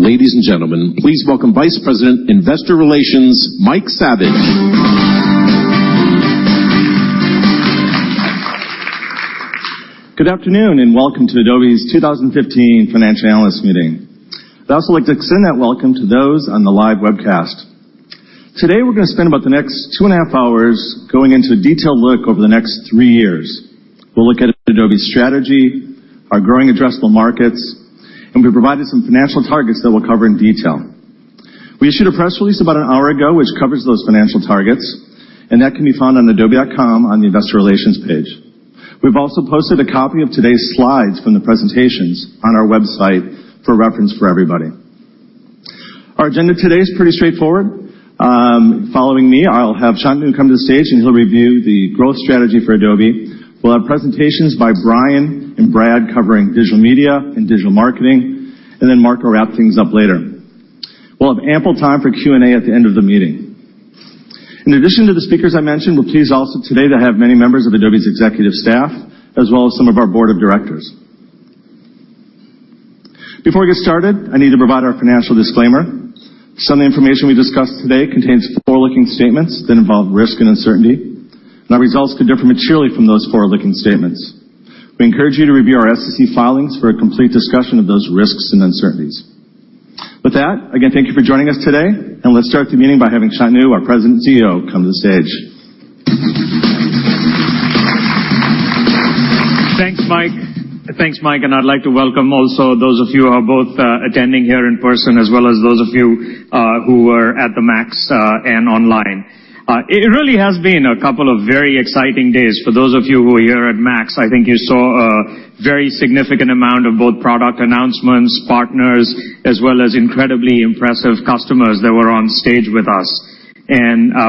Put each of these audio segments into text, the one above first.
Ladies and gentlemen, please welcome Vice President, Investor Relations, Mike Savage. Good afternoon, welcome to Adobe's 2015 Financial Analyst Meeting. I'd also like to extend that welcome to those on the live webcast. Today, we're going to spend about the next two and a half hours going into a detailed look over the next three years. We'll look at Adobe's strategy, our growing addressable markets, and we've provided some financial targets that we'll cover in detail. We issued a press release about an hour ago, which covers those financial targets, and that can be found on adobe.com on the Investor Relations page. We've also posted a copy of today's slides from the presentations on our website for reference for everybody. Our agenda today is pretty straightforward. Following me, I'll have Shantanu come to the stage, and he'll review the growth strategy for Adobe. We'll have presentations by Brian and Brad covering digital media and digital marketing, and Mark will wrap things up later. We'll have ample time for Q&A at the end of the meeting. In addition to the speakers I mentioned, we're pleased also today to have many members of Adobe's executive staff, as well as some of our board of directors. Before we get started, I need to provide our financial disclaimer. Some of the information we discuss today contains forward-looking statements that involve risk and uncertainty, and our results could differ materially from those forward-looking statements. We encourage you to review our SEC filings for a complete discussion of those risks and uncertainties. With that, again, thank you for joining us today, and let's start the meeting by having Shantanu, our President and CEO, come to the stage. Thanks, Mike. I'd like to welcome also those of you who are both attending here in person, as well as those of you who are at the MAX and online. It really has been a couple of very exciting days. For those of you who were here at MAX, I think you saw a very significant amount of both product announcements, partners, as well as incredibly impressive customers that were on stage with us.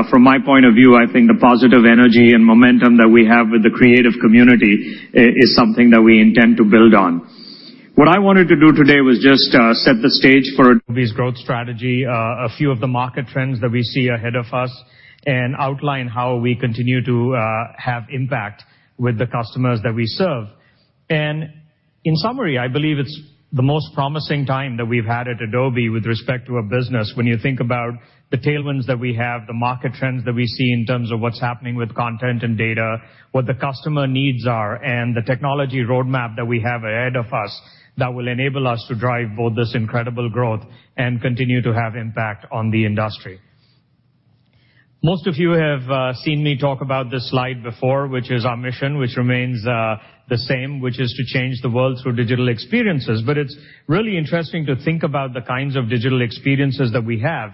From my point of view, I think the positive energy and momentum that we have with the creative community is something that we intend to build on. What I wanted to do today was just set the stage for Adobe's growth strategy, a few of the market trends that we see ahead of us, and outline how we continue to have impact with the customers that we serve. In summary, I believe it is the most promising time that we have had at Adobe with respect to our business, when you think about the tailwinds that we have, the market trends that we see in terms of what is happening with content and data, what the customer needs are, and the technology roadmap that we have ahead of us that will enable us to drive both this incredible growth and continue to have impact on the industry. Most of you have seen me talk about this slide before, which is our mission, which remains the same, which is to change the world through digital experiences. It is really interesting to think about the kinds of digital experiences that we have,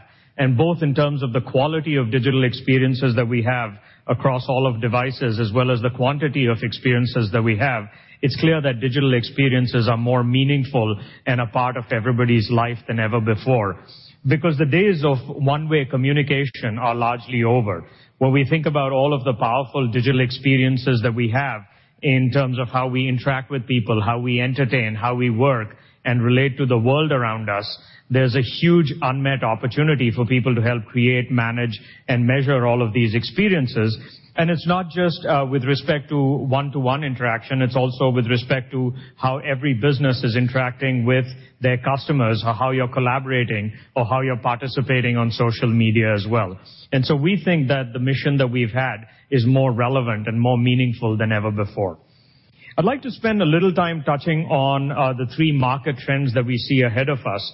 both in terms of the quality of digital experiences that we have across all of devices as well as the quantity of experiences that we have. It is clear that digital experiences are more meaningful and a part of everybody's life than ever before because the days of one-way communication are largely over. When we think about all of the powerful digital experiences that we have in terms of how we interact with people, how we entertain, how we work, and relate to the world around us, there is a huge unmet opportunity for people to help create, manage, and measure all of these experiences. It is not just with respect to one-to-one interaction, it is also with respect to how every business is interacting with their customers or how you are collaborating or how you are participating on social media as well. So we think that the mission that we have had is more relevant and more meaningful than ever before. I would like to spend a little time touching on the three market trends that we see ahead of us.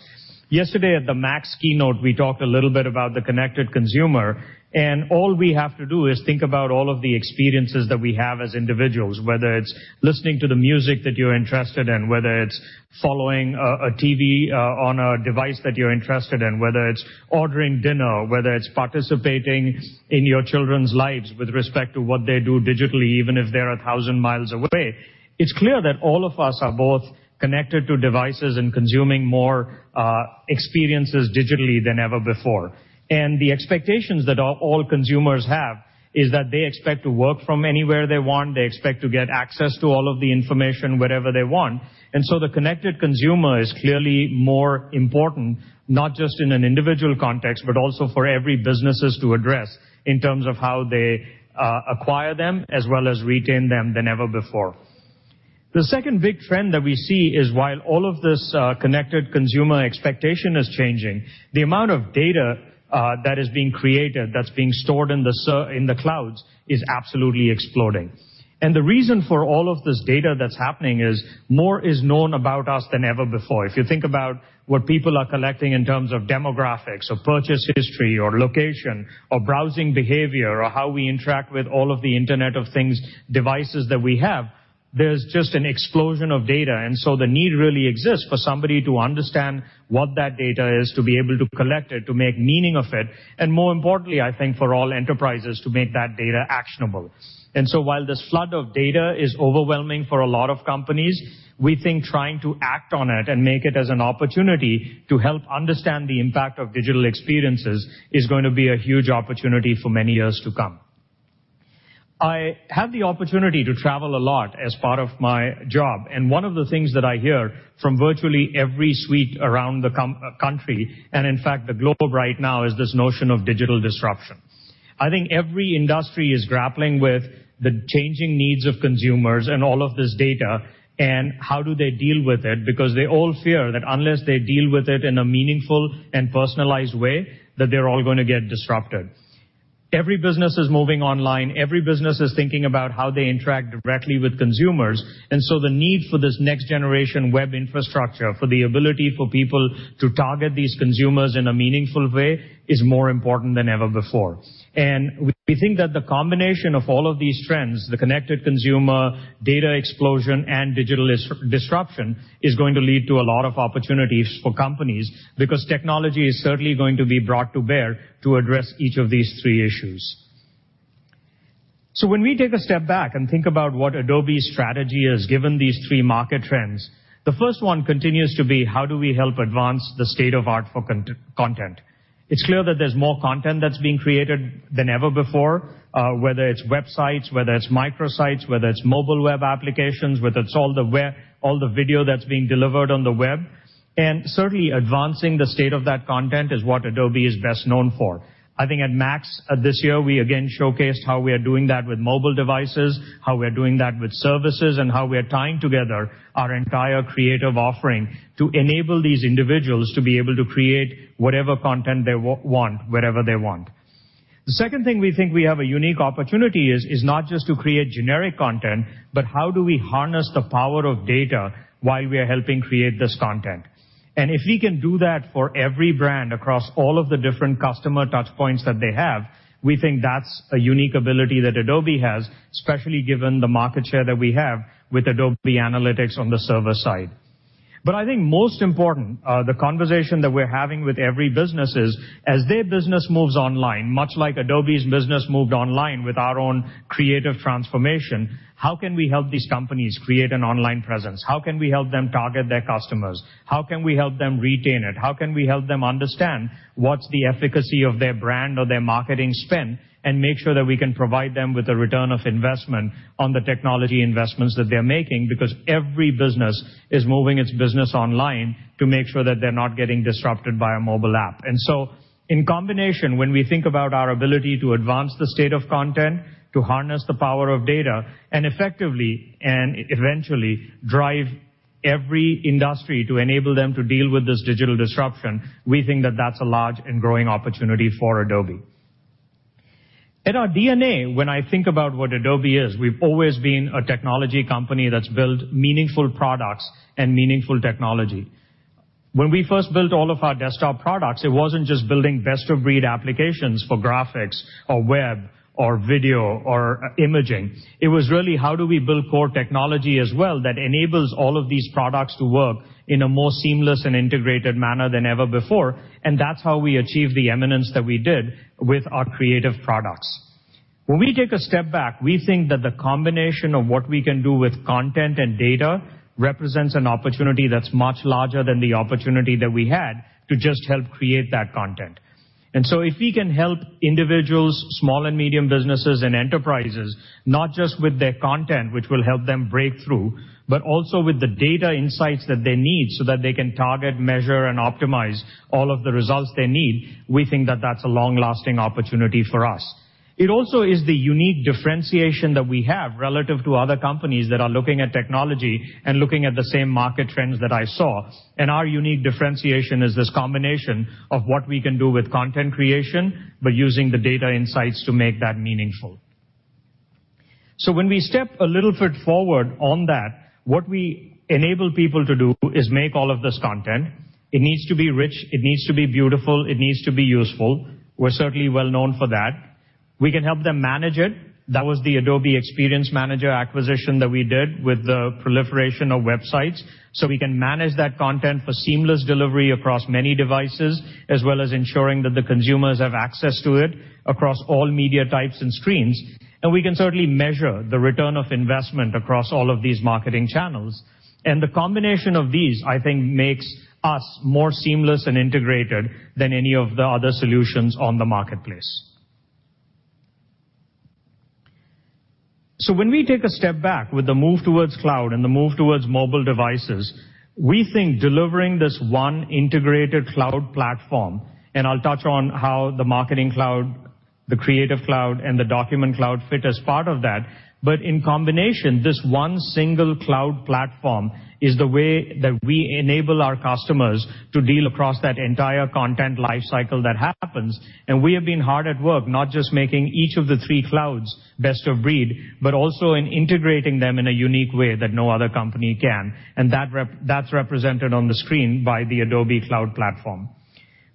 Yesterday at the MAX keynote, we talked a little bit about the connected consumer, and all we have to do is think about all of the experiences that we have as individuals, whether it is listening to the music that you are interested in, whether it is following a TV on a device that you are interested in, whether it is ordering dinner, whether it is participating in your children's lives with respect to what they do digitally, even if they are 1,000 miles away. It is clear that all of us are both connected to devices and consuming more experiences digitally than ever before. The expectations that all consumers have is that they expect to work from anywhere they want. They expect to get access to all of the information wherever they want. So the connected consumer is clearly more important, not just in an individual context, but also for every businesses to address in terms of how they acquire them as well as retain them than ever before. The second big trend that we see is while all of this connected consumer expectation is changing, the amount of data that is being created, that is being stored in the clouds, is absolutely exploding. The reason for all of this data that is happening is more is known about us than ever before. If you think about what people are collecting in terms of demographics or purchase history or location or browsing behavior or how we interact with all of the Internet of Things devices that we have, there is just an explosion of data. The need really exists for somebody to understand what that data is, to be able to collect it, to make meaning of it, and more importantly, I think, for all enterprises to make that data actionable. While this flood of data is overwhelming for a lot of companies, we think trying to act on it and make it as an opportunity to help understand the impact of digital experiences is going to be a huge opportunity for many years to come. I have the opportunity to travel a lot as part of my job, and one of the things that I hear from virtually every suite around the country, and in fact the globe right now, is this notion of digital disruption. I think every industry is grappling with the changing needs of consumers and all of this data, and how do they deal with it, because they all fear that unless they deal with it in a meaningful and personalized way, that they're all going to get disrupted. Every business is moving online. Every business is thinking about how they interact directly with consumers. The need for this next-generation web infrastructure, for the ability for people to target these consumers in a meaningful way, is more important than ever before. We think that the combination of all of these trends, the connected consumer, data explosion, and digital disruption, is going to lead to a lot of opportunities for companies, because technology is certainly going to be brought to bear to address each of these three issues. When we take a step back and think about what Adobe's strategy is, given these three market trends, the first one continues to be: how do we help advance the state of art for content? It's clear that there's more content that's being created than ever before, whether it's websites, whether it's microsites, whether it's mobile web applications, whether it's all the video that's being delivered on the web. Certainly, advancing the state of that content is what Adobe is best known for. I think at MAX this year, we again showcased how we are doing that with mobile devices, how we're doing that with services, and how we are tying together our entire creative offering to enable these individuals to be able to create whatever content they want, wherever they want. The second thing we think we have a unique opportunity is not just to create generic content, but how do we harness the power of data while we are helping create this content. If we can do that for every brand across all of the different customer touchpoints that they have, we think that's a unique ability that Adobe has, especially given the market share that we have with Adobe Analytics on the server side. I think most important, the conversation that we're having with every business is, as their business moves online, much like Adobe's business moved online with our own creative transformation, how can we help these companies create an online presence? How can we help them target their customers? How can we help them retain it? How can we help them understand what's the efficacy of their brand or their marketing spend and make sure that we can provide them with a return of investment on the technology investments that they're making, because every business is moving its business online to make sure that they're not getting disrupted by a mobile app. In combination, when we think about our ability to advance the state of content, to harness the power of data, and effectively and eventually drive every industry to enable them to deal with this digital disruption, we think that that's a large and growing opportunity for Adobe. In our DNA, when I think about what Adobe is, we've always been a technology company that's built meaningful products and meaningful technology. When we first built all of our desktop products, it wasn't just building best-of-breed applications for graphics or web or video or imaging. It was really how do we build core technology as well that enables all of these products to work in a more seamless and integrated manner than ever before, and that's how we achieve the eminence that we did with our creative products. When we take a step back, we think that the combination of what we can do with content and data represents an opportunity that's much larger than the opportunity that we had to just help create that content. If we can help individuals, small and medium businesses, and enterprises, not just with their content, which will help them break through, but also with the data insights that they need so that they can target, measure, and optimize all of the results they need, we think that that's a long-lasting opportunity for us. It also is the unique differentiation that we have relative to other companies that are looking at technology and looking at the same market trends that I saw. Our unique differentiation is this combination of what we can do with content creation, but using the data insights to make that meaningful. When we step a little foot forward on that, what we enable people to do is make all of this content. It needs to be rich, it needs to be beautiful, it needs to be useful. We're certainly well known for that. We can help them manage it. That was the Adobe Experience Manager acquisition that we did with the proliferation of websites. We can manage that content for seamless delivery across many devices, as well as ensuring that the consumers have access to it across all media types and screens. We can certainly measure the return of investment across all of these marketing channels. The combination of these, I think, makes us more seamless and integrated than any of the other solutions on the marketplace. When we take a step back with the move towards cloud and the move towards mobile devices, we think delivering this one integrated cloud platform, and I'll touch on how the Marketing Cloud, the Creative Cloud, and the Document Cloud fit as part of that. In combination, this one single cloud platform is the way that we enable our customers to deal across that entire content life cycle that happens, and we have been hard at work, not just making each of the three clouds best of breed, but also in integrating them in a unique way that no other company can. That's represented on the screen by the Adobe Cloud Platform.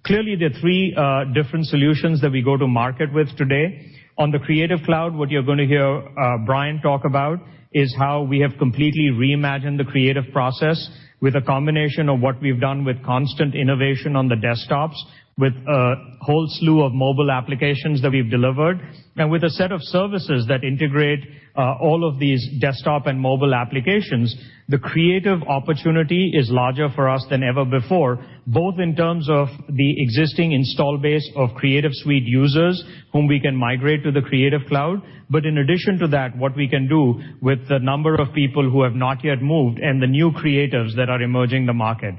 Clearly, the three different solutions that we go to market with today. On the Creative Cloud, what you're going to hear Brian talk about is how we have completely reimagined the creative process with a combination of what we've done with constant innovation on the desktops, with a whole slew of mobile applications that we've delivered, and with a set of services that integrate all of these desktop and mobile applications. The creative opportunity is larger for us than ever before, both in terms of the existing install base of Creative Suite users, whom we can migrate to the Creative Cloud. In addition to that, what we can do with the number of people who have not yet moved and the new creatives that are emerging the market.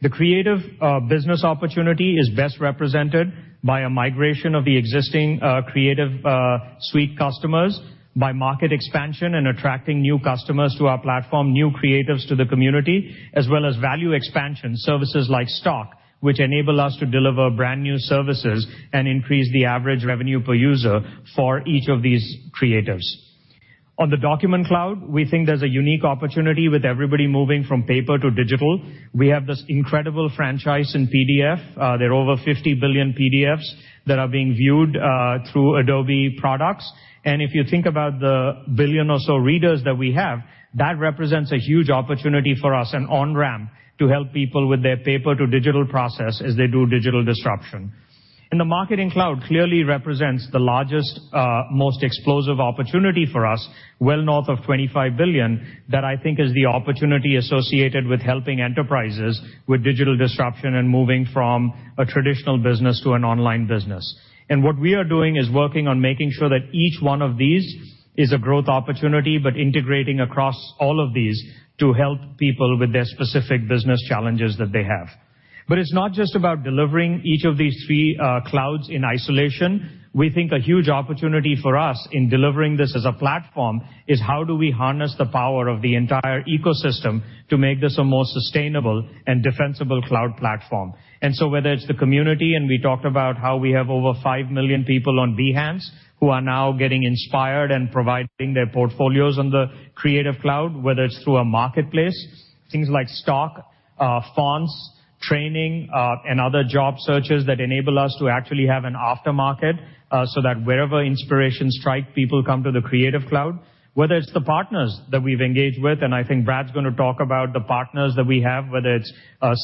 The creative business opportunity is best represented by a migration of the existing Creative Suite customers, by market expansion and attracting new customers to our platform, new creatives to the community, as well as value expansion services like Stock, which enable us to deliver brand-new services and increase the average revenue per user for each of these creatives. On the Document Cloud, we think there's a unique opportunity with everybody moving from paper to digital. We have this incredible franchise in PDF. There are over 50 billion PDFs that are being viewed through Adobe products. If you think about the billion or so readers that we have, that represents a huge opportunity for us, an on-ramp to help people with their paper-to-digital process as they do digital disruption. The Marketing Cloud clearly represents the largest, most explosive opportunity for us, well north of $25 billion, that I think is the opportunity associated with helping enterprises with digital disruption and moving from a traditional business to an online business. What we are doing is working on making sure that each one of these is a growth opportunity, integrating across all of these to help people with their specific business challenges that they have. It's not just about delivering each of these three clouds in isolation. We think a huge opportunity for us in delivering this as a platform is how do we harness the power of the entire ecosystem to make this a more sustainable and defensible cloud platform. Whether it's the community, and we talked about how we have over 5 million people on Behance who are now getting inspired and providing their portfolios on the Creative Cloud, whether it's through a marketplace, things like Stock, fonts, training, and other job searches that enable us to actually have an aftermarket, so that wherever inspiration strikes, people come to the Creative Cloud. Whether it's the partners that we've engaged with, and I think Brad's going to talk about the partners that we have, whether it's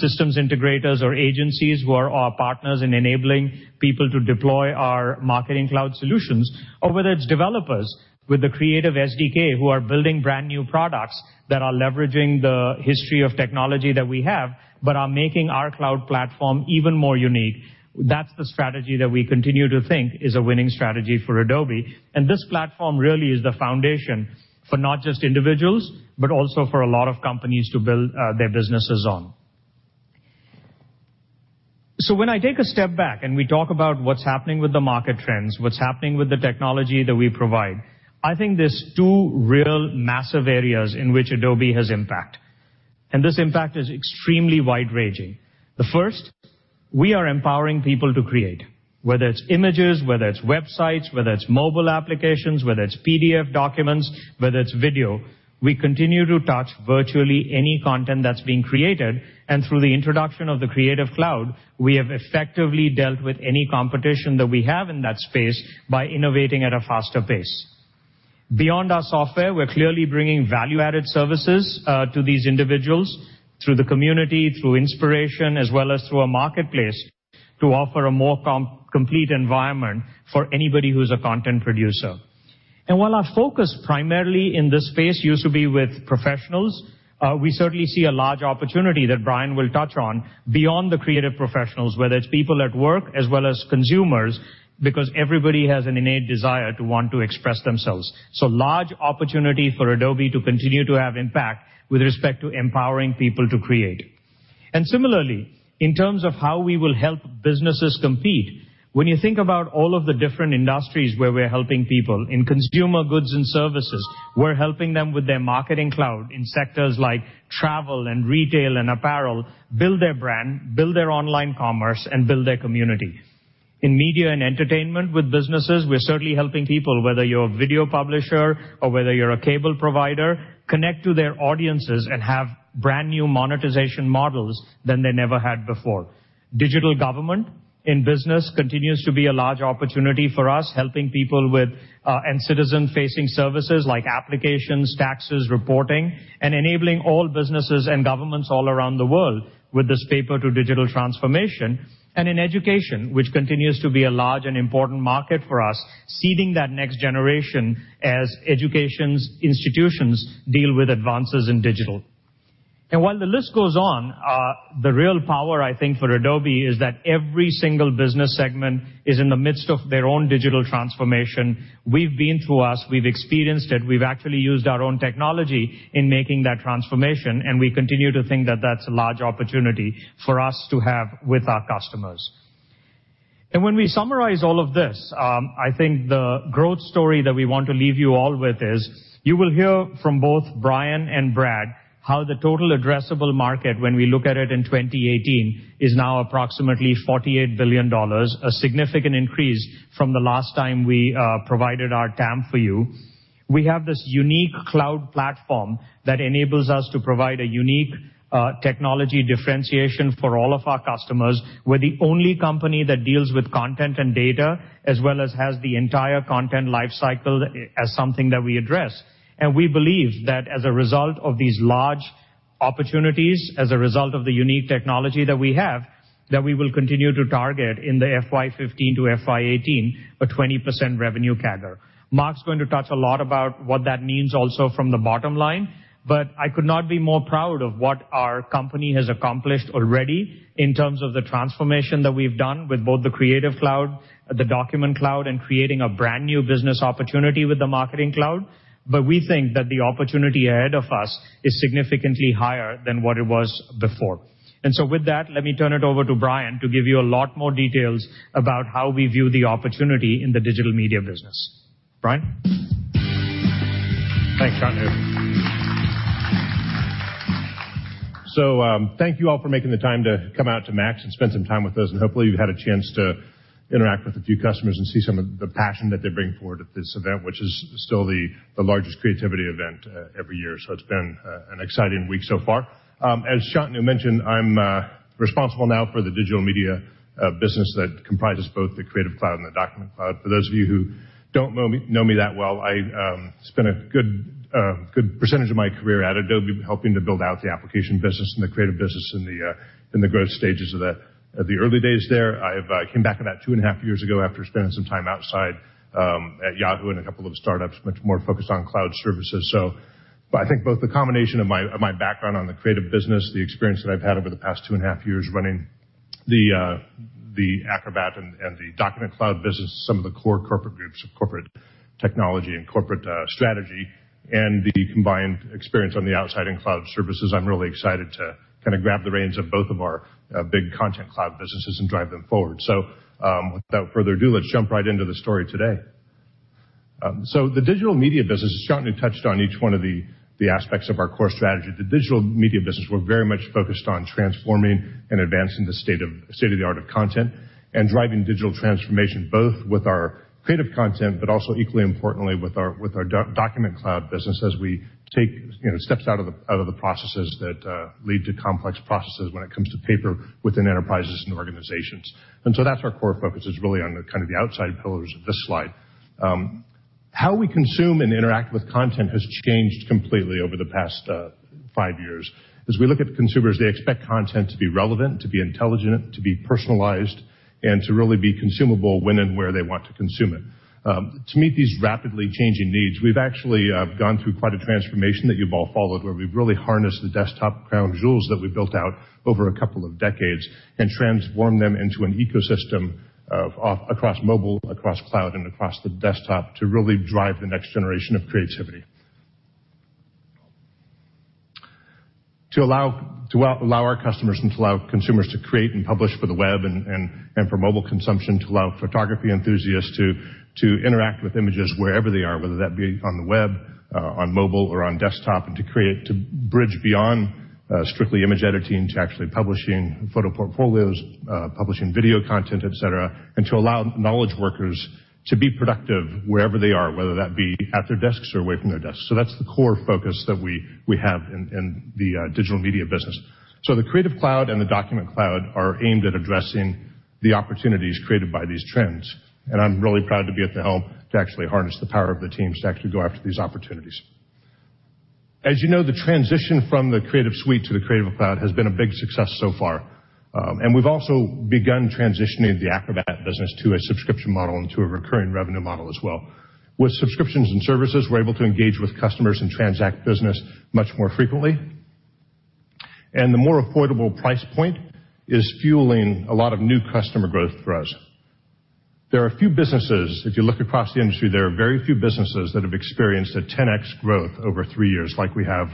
systems integrators or agencies who are our partners in enabling people to deploy our Marketing Cloud solutions. Whether it's developers with the Creative SDK who are building brand-new products that are leveraging the history of technology that we have but are making our cloud platform even more unique. That's the strategy that we continue to think is a winning strategy for Adobe. This platform really is the foundation for not just individuals, but also for a lot of companies to build their businesses on. When I take a step back and we talk about what's happening with the market trends, what's happening with the technology that we provide, I think there's two real massive areas in which Adobe has impact, and this impact is extremely wide-ranging. The first, we are empowering people to create, whether it's images, whether it's websites, whether it's mobile applications, whether it's PDF documents, whether it's video. We continue to touch virtually any content that's being created, and through the introduction of the Creative Cloud, we have effectively dealt with any competition that we have in that space by innovating at a faster pace. Beyond our software, we're clearly bringing value-added services to these individuals through the community, through inspiration, as well as through a marketplace to offer a more complete environment for anybody who's a content producer. While our focus primarily in this space used to be with professionals, we certainly see a large opportunity that Brian will touch on beyond the creative professionals, whether it's people at work as well as consumers, because everybody has an innate desire to want to express themselves. Large opportunity for Adobe to continue to have impact with respect to empowering people to create. Similarly, in terms of how we will help businesses compete, when you think about all of the different industries where we're helping people, in consumer goods and services, we're helping them with their Marketing Cloud in sectors like travel and retail and apparel, build their brand, build their online commerce, and build their community. In media and entertainment with businesses, we're certainly helping people, whether you're a video publisher or whether you're a cable provider, connect to their audiences and have brand-new monetization models than they never had before. Digital government in business continues to be a large opportunity for us, helping people with end citizen-facing services like applications, taxes, reporting, and enabling all businesses and governments all around the world with this paper to digital transformation. In education, which continues to be a large and important market for us, seeding that next generation as education institutions deal with advances in digital. While the list goes on, the real power, I think, for Adobe is that every single business segment is in the midst of their own digital transformation. We've been through ours, we've experienced it, we've actually used our own technology in making that transformation, and we continue to think that that's a large opportunity for us to have with our customers. When we summarize all of this, I think the growth story that we want to leave you all with is you will hear from both Brian and Brad how the total addressable market when we look at it in 2018 is now approximately $48 billion, a significant increase from the last time we provided our TAM for you. We have this unique cloud platform that enables us to provide a unique technology differentiation for all of our customers. We're the only company that deals with content and data as well as has the entire content life cycle as something that we address. We believe that as a result of these large opportunities, as a result of the unique technology that we have, that we will continue to target in the FY 2015 to FY 2018 a 20% revenue CAGR. Mark's going to touch a lot about what that means also from the bottom line, but I could not be more proud of what our company has accomplished already in terms of the transformation that we've done with both the Creative Cloud, the Document Cloud, and creating a brand-new business opportunity with the Marketing Cloud. We think that the opportunity ahead of us is significantly higher than what it was before. With that, let me turn it over to Brian to give you a lot more details about how we view the opportunity in the digital media business. Brian? Thanks, Shantanu. Thank you all for making the time to come out to MAX and spend some time with us, and hopefully you've had a chance to interact with a few customers and see some of the passion that they bring forward at this event, which is still the largest creativity event every year. It's been an exciting week so far. As Shantanu mentioned, I'm responsible now for the digital media business that comprises both the Creative Cloud and the Document Cloud. For those of you who don't know me that well, I spent a good percentage of my career at Adobe helping to build out the application business and the creative business in the growth stages of the early days there. I came back about two and a half years ago after spending some time outside at Yahoo and a couple of startups, much more focused on cloud services. I think both the combination of my background on the creative business, the experience that I've had over the past two and a half years running the Acrobat and the Document Cloud business, some of the core corporate groups of corporate technology and corporate strategy, and the combined experience on the outside in cloud services. I'm really excited to kind of grab the reins of both of our big content cloud businesses and drive them forward. Without further ado, let's jump right into the story today. The digital media business, as Shantanu touched on each one of the aspects of our core strategy, the digital media business, we're very much focused on transforming and advancing the state of the art of content and driving digital transformation, both with our creative content, but also equally importantly, with our Document Cloud business as we take steps out of the processes that lead to complex processes when it comes to paper within enterprises and organizations. That's our core focus is really on kind of the outside pillars of this slide. How we consume and interact with content has changed completely over the past five years. As we look at consumers, they expect content to be relevant, to be intelligent, to be personalized, and to really be consumable when and where they want to consume it. To meet these rapidly changing needs, we've actually gone through quite a transformation that you've all followed, where we've really harnessed the desktop crown jewels that we built out over a couple of decades and transformed them into an ecosystem across mobile, across cloud, and across the desktop to really drive the next generation of creativity. To allow our customers and to allow consumers to create and publish for the web and for mobile consumption, to allow photography enthusiasts to interact with images wherever they are, whether that be on the web, on mobile, or on desktop, and to bridge beyond strictly image editing to actually publishing photo portfolios, publishing video content, et cetera, and to allow knowledge workers to be productive wherever they are, whether that be at their desks or away from their desks. That's the core focus that we have in the digital media business. The Creative Cloud and the Document Cloud are aimed at addressing the opportunities created by these trends, and I'm really proud to be at the helm to actually harness the power of the teams to actually go after these opportunities. As you know, the transition from the Creative Suite to the Creative Cloud has been a big success so far, and we've also begun transitioning the Acrobat business to a subscription model and to a recurring revenue model as well. With subscriptions and services, we're able to engage with customers and transact business much more frequently. The more affordable price point is fueling a lot of new customer growth for us. There are a few businesses, if you look across the industry, there are very few businesses that have experienced a 10x growth over three years like we have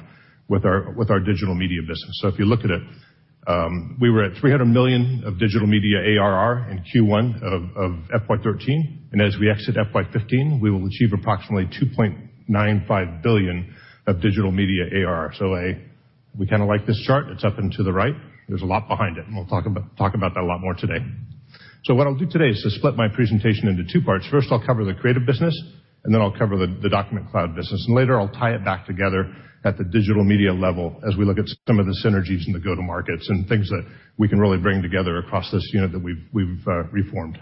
with our digital media business. If you look at it, we were at $300 million of digital media ARR in Q1 of FY 2013, and as we exit FY 2015, we will achieve approximately $2.95 billion of digital media ARR. We kind of like this chart. It's up and to the right. There's a lot behind it, and we'll talk about that a lot more today. What I'll do today is to split my presentation into two parts. First, I'll cover the creative business, and then I'll cover the Document Cloud business. Later I'll tie it back together at the digital media level as we look at some of the synergies in the go-to markets and things that we can really bring together across this unit that we've reformed.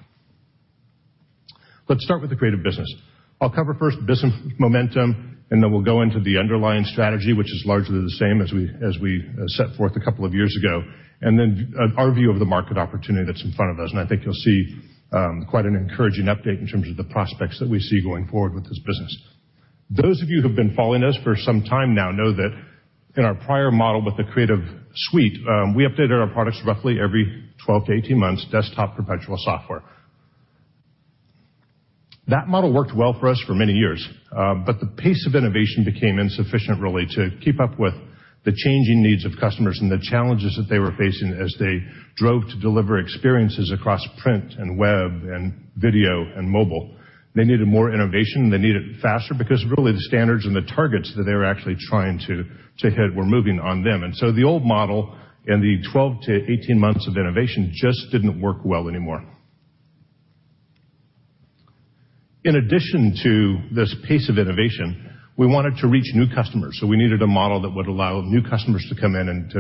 Let's start with the creative business. I'll cover first business momentum. Then we'll go into the underlying strategy, which is largely the same as we set forth a couple of years ago. Then our view of the market opportunity that's in front of us, I think you'll see quite an encouraging update in terms of the prospects that we see going forward with this business. Those of you who've been following us for some time now know that in our prior model with the Creative Suite, we updated our products roughly every 12-18 months, desktop perpetual software. The model worked well for us for many years, the pace of innovation became insufficient, really, to keep up with the changing needs of customers and the challenges that they were facing as they drove to deliver experiences across print and web and video and mobile. They needed more innovation. They need it faster because really the standards and the targets that they were actually trying to hit were moving on them. The old model and the 12-18 months of innovation just didn't work well anymore. In addition to this pace of innovation, we wanted to reach new customers. We needed a model that would allow new customers to come in and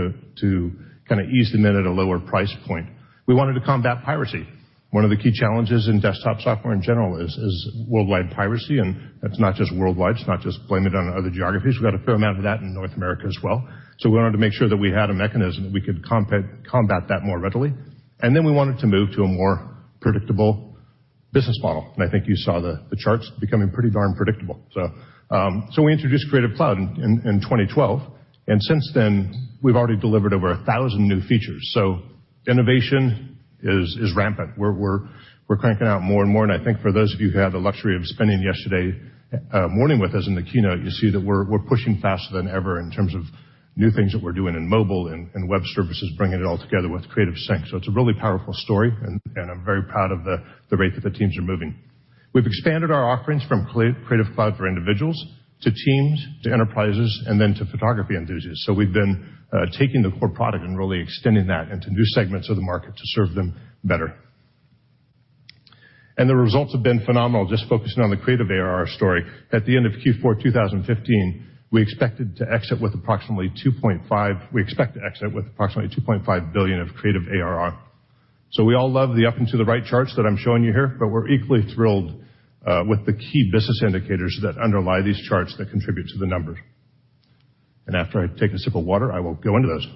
to kind of ease them in at a lower price point. We wanted to combat piracy. One of the key challenges in desktop software in general is worldwide piracy, and that's not just worldwide. It's not just blame it on other geographies. We've got a fair amount of that in North America as well. We wanted to make sure that we had a mechanism that we could combat that more readily. We wanted to move to a more predictable business model, I think you saw the charts becoming pretty darn predictable. We introduced Creative Cloud in 2012. Since then, we've already delivered over 1,000 new features. Innovation is rampant. We're cranking out more and more, I think for those of you who had the luxury of spending yesterday morning with us in the keynote, you see that we're pushing faster than ever in terms of new things that we're doing in mobile and web services, bringing it all together with Creative Sync. It's a really powerful story, I'm very proud of the rate that the teams are moving. We've expanded our offerings from Creative Cloud for individuals to teams, to enterprises, then to photography enthusiasts. We've been taking the core product and really extending that into new segments of the market to serve them better. The results have been phenomenal, just focusing on the Creative ARR story. At the end of Q4 2015, we expect to exit with approximately $2.5 billion of Creative ARR. We all love the up and to the right charts that I'm showing you here, we're equally thrilled with the key business indicators that underlie these charts that contribute to the numbers. After I take a sip of water, I will go into those.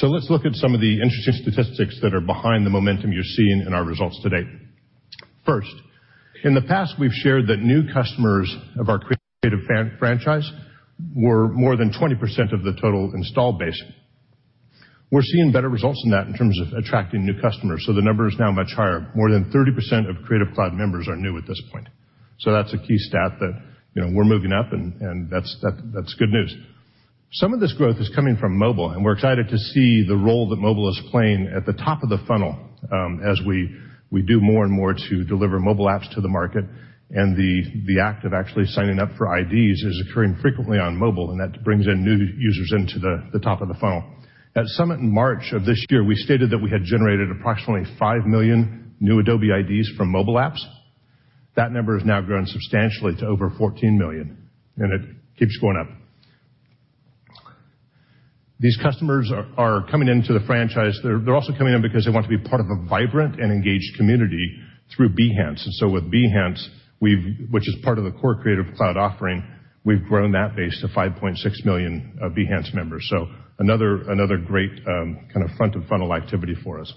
Let's look at some of the interesting statistics that are behind the momentum you're seeing in our results today. First, in the past, we've shared that new customers of our Creative franchise were more than 20% of the total installed base. We're seeing better results than that in terms of attracting new customers, the number is now much higher. More than 30% of Creative Cloud members are new at this point. That's a key stat that we're moving up, and that's good news. Some of this growth is coming from mobile, and we're excited to see the role that mobile is playing at the top of the funnel as we do more and more to deliver mobile apps to the market, and the act of actually signing up for Adobe IDs is occurring frequently on mobile, and that brings in new users into the top of the funnel. At Adobe Summit in March of this year, we stated that we had generated approximately 5 million new Adobe IDs from mobile apps. That number has now grown substantially to over 14 million, and it keeps going up. These customers are coming into the franchise. They're also coming in because they want to be part of a vibrant and engaged community through Behance. With Behance, which is part of the core Creative Cloud offering, we've grown that base to 5.6 million Behance members. Another great kind of front of funnel activity for us.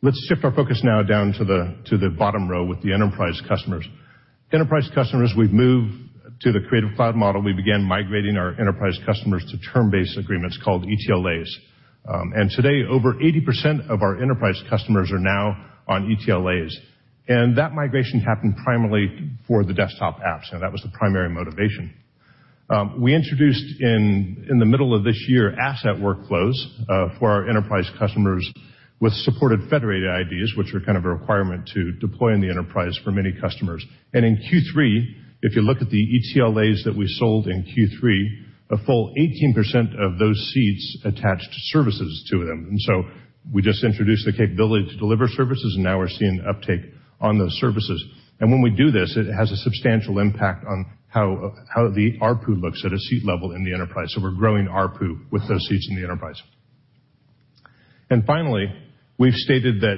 Let's shift our focus now down to the bottom row with the enterprise customers. Enterprise customers, we've moved to the Creative Cloud model. We began migrating our enterprise customers to term-based agreements called ETLAs. Today, over 80% of our enterprise customers are now on ETLAs. That migration happened primarily for the desktop apps, and that was the primary motivation. We introduced in the middle of this year, asset workflows for our enterprise customers with supported federated IDs, which are kind of a requirement to deploy in the enterprise for many customers. In Q3, if you look at the ETLAs that we sold in Q3, a full 18% of those seats attached services to them. We just introduced the capability to deliver services, and now we're seeing uptake on those services. When we do this, it has a substantial impact on how the ARPU looks at a seat level in the enterprise. We're growing ARPU with those seats in the enterprise. Finally, we've stated that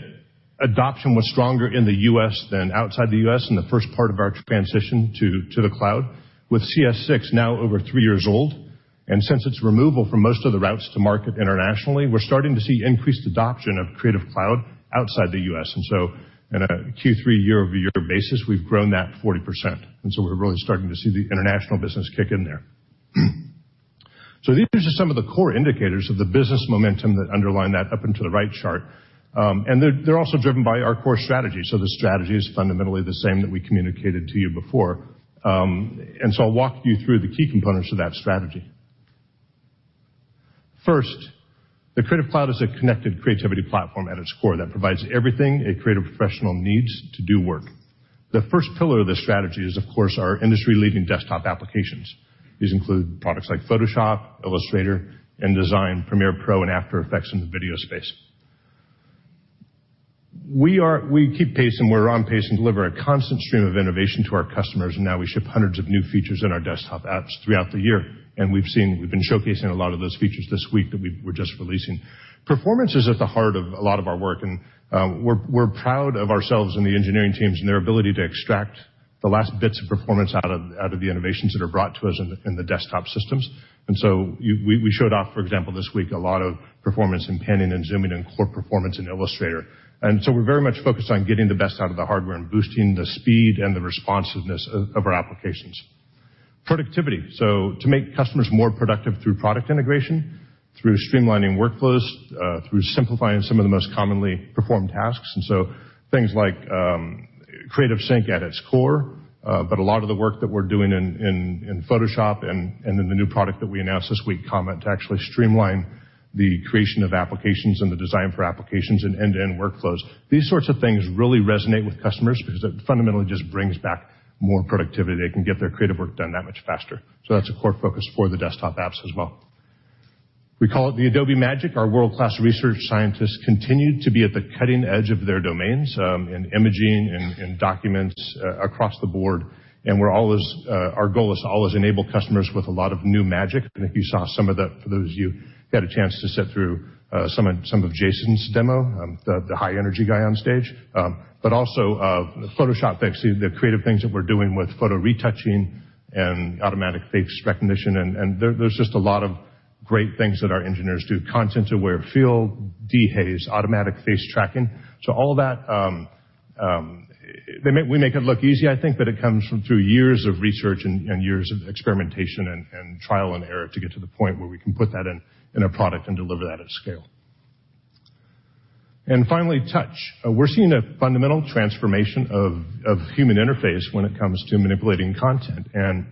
adoption was stronger in the U.S. than outside the U.S. in the first part of our transition to the cloud. With CS6 now over three years old, since its removal from most of the routes to market internationally, we're starting to see increased adoption of Creative Cloud outside the U.S. In a Q3 year-over-year basis, we've grown that 40%. We're really starting to see the international business kick in there. These are some of the core indicators of the business momentum that underline that up into the right chart, and they're also driven by our core strategy. The strategy is fundamentally the same that we communicated to you before. I'll walk you through the key components of that strategy. First, the Creative Cloud is a connected creativity platform at its core that provides everything a creative professional needs to do work. The first pillar of this strategy is, of course, our industry-leading desktop applications. These include products like Photoshop, Illustrator, InDesign, Premiere Pro, and After Effects in the video space. We keep pace and we're on pace to deliver a constant stream of innovation to our customers. Now we ship hundreds of new features in our desktop apps throughout the year, and we've been showcasing a lot of those features this week that we're just releasing. Performance is at the heart of a lot of our work, and we're proud of ourselves and the engineering teams and their ability to extract the last bits of performance out of the innovations that are brought to us in the desktop systems. We showed off, for example, this week a lot of performance in panning and zooming and core performance in Illustrator. We're very much focused on getting the best out of the hardware and boosting the speed and the responsiveness of our applications. Productivity. To make customers more productive through product integration, through streamlining workflows, through simplifying some of the most commonly performed tasks. Things like Creative Sync at its core, but a lot of the work that we're doing in Photoshop and in the new product that we announced this week, Project Comet, to actually streamline the creation of applications and the design for applications and end-to-end workflows. These sorts of things really resonate with customers because it fundamentally just brings back more productivity. They can get their creative work done that much faster. That's a core focus for the desktop apps as well. We call it the Adobe Magic. Our world-class research scientists continue to be at the cutting edge of their domains in imaging, in documents across the board. Our goal is to always enable customers with a lot of new magic. If you saw some of the for those of you who had a chance to sit through some of Jason's demo, the high energy guy on stage. Also Photoshop, they've seen the creative things that we're doing with photo retouching and automatic face recognition, and there's just a lot of great things that our engineers do. Content-aware fill, dehaze, automatic face tracking. All that, we make it look easy, I think, but it comes through years of research and years of experimentation and trial and error to get to the point where we can put that in a product and deliver that at scale. Finally, touch. We're seeing a fundamental transformation of human interface when it comes to manipulating content, and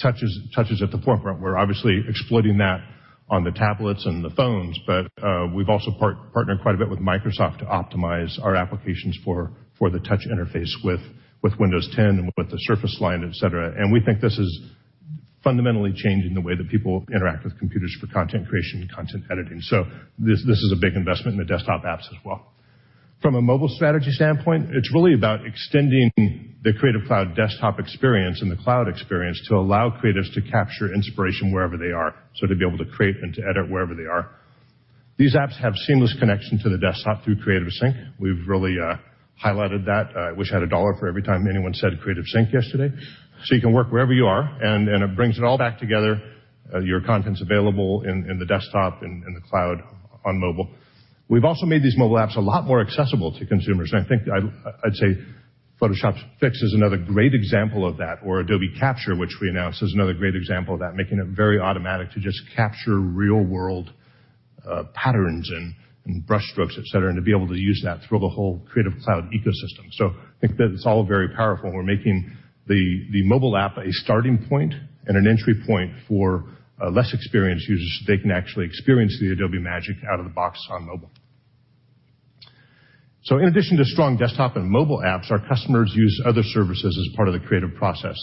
touch is at the forefront. We're obviously exploiting that on the tablets and the phones, but we've also partnered quite a bit with Microsoft to optimize our applications for the touch interface with Windows 10 and with the Surface line, et cetera. We think this is fundamentally changing the way that people interact with computers for content creation and content editing. This is a big investment in the desktop apps as well. From a mobile strategy standpoint, it's really about extending the Creative Cloud desktop experience and the cloud experience to allow creatives to capture inspiration wherever they are, to be able to create and to edit wherever they are. These apps have seamless connection to the desktop through Creative Sync. We've really highlighted that. I wish I had $1 for every time anyone said Creative Sync yesterday. You can work wherever you are, and it brings it all back together, your content's available in the desktop, in the cloud, on mobile. We've also made these mobile apps a lot more accessible to consumers, and I think I'd say Photoshop Fix is another great example of that, or Adobe Capture, which we announced, is another great example of that, making it very automatic to just capture real-world patterns and brush strokes, et cetera, and to be able to use that through the whole Creative Cloud ecosystem. I think that it's all very powerful, and we're making the mobile app a starting point and an entry point for less experienced users, so they can actually experience the Adobe magic out of the box on mobile. In addition to strong desktop and mobile apps, our customers use other services as part of the creative process.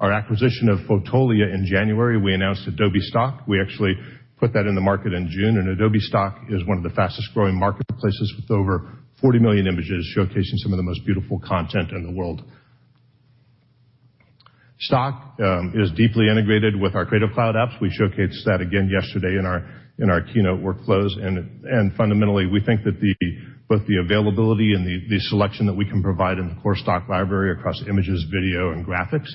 Our acquisition of Fotolia in January, we announced Adobe Stock. We actually put that in the market in June, and Adobe Stock is one of the fastest-growing marketplaces with over 40 million images showcasing some of the most beautiful content in the world. Stock is deeply integrated with our Creative Cloud apps. We showcased that again yesterday in our keynote workflows. Fundamentally, we think that both the availability and the selection that we can provide in the core Stock library across images, video, and graphics,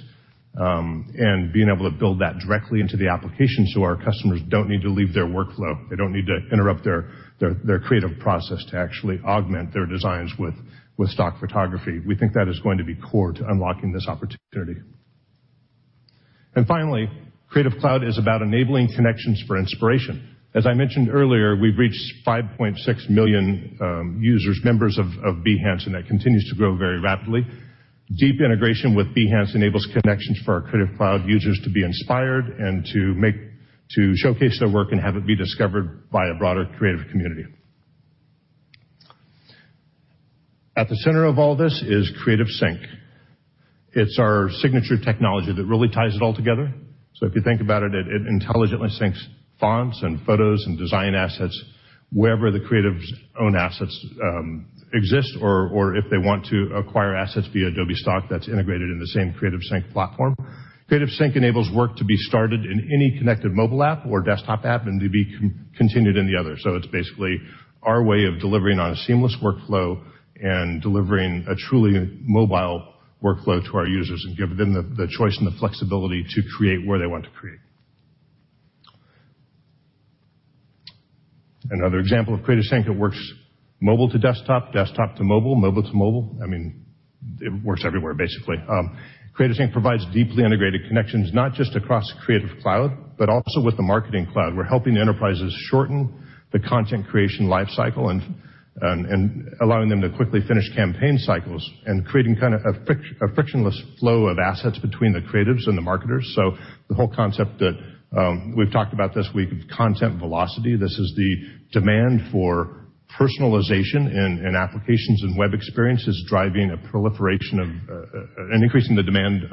and being able to build that directly into the application so our customers don't need to leave their workflow. They don't need to interrupt their creative process to actually augment their designs with stock photography. We think that is going to be core to unlocking this opportunity. Finally, Creative Cloud is about enabling connections for inspiration. As I mentioned earlier, we've reached 5.6 million users, members of Behance, and that continues to grow very rapidly. Deep integration with Behance enables connections for our Creative Cloud users to be inspired and to showcase their work and have it be discovered by a broader creative community. At the center of all this is Creative Sync. It's our signature technology that really ties it all together. If you think about it intelligently syncs fonts and photos and design assets wherever the creative's own assets exist, or if they want to acquire assets via Adobe Stock, that's integrated in the same Creative Sync platform. Creative Sync enables work to be started in any connected mobile app or desktop app and to be continued in the other. It's basically our way of delivering on a seamless workflow and delivering a truly mobile workflow to our users and give them the choice and the flexibility to create where they want to create. Another example of Creative Sync, it works mobile to desktop to mobile to mobile. I mean, it works everywhere, basically. Creative Sync provides deeply integrated connections, not just across Creative Cloud, but also with the Marketing Cloud. We're helping enterprises shorten the content creation life cycle and allowing them to quickly finish campaign cycles and creating kind of a frictionless flow of assets between the creatives and the marketers. The whole concept that we've talked about this week of content velocity. This is the demand for personalization in applications and web experiences driving a proliferation of an increase in the demand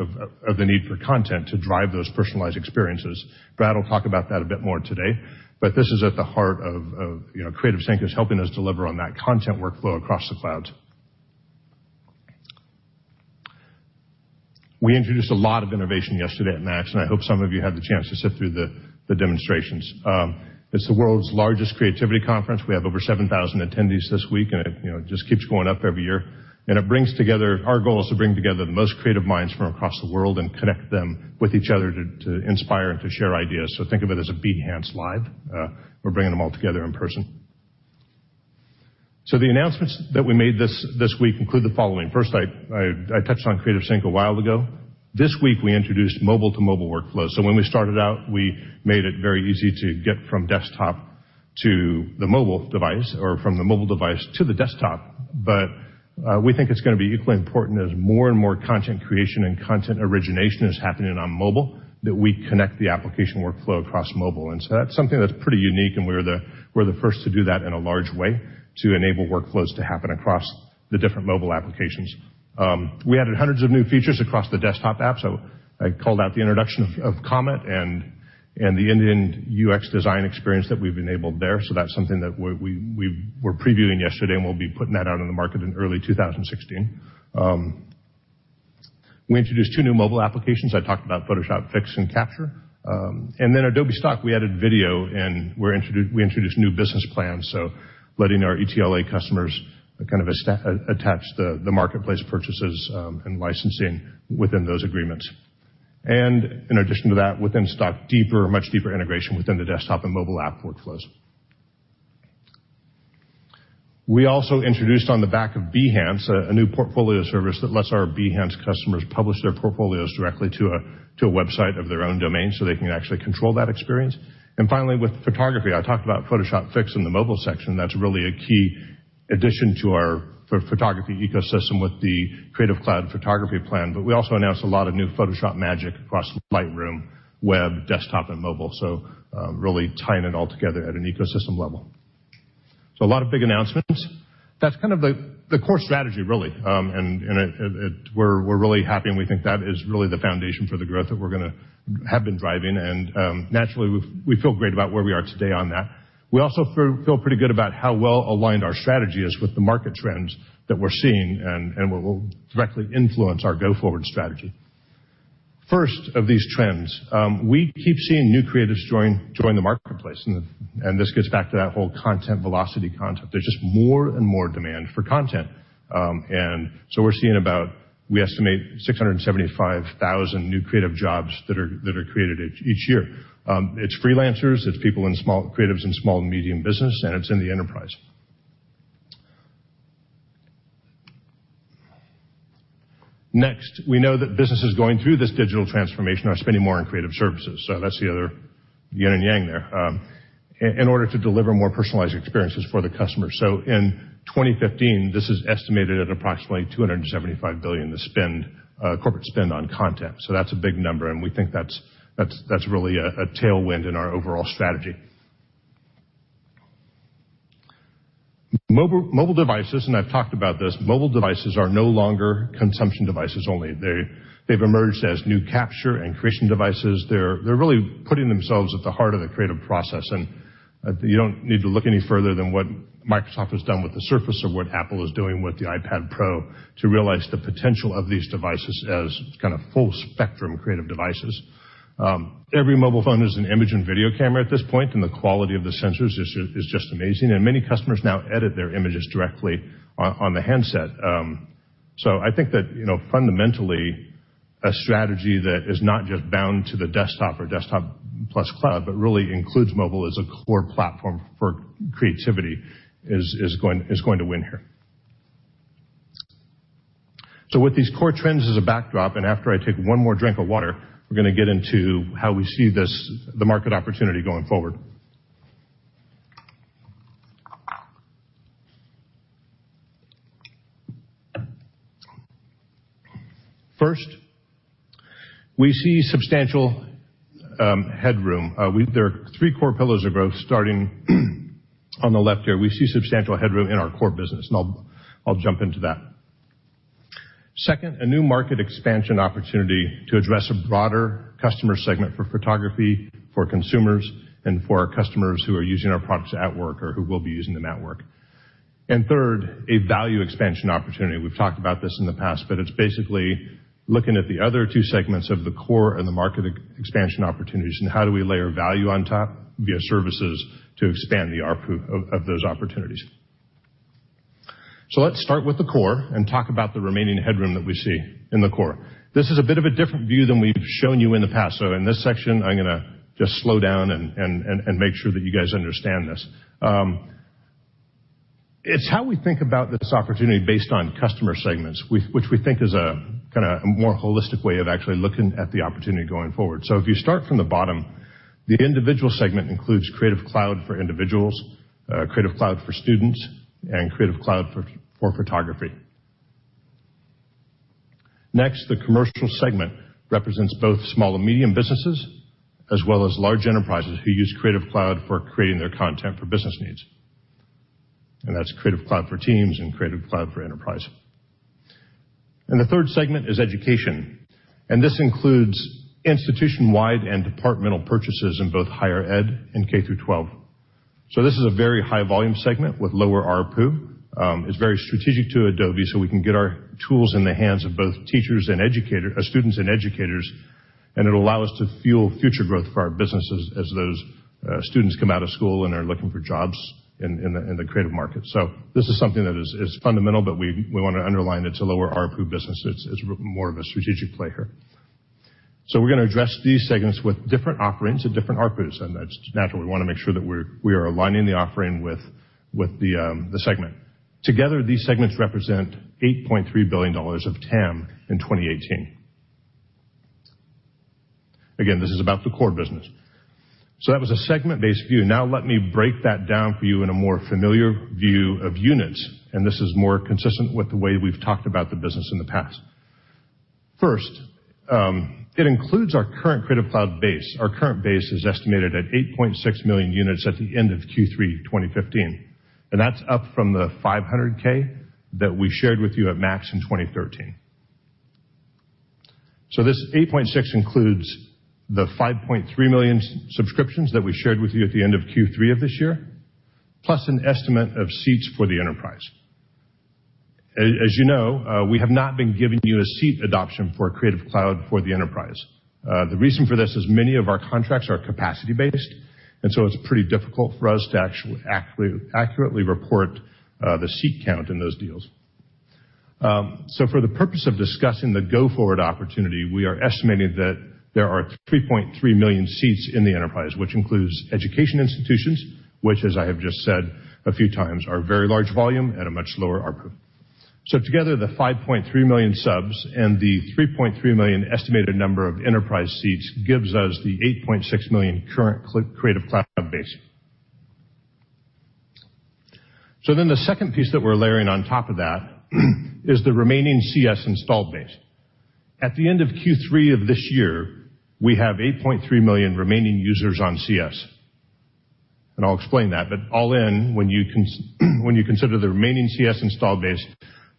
of the need for content to drive those personalized experiences. Brad will talk about that a bit more today. This is at the heart of Creative Sync is helping us deliver on that content workflow across the clouds. We introduced a lot of innovation yesterday at MAX, and I hope some of you had the chance to sit through the demonstrations. It's the world's largest creativity conference. We have over 7,000 attendees this week, and it just keeps going up every year. Our goal is to bring together the most creative minds from across the world and connect them with each other to inspire and to share ideas. Think of it as a Behance Live. We're bringing them all together in person. The announcements that we made this week include the following. First, I touched on Creative Sync a while ago. This week, we introduced mobile-to-mobile workflow. When we started out, we made it very easy to get from desktop to the mobile device or from the mobile device to the desktop. We think it's going to be equally important as more and more content creation and content origination is happening on mobile, that we connect the application workflow across mobile. That's something that's pretty unique, and we're the first to do that in a large way to enable workflows to happen across the different mobile applications. We added hundreds of new features across the desktop app, so I called out the introduction of Comet and the end-to-end UX design experience that we've enabled there. So that's something that we were previewing yesterday, and we'll be putting that out in the market in early 2016. We introduced two new mobile applications. I talked about Photoshop Fix and Capture. Adobe Stock, we added video, and we introduced new business plans, so letting our ETLA customers kind of attach the marketplace purchases and licensing within those agreements. In addition to that, within Stock, much deeper integration within the desktop and mobile app workflows. We also introduced on the back of Behance a new portfolio service that lets our Behance customers publish their portfolios directly to a website of their own domain so they can actually control that experience. Finally, with photography, I talked about Photoshop Fix in the mobile section. That's really a key addition to our photography ecosystem with the Creative Cloud Photography plan. We also announced a lot of new Photoshop magic across Lightroom web, desktop, and mobile. Really tying it all together at an ecosystem level. A lot of big announcements. That's kind of the core strategy, really. We're really happy, and we think that is really the foundation for the growth that we have been driving. Naturally, we feel great about where we are today on that. We also feel pretty good about how well-aligned our strategy is with the market trends that we're seeing and what will directly influence our go-forward strategy. First of these trends, we keep seeing new creatives join the marketplace, and this gets back to that whole content velocity concept. There's just more and more demand for content. We're seeing about, we estimate, 675,000 new creative jobs that are created each year. It's freelancers, it's creatives in small and medium business, and it's in the enterprise. Next, we know that businesses going through this digital transformation are spending more on creative services. That's the other yin and yang there. In order to deliver more personalized experiences for the customer. In 2015, this is estimated at approximately $275 billion corporate spend on content. That's a big number, and we think that's really a tailwind in our overall strategy. Mobile devices, and I've talked about this, mobile devices are no longer consumption devices only. They've emerged as new capture and creation devices. They're really putting themselves at the heart of the creative process, and you don't need to look any further than what Microsoft has done with the Surface or what Apple is doing with the iPad Pro to realize the potential of these devices as kind of full-spectrum creative devices. Every mobile phone is an image and video camera at this point, and the quality of the sensors is just amazing, and many customers now edit their images directly on the handset. I think that fundamentally, a strategy that is not just bound to the desktop or desktop plus cloud, but really includes mobile as a core platform for creativity is going to win here. With these core trends as a backdrop, and after I take one more drink of water, we're going to get into how we see the market opportunity going forward. First, we see substantial headroom. There are three core pillars of growth starting on the left here. We see substantial headroom in our core business, and I'll jump into that. Second, a new market expansion opportunity to address a broader customer segment for photography, for consumers, and for our customers who are using our products at work or who will be using them at work. Third, a value expansion opportunity. We've talked about this in the past, but it's basically looking at the other two segments of the core and the market expansion opportunities and how do we layer value on top via services to expand the ARPU of those opportunities. Let's start with the core and talk about the remaining headroom that we see in the core. This is a bit of a different view than we've shown you in the past. In this section, I'm going to just slow down and make sure that you guys understand this. It's how we think about this opportunity based on customer segments, which we think is a kind of more holistic way of actually looking at the opportunity going forward. If you start from the bottom, the individual segment includes Creative Cloud for individuals, Creative Cloud for students, and Creative Cloud for photography. Next, the commercial segment represents both small and medium businesses, as well as large enterprises who use Creative Cloud for creating their content for business needs. That's Creative Cloud for Teams and Creative Cloud for Enterprise. The third segment is education, and this includes institution-wide and departmental purchases in both higher ed and K through 12. This is a very high-volume segment with lower ARPU. It's very strategic to Adobe, so we can get our tools in the hands of both students and educators, and it'll allow us to fuel future growth for our businesses as those students come out of school and are looking for jobs in the creative market. This is something that is fundamental, but we want to underline it's a lower ARPU business. It's more of a strategic play here. We're going to address these segments with different offerings and different ARPUs, and that's natural. We want to make sure that we are aligning the offering with the segment. Together, these segments represent $8.3 billion of TAM in 2018. This is about the core business. That was a segment-based view. Let me break that down for you in a more familiar view of units, and this is more consistent with the way we've talked about the business in the past. First, it includes our current Creative Cloud base. Our current base is estimated at 8.6 million units at the end of Q3 2015, and that's up from the 500K that we shared with you at MAX in 2013. This 8.6 includes the 5.3 million subscriptions that we shared with you at the end of Q3 of this year, plus an estimate of seats for the enterprise. As you know, we have not been giving you a seat adoption for Creative Cloud for the enterprise. The reason for this is many of our contracts are capacity based, and so it's pretty difficult for us to accurately report the seat count in those deals. For the purpose of discussing the go-forward opportunity, we are estimating that there are 3.3 million seats in the enterprise, which includes education institutions, which as I have just said a few times, are very large volume and a much lower ARPU. Together, the 5.3 million subs and the 3.3 million estimated number of enterprise seats gives us the 8.6 million current Creative Cloud base. The second piece that we're layering on top of that is the remaining CS installed base. At the end of Q3 of this year, we have 8.3 million remaining users on CS. I'll explain that, but all in, when you consider the remaining CS install base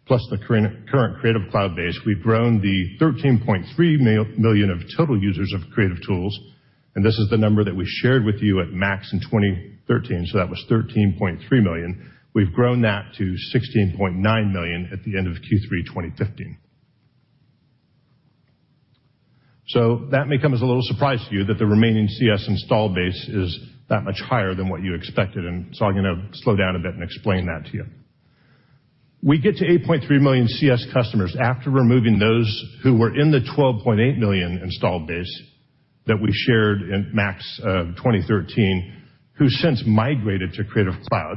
plus the current Creative Cloud base, we've grown the 13.3 million of total users of creative tools, and this is the number that we shared with you at MAX in 2013. That was 13.3 million. We've grown that to 16.9 million at the end of Q3 2015. That may come as a little surprise to you that the remaining CS install base is that much higher than what you expected, and so I'm going to slow down a bit and explain that to you. We get to 8.3 million CS customers after removing those who were in the 12.8 million install base that we shared in MAX 2013, who since migrated to Creative Cloud.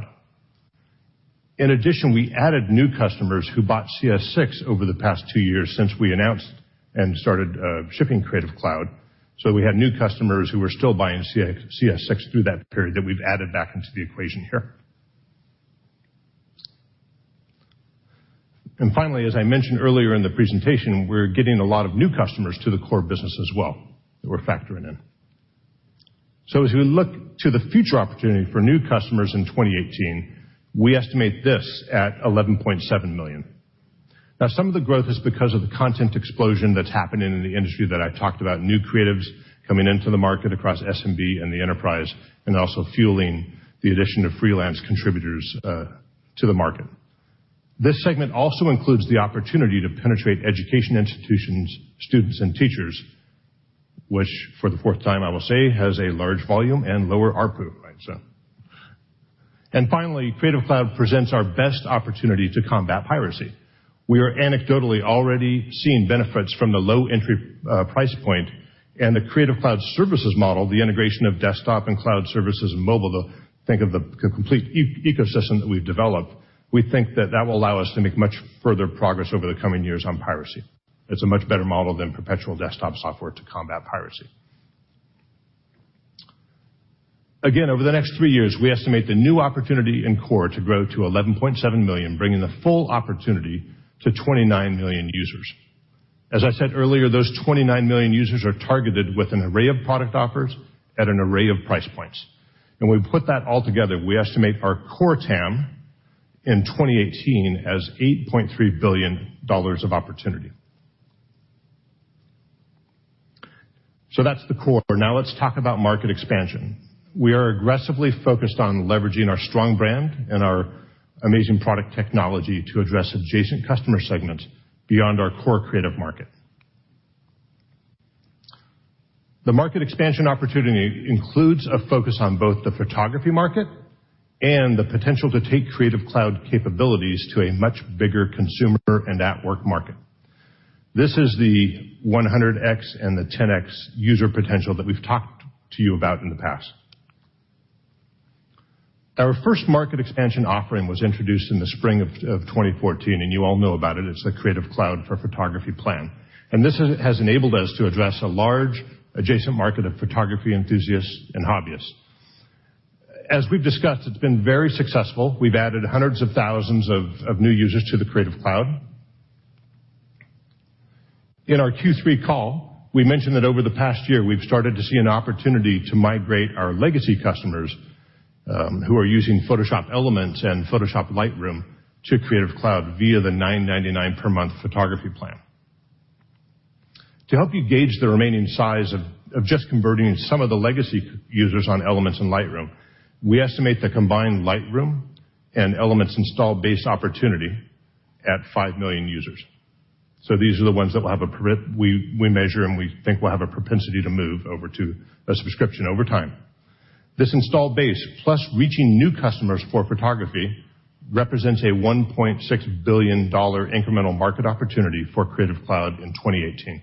In addition, we added new customers who bought CS6 over the past two years since we announced and started shipping Creative Cloud. We had new customers who were still buying CS6 through that period that we've added back into the equation here. Finally, as I mentioned earlier in the presentation, we're getting a lot of new customers to the core business as well that we're factoring in. As we look to the future opportunity for new customers in 2018, we estimate this at 11.7 million. Some of the growth is because of the content explosion that is happening in the industry that I talked about, new creatives coming into the market across SMB and the enterprise, and also fueling the addition of freelance contributors to the market. This segment also includes the opportunity to penetrate education institutions, students, and teachers, which for the fourth time, I will say, has a large volume and lower ARPU. Finally, Creative Cloud presents our best opportunity to combat piracy. We are anecdotally already seeing benefits from the low entry price point and the Creative Cloud services model, the integration of desktop and cloud services and mobile, think of the complete ecosystem that we have developed. We think that will allow us to make much further progress over the coming years on piracy. It is a much better model than perpetual desktop software to combat piracy. Over the next three years, we estimate the new opportunity in core to grow to 11.7 million, bringing the full opportunity to 29 million users. As I said earlier, those 29 million users are targeted with an array of product offers at an array of price points. When we put that all together, we estimate our core TAM in 2018 as $8.3 billion of opportunity. That is the core. Let us talk about market expansion. We are aggressively focused on leveraging our strong brand and our amazing product technology to address adjacent customer segments beyond our core creative market. The market expansion opportunity includes a focus on both the photography market and the potential to take Creative Cloud capabilities to a much bigger consumer and at-work market. This is the 100X and the 10X user potential that we have talked to you about in the past. Our first market expansion offering was introduced in the spring of 2014, you all know about it. It is the Creative Cloud for Photography plan. This has enabled us to address a large adjacent market of photography enthusiasts and hobbyists. As we have discussed, it has been very successful. We have added hundreds of thousands of new users to the Creative Cloud. In our Q3 call, we mentioned that over the past year, we have started to see an opportunity to migrate our legacy customers who are using Photoshop Elements and Photoshop Lightroom to Creative Cloud via the $9.99 per month photography plan. To help you gauge the remaining size of just converting some of the legacy users on Elements and Lightroom, we estimate the combined Lightroom and Elements install base opportunity at five million users. These are the ones that we measure and we think will have a propensity to move over to a subscription over time. This install base, plus reaching new customers for photography, represents a $1.6 billion incremental market opportunity for Creative Cloud in 2018.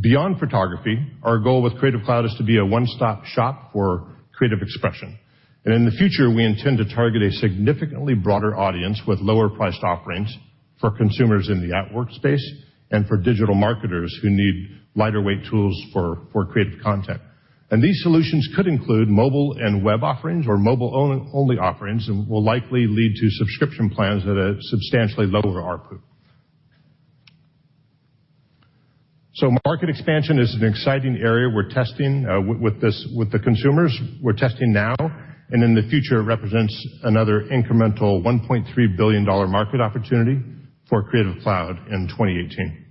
Beyond photography, our goal with Creative Cloud is to be a one-stop shop for creative expression. In the future, we intend to target a significantly broader audience with lower priced offerings for consumers in the at-work space and for digital marketers who need lighter weight tools for creative content. These solutions could include mobile and web offerings or mobile-only offerings and will likely lead to subscription plans at a substantially lower ARPU. Market expansion is an exciting area we are testing with the consumers. We are testing now and in the future represents another incremental $1.3 billion market opportunity for Creative Cloud in 2018.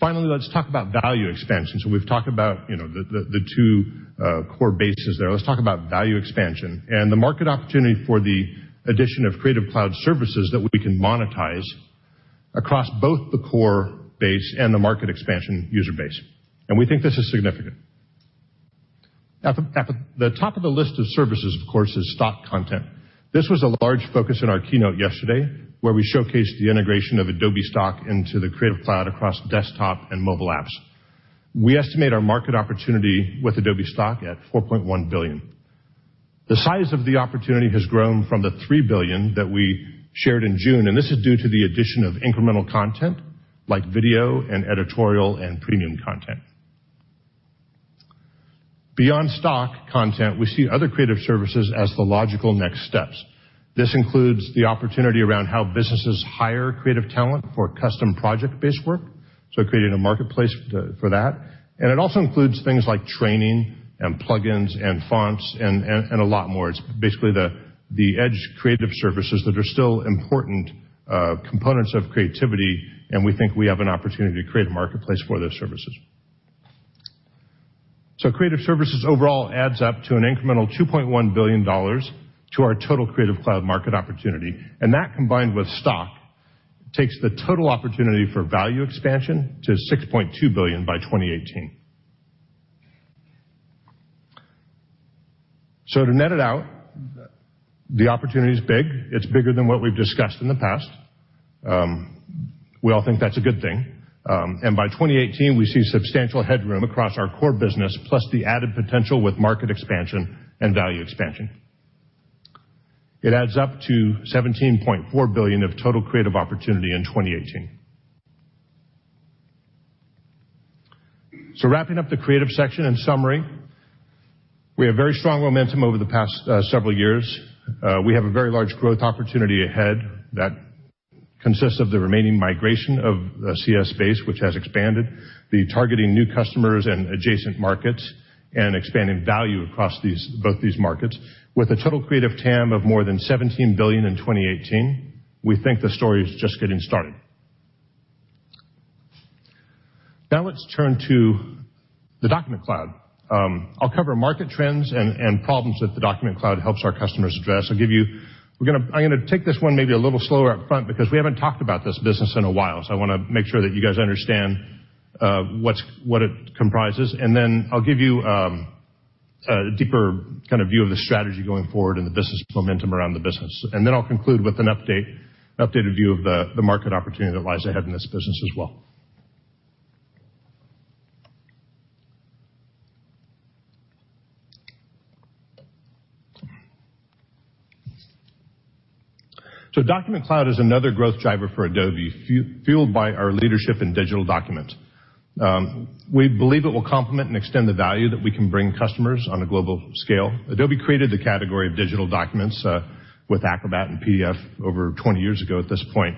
Finally, let's talk about value expansion. We've talked about the two core bases there. Let's talk about value expansion and the market opportunity for the addition of Adobe Creative Cloud services that we can monetize across both the core base and the market expansion user base. We think this is significant. At the top of the list of services, of course, is stock content. This was a large focus in our keynote yesterday, where we showcased the integration of Adobe Stock into the Adobe Creative Cloud across desktop and mobile apps. We estimate our market opportunity with Adobe Stock at $4.1 billion. The size of the opportunity has grown from the $3 billion that we shared in June. This is due to the addition of incremental content like video and editorial and premium content. Beyond stock content, we see other creative services as the logical next steps. This includes the opportunity around how businesses hire creative talent for custom project-based work, so creating a marketplace for that. It also includes things like training and plug-ins and fonts and a lot more. It's basically the edge creative services that are still important components of creativity, and we think we have an opportunity to create a marketplace for those services. Creative services overall adds up to an incremental $2.1 billion to our total Adobe Creative Cloud market opportunity. That, combined with stock, takes the total opportunity for value expansion to $6.2 billion by 2018. To net it out, the opportunity is big. It's bigger than what we've discussed in the past. We all think that's a good thing. By 2018, we see substantial headroom across our core business, plus the added potential with market expansion and value expansion. It adds up to $17.4 billion of total creative opportunity in 2018. Wrapping up the creative section. In summary, we have very strong momentum over the past several years. We have a very large growth opportunity ahead that consists of the remaining migration of the CS base, which has expanded, the targeting new customers and adjacent markets, and expanding value across both these markets. With a total creative TAM of more than $17 billion in 2018, we think the story is just getting started. Now let's turn to the Adobe Document Cloud. I'll cover market trends and problems that the Adobe Document Cloud helps our customers address. I'm going to take this one maybe a little slower up front because we haven't talked about this business in a while, so I want to make sure that you guys understand what it comprises. Then I'll give you a deeper kind of view of the strategy going forward and the business momentum around the business. Then I'll conclude with an updated view of the market opportunity that lies ahead in this business as well. Adobe Document Cloud is another growth driver for Adobe, fueled by our leadership in digital documents. We believe it will complement and extend the value that we can bring customers on a global scale. Adobe created the category of digital documents with Adobe Acrobat and PDF over 20 years ago at this point.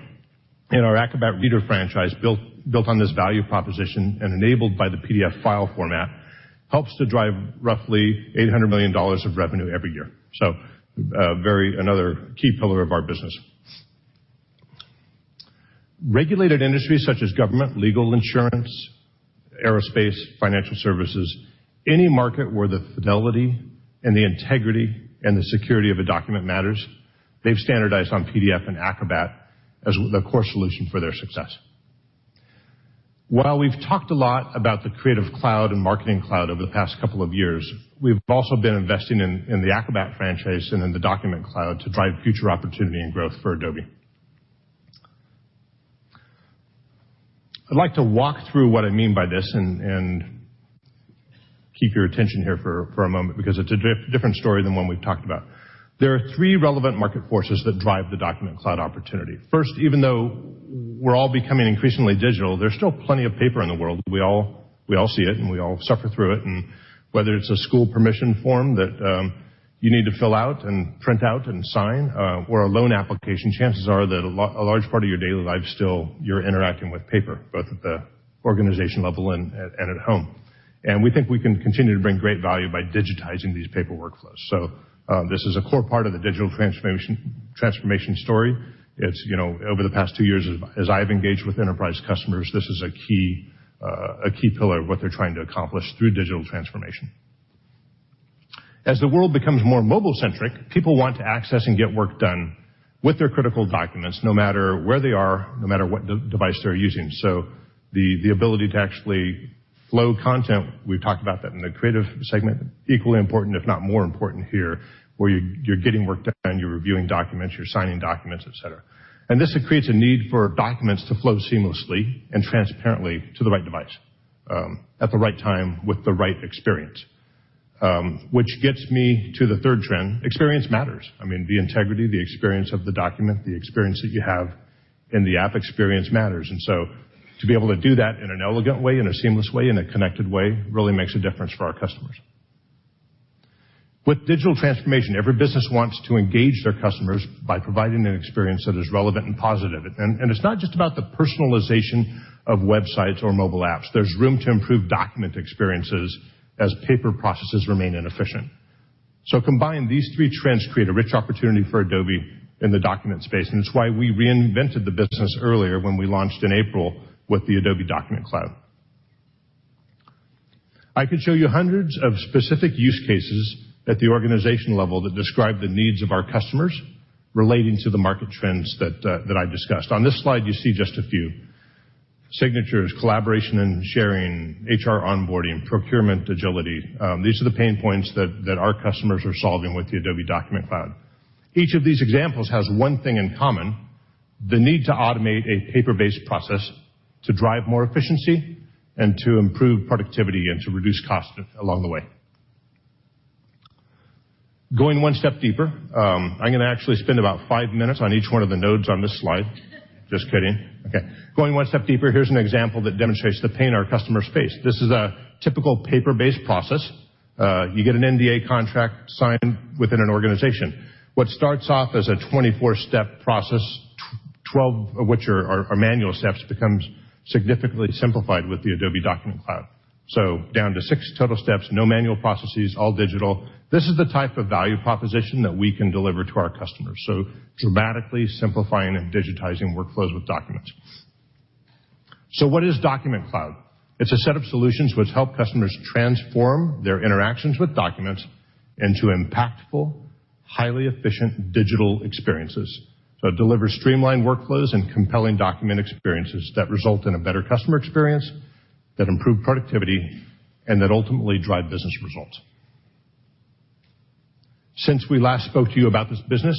Our Acrobat Reader franchise, built on this value proposition and enabled by the PDF file format, helps to drive roughly $800 million of revenue every year. Another key pillar of our business. Regulated industries such as government, legal, insurance, aerospace, financial services, any market where the fidelity and the integrity and the security of a document matters, they've standardized on PDF and Adobe Acrobat as the core solution for their success. While we've talked a lot about the Adobe Creative Cloud and Adobe Marketing Cloud over the past couple of years, we've also been investing in the Adobe Acrobat franchise and in the Adobe Document Cloud to drive future opportunity and growth for Adobe. I'd like to walk through what I mean by this and keep your attention here for a moment because it's a different story than one we've talked about. There are three relevant market forces that drive the Adobe Document Cloud opportunity. First, even though we're all becoming increasingly digital, there's still plenty of paper in the world. We all see it and we all suffer through it, whether it's a school permission form that you need to fill out and print out and sign or a loan application, chances are that a large part of your daily life still, you're interacting with paper, both at the organization level and at home. We think we can continue to bring great value by digitizing these paper workflows. This is a core part of the digital transformation story. Over the past two years, as I've engaged with enterprise customers, this is a key pillar of what they're trying to accomplish through digital transformation. As the world becomes more mobile-centric, people want to access and get work done with their critical documents no matter where they are, no matter what device they're using. The ability to actually flow content, we've talked about that in the creative segment, equally important if not more important here, where you're getting work done, you're reviewing documents, you're signing documents, et cetera. This creates a need for documents to flow seamlessly and transparently to the right device, at the right time with the right experience, which gets me to the third trend. Experience matters. I mean, the integrity, the experience of the document, the experience that you have in the app, experience matters. To be able to do that in an elegant way, in a seamless way, in a connected way, really makes a difference for our customers. With digital transformation, every business wants to engage their customers by providing an experience that is relevant and positive. It's not just about the personalization of websites or mobile apps. There's room to improve document experiences as paper processes remain inefficient. Combined, these three trends create a rich opportunity for Adobe in the document space, and it's why we reinvented the business earlier when we launched in April with the Adobe Document Cloud. I could show you hundreds of specific use cases at the organization level that describe the needs of our customers relating to the market trends that I've discussed. On this slide, you see just a few. Signatures, collaboration and sharing, HR onboarding, procurement agility. These are the pain points that our customers are solving with the Adobe Document Cloud. Each of these examples has one thing in common. The need to automate a paper-based process to drive more efficiency and to improve productivity and to reduce cost along the way. Going one step deeper, I'm going to actually spend about five minutes on each one of the nodes on this slide. Just kidding. Okay. Going one step deeper, here's an example that demonstrates the pain our customers face. This is a typical paper-based process. You get an NDA contract signed within an organization. What starts off as a 24-step process, 12 of which are manual steps, becomes significantly simplified with the Adobe Document Cloud. Down to six total steps, no manual processes, all digital. This is the type of value proposition that we can deliver to our customers, so dramatically simplifying and digitizing workflows with documents. What is Document Cloud? It's a set of solutions which help customers transform their interactions with documents into impactful, highly efficient digital experiences that deliver streamlined workflows and compelling document experiences that result in a better customer experience, that improve productivity, and that ultimately drive business results. Since we last spoke to you about this business,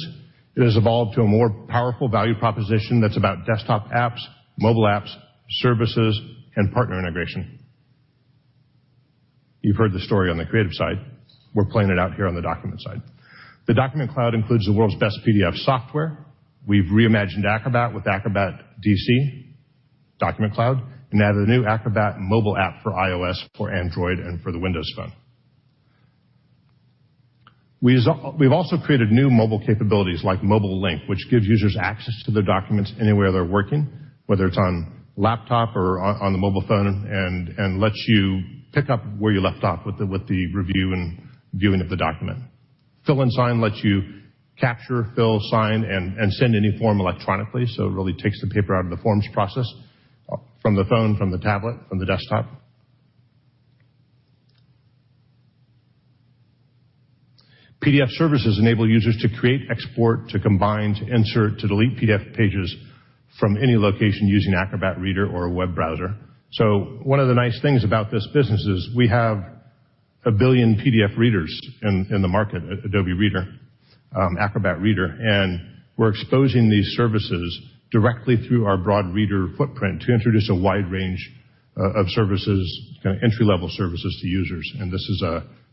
it has evolved to a more powerful value proposition that's about desktop apps, mobile apps, services, and partner integration. You've heard the story on the creative side. We're playing it out here on the document side. The Document Cloud includes the world's best PDF software. We've reimagined Acrobat with Acrobat DC, Document Cloud, and added a new Acrobat mobile app for iOS, for Android, and for the Windows Phone. We've also created new mobile capabilities like Mobile Link, which gives users access to their documents anywhere they're working, whether it's on laptop or on the mobile phone, and lets you pick up where you left off with the review and viewing of the document. Fill & Sign lets you capture, fill, sign, and send any form electronically, so it really takes the paper out of the forms process from the phone, from the tablet, from the desktop. Adobe PDF Services enable users to create, export, to combine, to insert, to delete PDF pages from any location using Acrobat Reader or a web browser. One of the nice things about this business is we have 1 billion PDF readers in the market, Adobe Reader, Acrobat Reader, and we're exposing these services directly through our broad reader footprint to introduce a wide range of services, kind of entry-level services to users.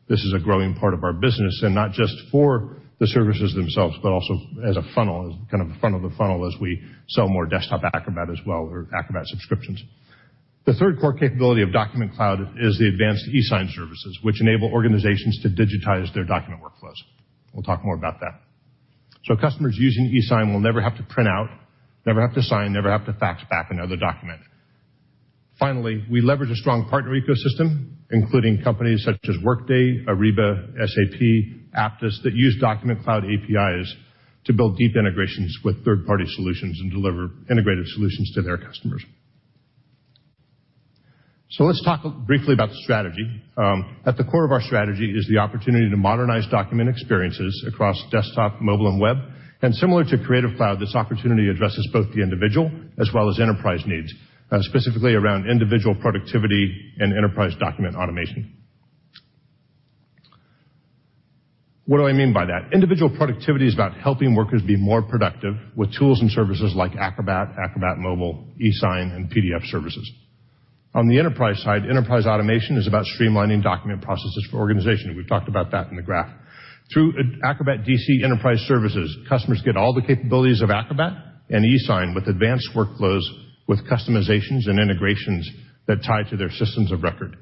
This is a growing part of our business, and not just for the services themselves, but also as a funnel, as kind of the front of the funnel as we sell more desktop Acrobat as well, or Acrobat subscriptions. The third core capability of Document Cloud is the advanced eSign services, which enable organizations to digitize their document workflows. We'll talk more about that. Customers using eSign will never have to print out, never have to sign, never have to fax back another document. Finally, we leverage a strong partner ecosystem, including companies such as Workday, Ariba, SAP, Apttus, that use Document Cloud APIs to build deep integrations with third-party solutions and deliver integrated solutions to their customers. Let's talk briefly about the strategy. At the core of our strategy is the opportunity to modernize document experiences across desktop, mobile, and web. Similar to Creative Cloud, this opportunity addresses both the individual as well as enterprise needs, specifically around individual productivity and enterprise document automation. What do I mean by that? Individual productivity is about helping workers be more productive with tools and services like Acrobat Mobile, eSign, and PDF Services. On the enterprise side, enterprise automation is about streamlining document processes for organization. We've talked about that in the graph. Through Acrobat DC Enterprise Services, customers get all the capabilities of Acrobat and eSign with advanced workflows with customizations and integrations that tie to their systems of record.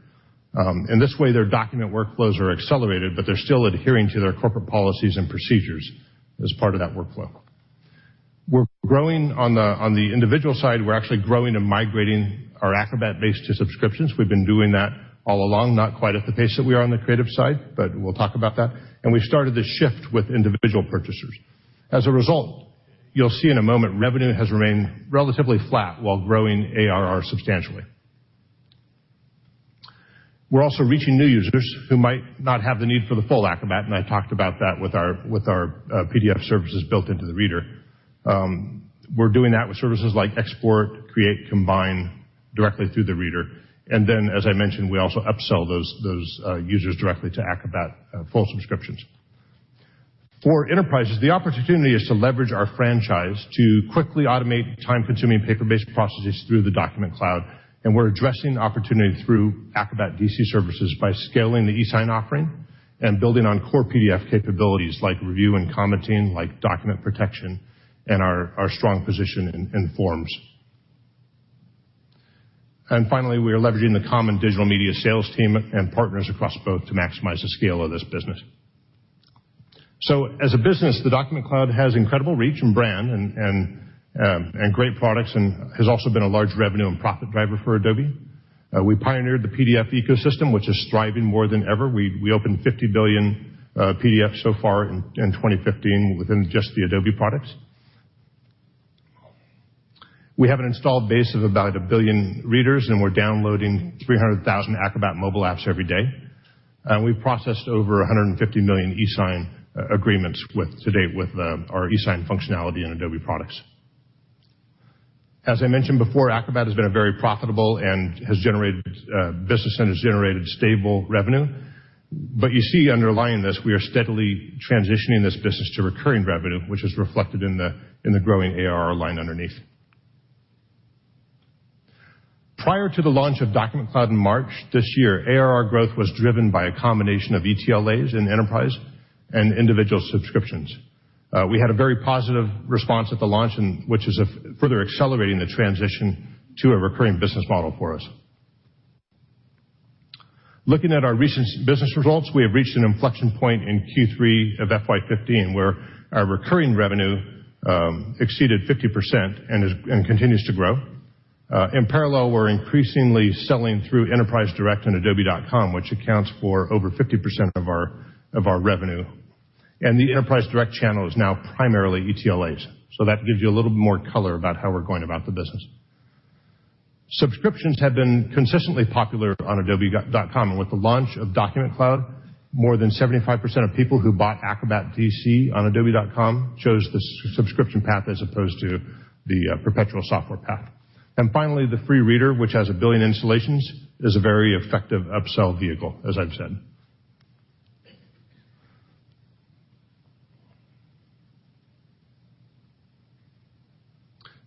In this way, their document workflows are accelerated, but they're still adhering to their corporate policies and procedures as part of that workflow. We're growing on the individual side, we're actually growing and migrating our Acrobat base to subscriptions. We've been doing that all along, not quite at the pace that we are on the creative side, but we'll talk about that. We started this shift with individual purchasers. As a result, you'll see in a moment, revenue has remained relatively flat while growing ARR substantially. We're also reaching new users who might not have the need for the full Acrobat, and I talked about that with our PDF Services built into the Reader. We're doing that with services like export, create, combine directly through the Reader. As I mentioned, we also upsell those users directly to Acrobat full subscriptions. For enterprises, the opportunity is to leverage our franchise to quickly automate time-consuming paper-based processes through the Document Cloud, and we're addressing the opportunity through Acrobat DC Services by scaling the eSign offering and building on core PDF capabilities like review and commenting, like document protection, and our strong position in forms. Finally, we are leveraging the common digital media sales team and partners across both to maximize the scale of this business. As a business, the Document Cloud has incredible reach and brand and great products and has also been a large revenue and profit driver for Adobe. We pioneered the PDF ecosystem, which is thriving more than ever. We opened 50 billion PDFs so far in 2015 within just the Adobe products. We have an installed base of about 1 billion Readers, and we're downloading 300,000 Acrobat mobile apps every day. We've processed over 150 million eSign agreements to date with our eSign functionality in Adobe products. As I mentioned before, Acrobat has been a very profitable and has generated business and has generated stable revenue. You see underlying this, we are steadily transitioning this business to recurring revenue, which is reflected in the growing ARR line underneath. Prior to the launch of Document Cloud in March this year, ARR growth was driven by a combination of ETLAs in enterprise and individual subscriptions. We had a very positive response at the launch, which is further accelerating the transition to a recurring business model for us. Looking at our recent business results, we have reached an inflection point in Q3 of FY 2015, where our recurring revenue exceeded 50% and continues to grow. In parallel, we're increasingly selling through Enterprise Direct and adobe.com, which accounts for over 50% of our revenue. The Enterprise Direct channel is now primarily ETLAs. That gives you a little bit more color about how we're going about the business. Subscriptions have been consistently popular on adobe.com, with the launch of Document Cloud, more than 75% of people who bought Acrobat DC on adobe.com chose the subscription path as opposed to the perpetual software path. Finally, the free reader, which has a billion installations, is a very effective upsell vehicle, as I've said.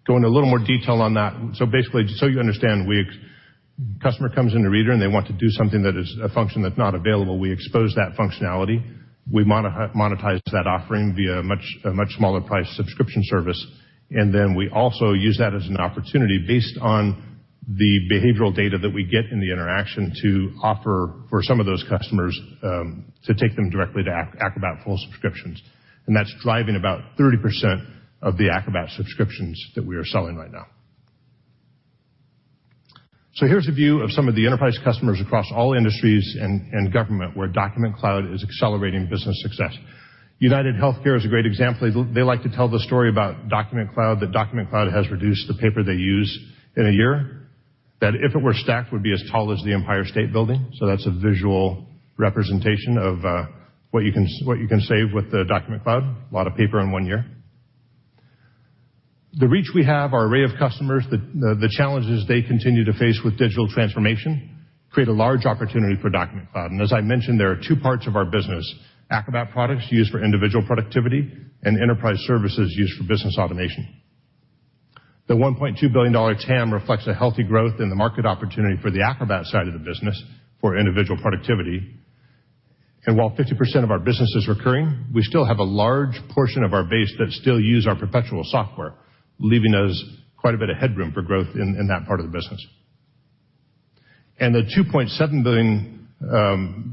Go into a little more detail on that. Basically, just so you understand, customer comes into Reader and they want to do something that is a function that's not available, we expose that functionality, we monetize that offering via a much smaller price subscription service, then we also use that as an opportunity based on the behavioral data that we get in the interaction to offer for some of those customers, to take them directly to Acrobat full subscriptions. That's driving about 30% of the Acrobat subscriptions that we are selling right now. Here's a view of some of the enterprise customers across all industries and government where Document Cloud is accelerating business success. UnitedHealthcare is a great example. They like to tell the story about Document Cloud, that Document Cloud has reduced the paper they use in a year, that if it were stacked, would be as tall as the Empire State Building. That's a visual representation of what you can save with the Document Cloud. A lot of paper in one year. The reach we have, our array of customers, the challenges they continue to face with digital transformation create a large opportunity for Document Cloud. As I mentioned, there are two parts of our business, Acrobat products used for individual productivity and enterprise services used for business automation. The $1.2 billion TAM reflects a healthy growth in the market opportunity for the Acrobat side of the business for individual productivity. While 50% of our business is recurring, we still have a large portion of our base that still use our perpetual software, leaving us quite a bit of headroom for growth in that part of the business. The $2.7 billion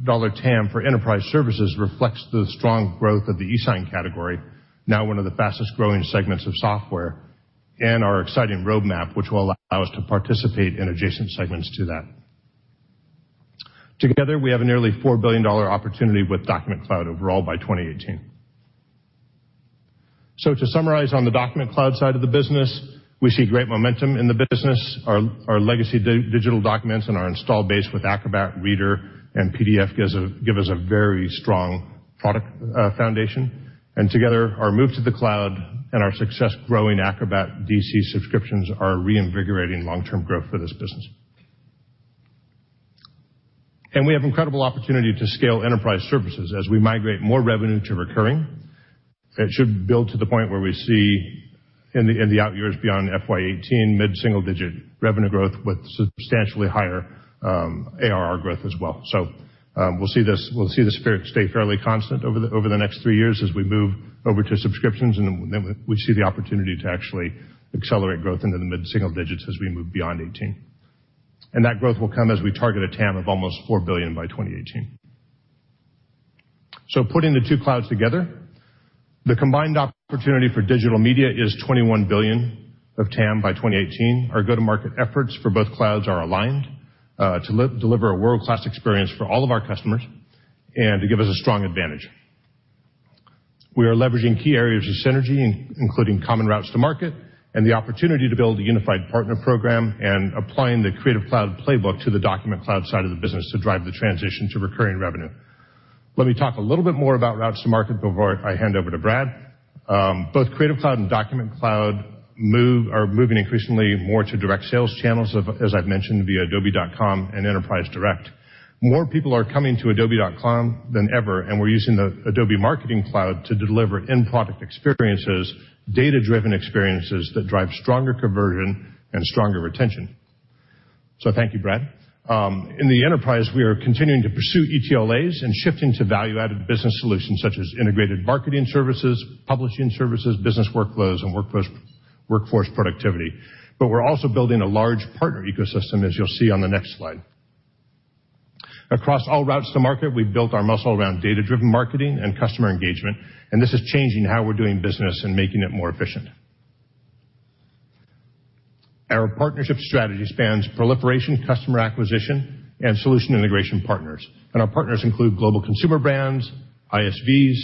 TAM for enterprise services reflects the strong growth of the e-sign category, now one of the fastest-growing segments of software, our exciting roadmap, which will allow us to participate in adjacent segments to that. Together, we have a nearly $4 billion opportunity with Document Cloud overall by 2018. To summarize on the Document Cloud side of the business, we see great momentum in the business. Our legacy digital documents and our install base with Acrobat Reader and PDF give us a very strong product foundation. Together, our move to the cloud and our success growing Acrobat DC subscriptions are reinvigorating long-term growth for this business. We have incredible opportunity to scale enterprise services. As we migrate more revenue to recurring, it should build to the point where we see in the out years beyond FY 2018, mid-single-digit revenue growth with substantially higher ARR growth as well. We'll see the sphere stay fairly constant over the next three years as we move over to subscriptions, and then we see the opportunity to actually accelerate growth into the mid-single digits as we move beyond 2018. That growth will come as we target a TAM of almost $4 billion by 2018. Putting the two clouds together, the combined opportunity for digital media is $21 billion of TAM by 2018. Our go-to-market efforts for both clouds are aligned, to deliver a world-class experience for all of our customers and to give us a strong advantage. We are leveraging key areas of synergy, including common routes to market and the opportunity to build a unified partner program and applying the Creative Cloud playbook to the Document Cloud side of the business to drive the transition to recurring revenue. Let me talk a little bit more about routes to market before I hand over to Brad. Both Creative Cloud and Document Cloud are moving increasingly more to direct sales channels of, as I've mentioned, via adobe.com and Enterprise Direct. More people are coming to adobe.com than ever, and we're using the Adobe Marketing Cloud to deliver in-product experiences, data-driven experiences that drive stronger conversion and stronger retention. Thank you, Brad. In the enterprise, we are continuing to pursue ETLAs and shifting to value-added business solutions such as integrated marketing services, publishing services, business workflows, and workforce productivity. We're also building a large partner ecosystem, as you'll see on the next slide. Across all routes to market, we've built our muscle around data-driven marketing and customer engagement, and this is changing how we're doing business and making it more efficient. Our partnership strategy spans proliferation, customer acquisition, and solution integration partners. Our partners include global consumer brands, ISVs,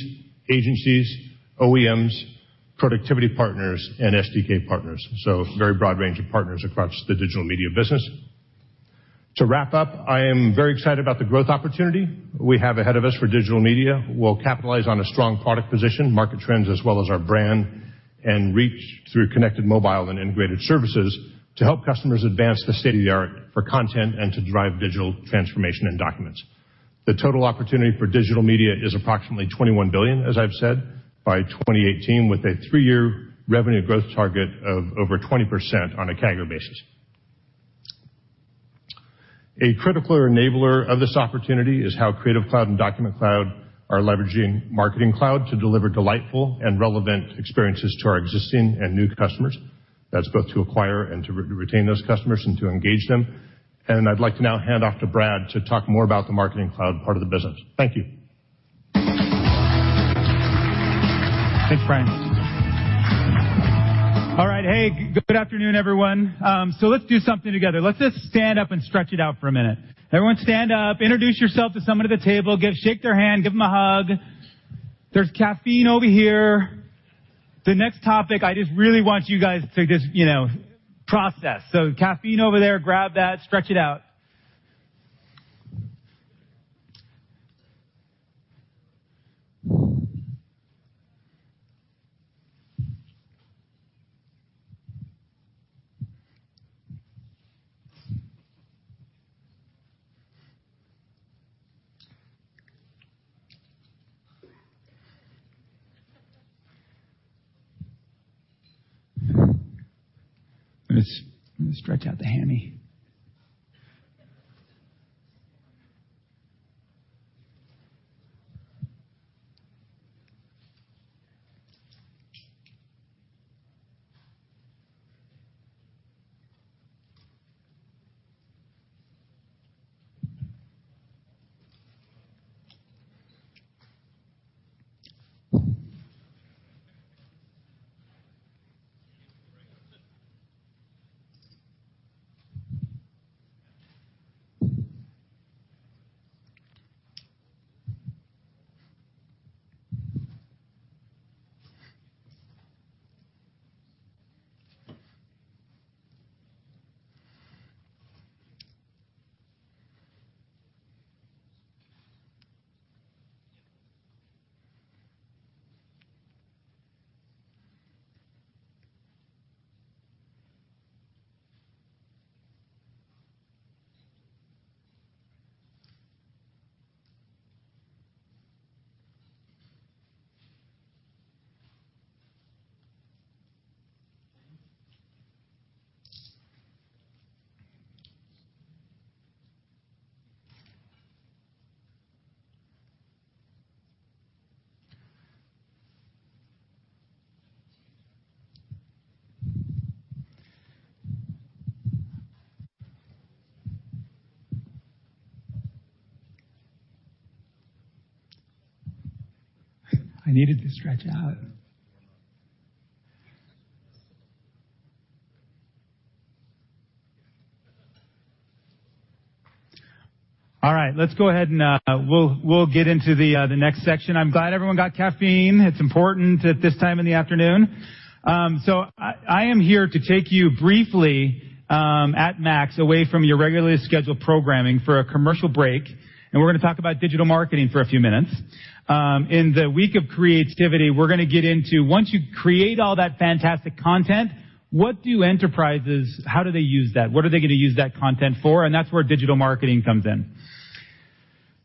agencies, OEMs, productivity partners, and SDK partners. Very broad range of partners across the digital media business. To wrap up, I am very excited about the growth opportunity we have ahead of us for digital media. We'll capitalize on a strong product position, market trends, as well as our brand and reach through connected mobile and integrated services to help customers advance the state of the art for content and to drive digital transformation and documents. The total opportunity for digital media is approximately $21 billion, as I've said, by 2018, with a three-year revenue growth target of over 20% on a CAGR basis. A critical enabler of this opportunity is how Creative Cloud and Document Cloud are leveraging Marketing Cloud to deliver delightful and relevant experiences to our existing and new customers. That's both to acquire and to retain those customers and to engage them. I'd like to now hand off to Brad to talk more about the Marketing Cloud part of the business. Thank you. Thanks, Brian. All right. Hey, good afternoon, everyone. Let's do something together. Let's just stand up and stretch it out for a minute. Everyone stand up, introduce yourself to someone at the table, shake their hand, give them a hug. There's caffeine over here. The next topic, I just really want you guys to just process. Caffeine over there, grab that, stretch it out. I'm going to stretch out the hammy. I needed to stretch out. All right, let's go ahead and we'll get into the next section. I'm glad everyone got caffeine. It's important at this time in the afternoon. I am here to take you briefly at Adobe MAX away from your regularly scheduled programming for a commercial break, and we're going to talk about digital marketing for a few minutes. In the week of creativity, we're going to get into once you create all that fantastic content, what do enterprises, how do they use that? What are they going to use that content for? That's where digital marketing comes in.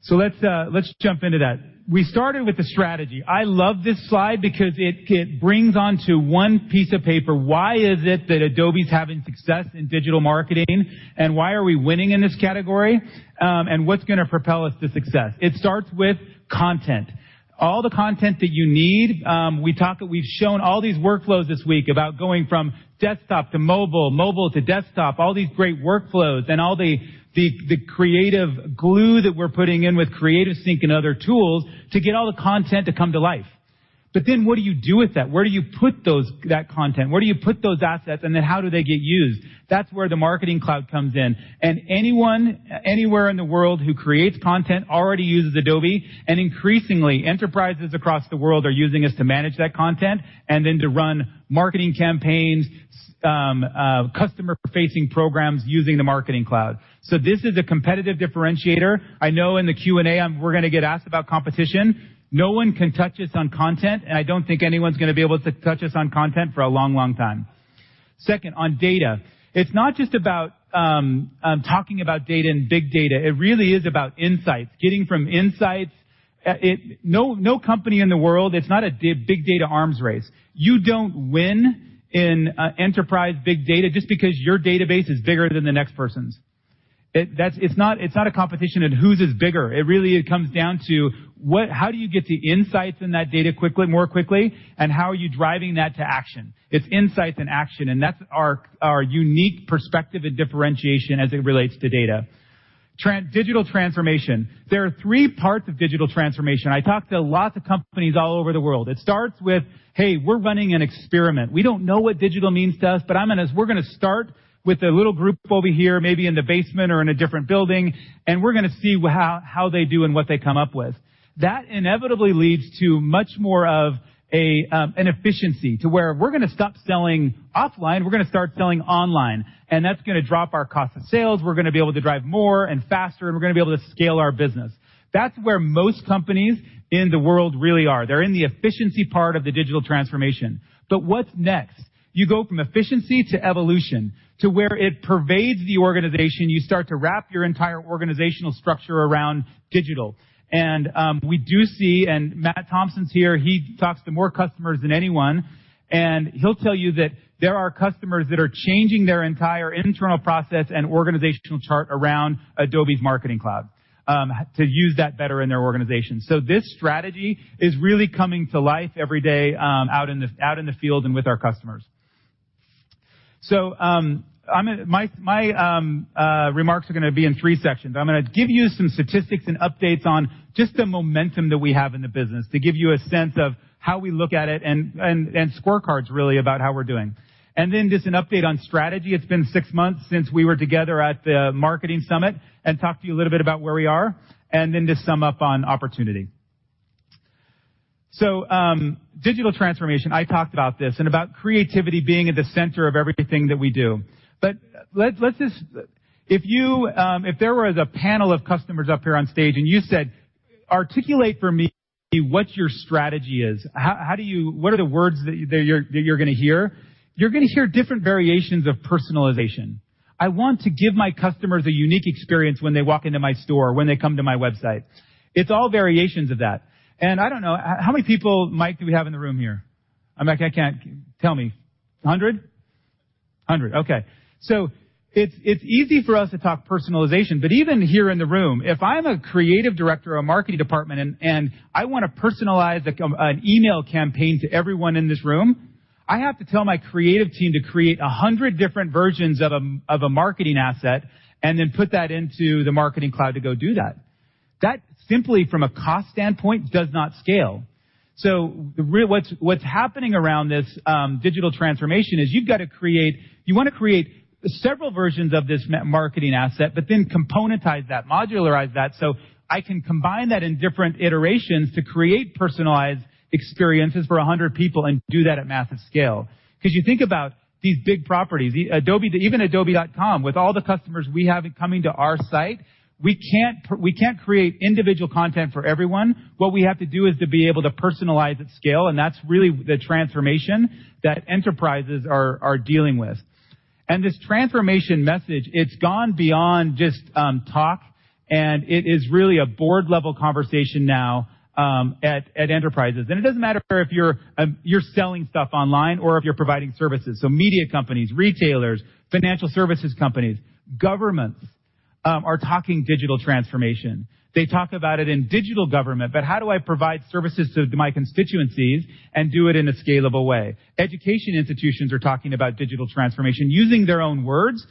Let's jump into that. We started with the strategy. I love this slide because it brings onto one piece of paper why is it that Adobe's having success in digital marketing, and why are we winning in this category, and what's going to propel us to success? It starts with content. All the content that you need, we've shown all these workflows this week about going from desktop to mobile to desktop, all these great workflows, and all the creative glue that we're putting in with Adobe CreativeSync and other tools to get all the content to come to life. What do you do with that? Where do you put that content? Where do you put those assets, and then how do they get used? That's where the Adobe Marketing Cloud comes in, and anyone, anywhere in the world who creates content already uses Adobe, and increasingly, enterprises across the world are using us to manage that content and then to run marketing campaigns, customer-facing programs using the Adobe Marketing Cloud. This is a competitive differentiator. I know in the Q&A, we're going to get asked about competition. No one can touch us on content, and I don't think anyone's going to be able to touch us on content for a long, long time. Second, on data. It's not just about talking about data and big data. It really is about insights. Getting from insights. No company in the world, it's not a big data arms race. You don't win in enterprise big data just because your database is bigger than the next person's. It's not a competition in whose is bigger. It really comes down to how do you get the insights in that data more quickly, and how are you driving that to action? It's insights and action, and that's our unique perspective and differentiation as it relates to data. Digital transformation. There are three parts of digital transformation. I talk to lots of companies all over the world. It starts with, "Hey, we're running an experiment. We don't know what digital means to us, we're going to start with a little group over here, maybe in the basement or in a different building, and we're going to see how they do and what they come up with." That inevitably leads to much more of an efficiency, to where we're going to stop selling offline, we're going to start selling online, and that's going to drop our cost of sales. We're going to be able to drive more and faster, and we're going to be able to scale our business. That's where most companies in the world really are. They're in the efficiency part of the digital transformation. What's next? You go from efficiency to evolution, to where it pervades the organization. You start to wrap your entire organizational structure around digital. We do see, Matt Thompson's here, he talks to more customers than anyone, and he'll tell you that there are customers that are changing their entire internal process and organizational chart around Adobe's Marketing Cloud, to use that better in their organization. This strategy is really coming to life every day out in the field and with our customers. My remarks are going to be in three sections. I'm going to give you some statistics and updates on just the momentum that we have in the business to give you a sense of how we look at it and scorecards, really, about how we're doing. Then just an update on strategy. It's been six months since we were together at the Adobe Summit and talk to you a little bit about where we are, then just sum up on opportunity. Digital transformation, I talked about this, and about creativity being at the center of everything that we do. If there was a panel of customers up here on stage and you said, "Articulate for me what your strategy is," what are the words that you're going to hear? You're going to hear different variations of personalization. I want to give my customers a unique experience when they walk into my store, when they come to my website. It's all variations of that. I don't know, how many people, Mike, do we have in the room here? Mike, tell me. 100? 100, okay. It's easy for us to talk personalization, but even here in the room, if I'm a creative director of a marketing department and I want to personalize an email campaign to everyone in this room, I have to tell my creative team to create 100 different versions of a marketing asset and then put that into the Marketing Cloud to go do that. That simply from a cost standpoint, does not scale. What's happening around this digital transformation is you want to create several versions of this marketing asset, but then componentize that, modularize that, so I can combine that in different iterations to create personalized experiences for 100 people and do that at massive scale. Because you think about these big properties, even adobe.com, with all the customers we have coming to our site, we can't create individual content for everyone. What we have to do is to be able to personalize at scale, that's really the transformation that enterprises are dealing with. This transformation message, it's gone beyond just talk, it is really a board-level conversation now at enterprises. It doesn't matter if you're selling stuff online or if you're providing services. Media companies, retailers, financial services companies, governments are talking digital transformation. They talk about it in digital government, but how do I provide services to my constituencies and do it in a scalable way? Education institutions are talking about digital transformation using their own words.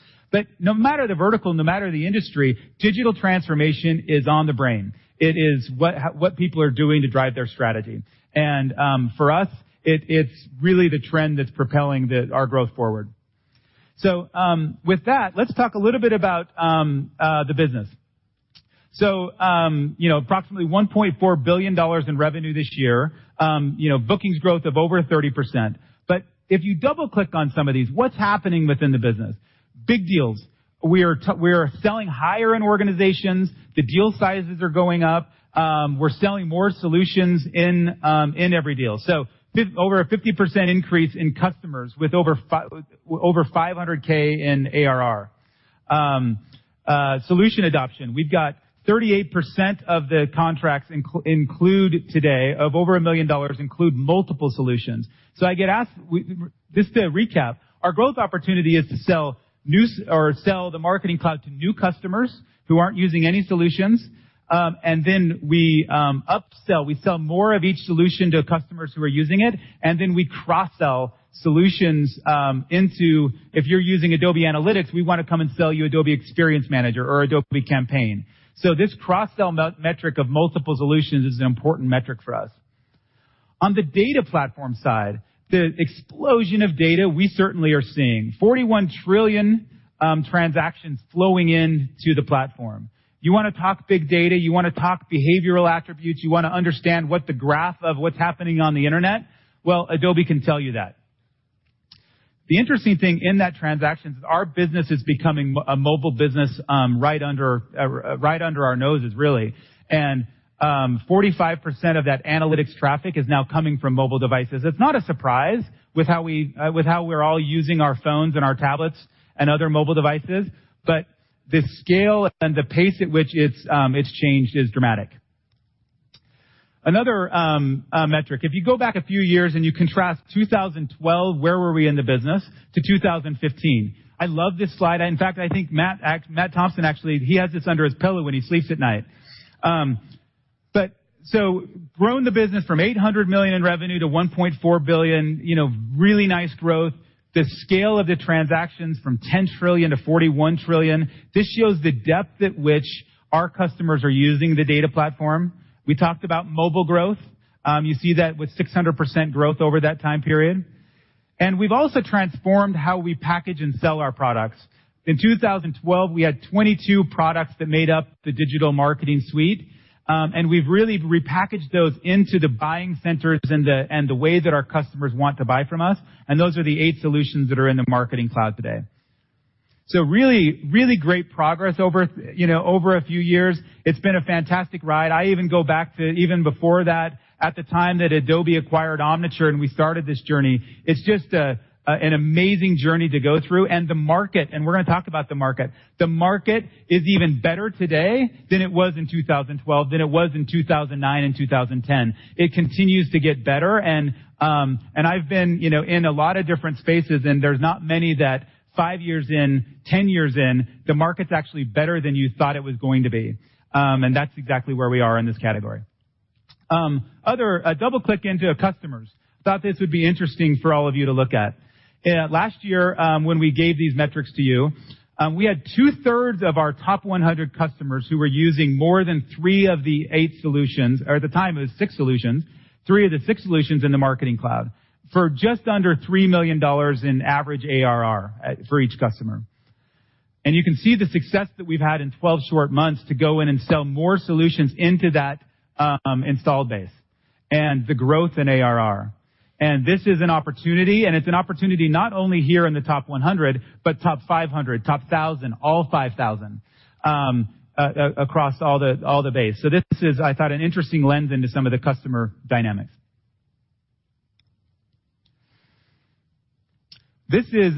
No matter the vertical, no matter the industry, digital transformation is on the brain. It is what people are doing to drive their strategy. For us, it's really the trend that's propelling our growth forward. With that, let's talk a little bit about the business. Approximately $1.4 billion in revenue this year. Bookings growth of over 30%. If you double-click on some of these, what's happening within the business? Big deals. We are selling higher in organizations. The deal sizes are going up. We're selling more solutions in every deal. Over a 50% increase in customers with over 500K in ARR. Solution adoption. We've got 38% of the contracts include today, of over $1 million, include multiple solutions. I get asked. Just to recap, our growth opportunity is to sell the Marketing Cloud to new customers who aren't using any solutions, then we upsell. We sell more of each solution to customers who are using it, then we cross-sell solutions into, if you're using Adobe Analytics, we want to come and sell you Adobe Experience Manager or Adobe Campaign. This cross-sell metric of multiple solutions is an important metric for us. On the data platform side, the explosion of data, we certainly are seeing 41 trillion transactions flowing into the platform. You want to talk big data, you want to talk behavioral attributes, you want to understand what the graph of what's happening on the Internet? Well, Adobe can tell you that. The interesting thing in that transaction is our business is becoming a mobile business, right under our noses, really. 45% of that analytics traffic is now coming from mobile devices. It's not a surprise with how we're all using our phones and our tablets and other mobile devices, but the scale and the pace at which it's changed is dramatic. Another metric, if you go back a few years and you contrast 2012, where were we in the business, to 2015. I love this slide. In fact, I think Matt Thompson actually, he has this under his pillow when he sleeps at night. Grown the business from $800 million in revenue to $1.4 billion, really nice growth. The scale of the transactions from 10 trillion to 41 trillion. This shows the depth at which our customers are using the data platform. We talked about mobile growth. You see that with 600% growth over that time period. We've also transformed how we package and sell our products. In 2012, we had 22 products that made up the digital marketing suite. We've really repackaged those into the buying centers and the way that our customers want to buy from us. Those are the eight solutions that are in the Marketing Cloud today. Really great progress over a few years. It's been a fantastic ride. I even go back to even before that, at the time that Abhay acquired Omniture, and we started this journey. It's just an amazing journey to go through. The market, and we're going to talk about the market. The market is even better today than it was in 2012, than it was in 2009 and 2010. It continues to get better and I've been in a lot of different spaces, and there's not many that five years in, 10 years in, the market's actually better than you thought it was going to be. That's exactly where we are in this category. Other, double-click into customers. I thought this would be interesting for all of you to look at. Last year, when we gave these metrics to you, we had two-thirds of our top 100 customers who were using more than three of the eight solutions, or at the time it was six solutions, three of the six solutions in the Marketing Cloud, for just under $3 million in average ARR for each customer. You can see the success that we've had in 12 short months to go in and sell more solutions into that installed base, and the growth in ARR. This is an opportunity, and it's an opportunity not only here in the top 100, but top 500, top 1,000, all 5,000, across all the base. This is, I thought, an interesting lens into some of the customer dynamics. This is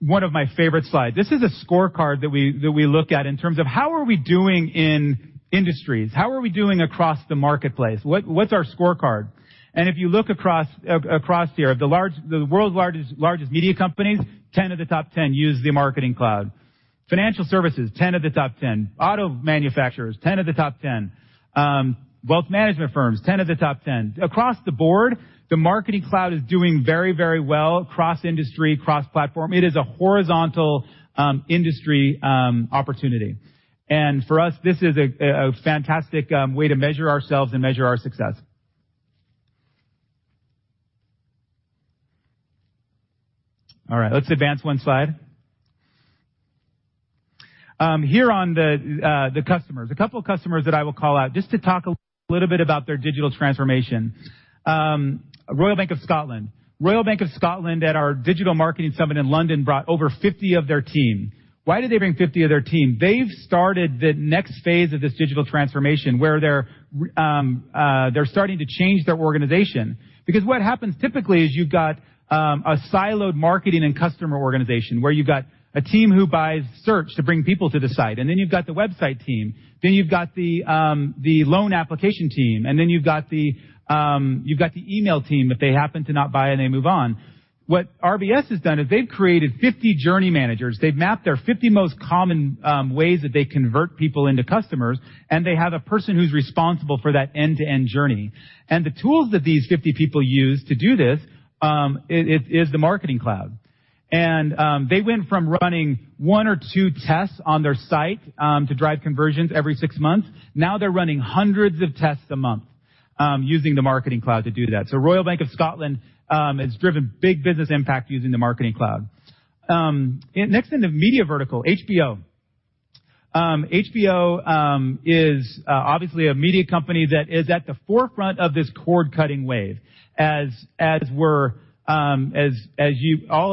one of my favorite slides. This is a scorecard that we look at in terms of how are we doing in industries? How are we doing across the marketplace? What's our scorecard? If you look across here, of the world's largest media companies, 10 of the top 10 use the Marketing Cloud. Financial services, 10 of the top 10. Auto manufacturers, 10 of the top 10. Wealth management firms, 10 of the top 10. Across the board, the Marketing Cloud is doing very well across industry, cross-platform. It is a horizontal industry opportunity. For us, this is a fantastic way to measure ourselves and measure our success. All right. Let's advance one slide. Here on the customers, a couple of customers that I will call out just to talk a little bit about their digital transformation. Royal Bank of Scotland. Royal Bank of Scotland at our digital marketing summit in London brought over 50 of their team. Why did they bring 50 of their team? What happens typically is you've got a siloed marketing and customer organization where you've got a team who buys search to bring people to the site, then you've got the website team, then you've got the loan application team, then you've got the email team, but they happen to not buy, and they move on. What RBS has done is they've created 50 journey managers. They've mapped their 50 most common ways that they convert people into customers, and they have a person who's responsible for that end-to-end journey. The tools that these 50 people use to do this, is the Marketing Cloud. They went from running one or two tests on their site to drive conversions every six months. Now they're running hundreds of tests a month, using the Adobe Marketing Cloud to do that. Royal Bank of Scotland has driven big business impact using the Adobe Marketing Cloud. Next in the media vertical, HBO. HBO is obviously a media company that is at the forefront of this cord-cutting wave. As all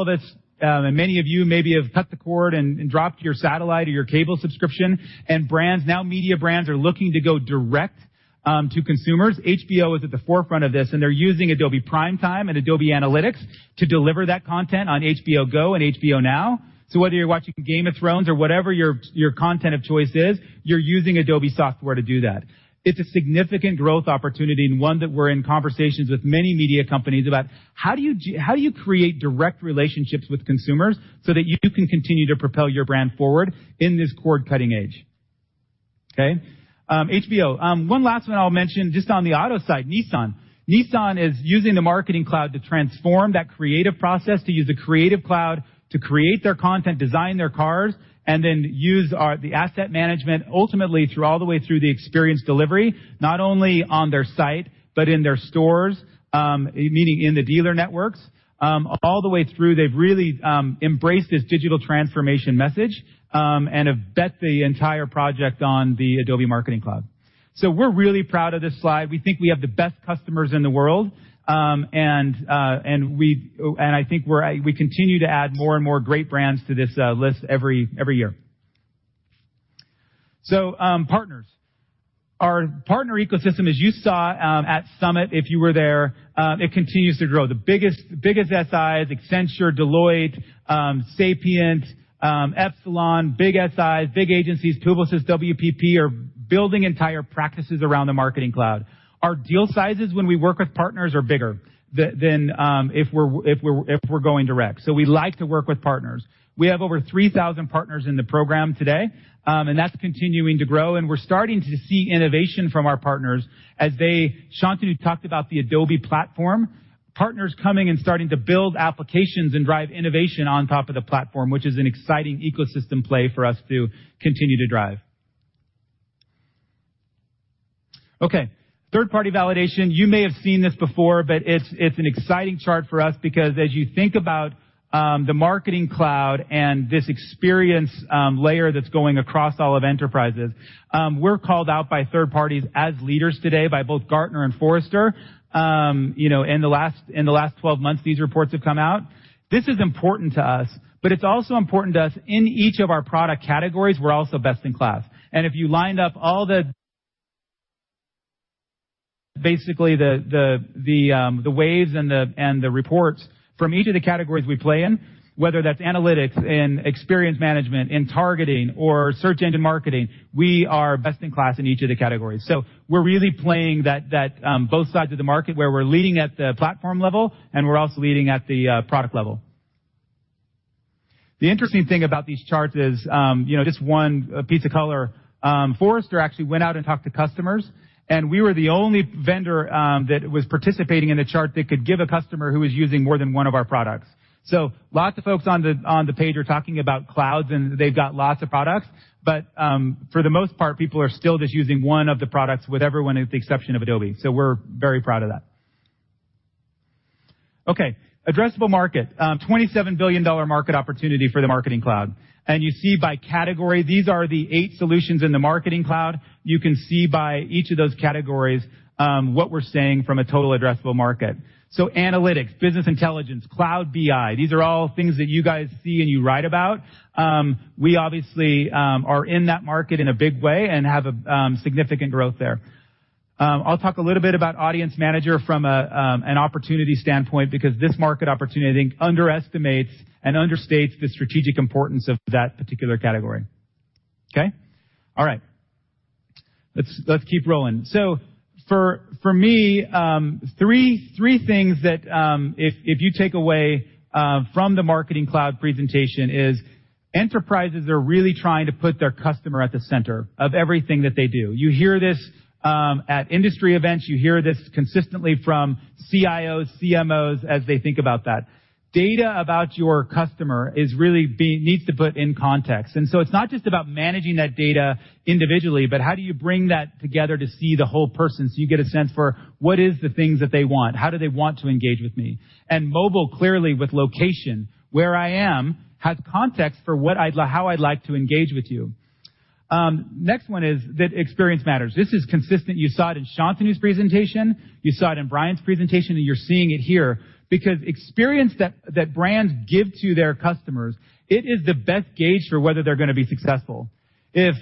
of us, and many of you maybe have cut the cord and dropped your satellite or your cable subscription, and now media brands are looking to go direct to consumers. HBO is at the forefront of this, and they're using Adobe Primetime and Adobe Analytics to deliver that content on HBO Go and HBO Now. Whether you're watching "Game of Thrones" or whatever your content of choice is, you're using Adobe software to do that. It's a significant growth opportunity, and one that we're in conversations with many media companies about. How do you create direct relationships with consumers so that you can continue to propel your brand forward in this cord-cutting age? Okay? HBO. One last one I'll mention, just on the auto side, Nissan. Nissan is using the Adobe Marketing Cloud to transform that creative process, to use the Adobe Creative Cloud to create their content, design their cars, and then use the asset management ultimately through all the way through the experience delivery, not only on their site, but in their stores, meaning in the dealer networks. All the way through, they've really embraced this digital transformation message, and have bet the entire project on the Adobe Marketing Cloud. We're really proud of this slide. We think we have the best customers in the world, and I think we continue to add more and more great brands to this list every year. Partners. Our partner ecosystem, as you saw at Adobe Summit, if you were there, it continues to grow. The biggest SIs, Accenture, Deloitte, Sapient, Epsilon, big SIs, big agencies, Publicis, WPP, are building entire practices around the Adobe Marketing Cloud. Our deal sizes when we work with partners are bigger than if we're going direct. We like to work with partners. We have over 3,000 partners in the program today, and that's continuing to grow, and we're starting to see innovation from our partners as they, Shantanu talked about the Adobe platform, partners coming and starting to build applications and drive innovation on top of the platform, which is an exciting ecosystem play for us to continue to drive. Okay, third-party validation. You may have seen this before, it's an exciting chart for us because as you think about the Adobe Marketing Cloud and this experience layer that's going across all of enterprises, we're called out by third parties as leaders today by both Gartner and Forrester. In the last 12 months, these reports have come out. This is important to us, it's also important to us in each of our product categories, we're also best in class. If you lined up all the basically the waves and the reports from each of the categories we play in, whether that's Adobe Analytics, in Adobe Experience Manager, in targeting, or SEM, we are best in class in each of the categories. We're really playing that both sides of the market, where we're leading at the platform level and we're also leading at the product level. The interesting thing about these charts is, just one piece of color, Forrester actually went out and talked to customers. We were the only vendor that was participating in a chart that could give a customer who was using more than one of our products. Lots of folks on the page are talking about clouds, and they've got lots of products. For the most part, people are still just using one of the products with everyone with the exception of Adobe. We're very proud of that. Okay. Addressable market. $27 billion market opportunity for the Marketing Cloud. You see by category, these are the eight solutions in the Marketing Cloud. You can see by each of those categories, what we're saying from a total addressable market. Analytics, business intelligence, cloud BI, these are all things that you guys see and you write about. We obviously are in that market in a big way and have a significant growth there. I'll talk a little bit about Audience Manager from an opportunity standpoint because this market opportunity, I think, underestimates and understates the strategic importance of that particular category. Okay? All right. Let's keep rolling. For me, three things that if you take away from the Marketing Cloud presentation is enterprises are really trying to put their customer at the center of everything that they do. You hear this at industry events, you hear this consistently from CIOs, CMOs as they think about that. Data about your customer needs to be put in context. It's not just about managing that data individually, but how do you bring that together to see the whole person so you get a sense for what is the things that they want? How do they want to engage with me? Mobile, clearly with location, where I am has context for how I'd like to engage with you. Next one is that experience matters. This is consistent. You saw it in Shantanu's presentation, you saw it in Brian's presentation, and you're seeing it here. Experience that brands give to their customers, it is the best gauge for whether they're going to be successful. If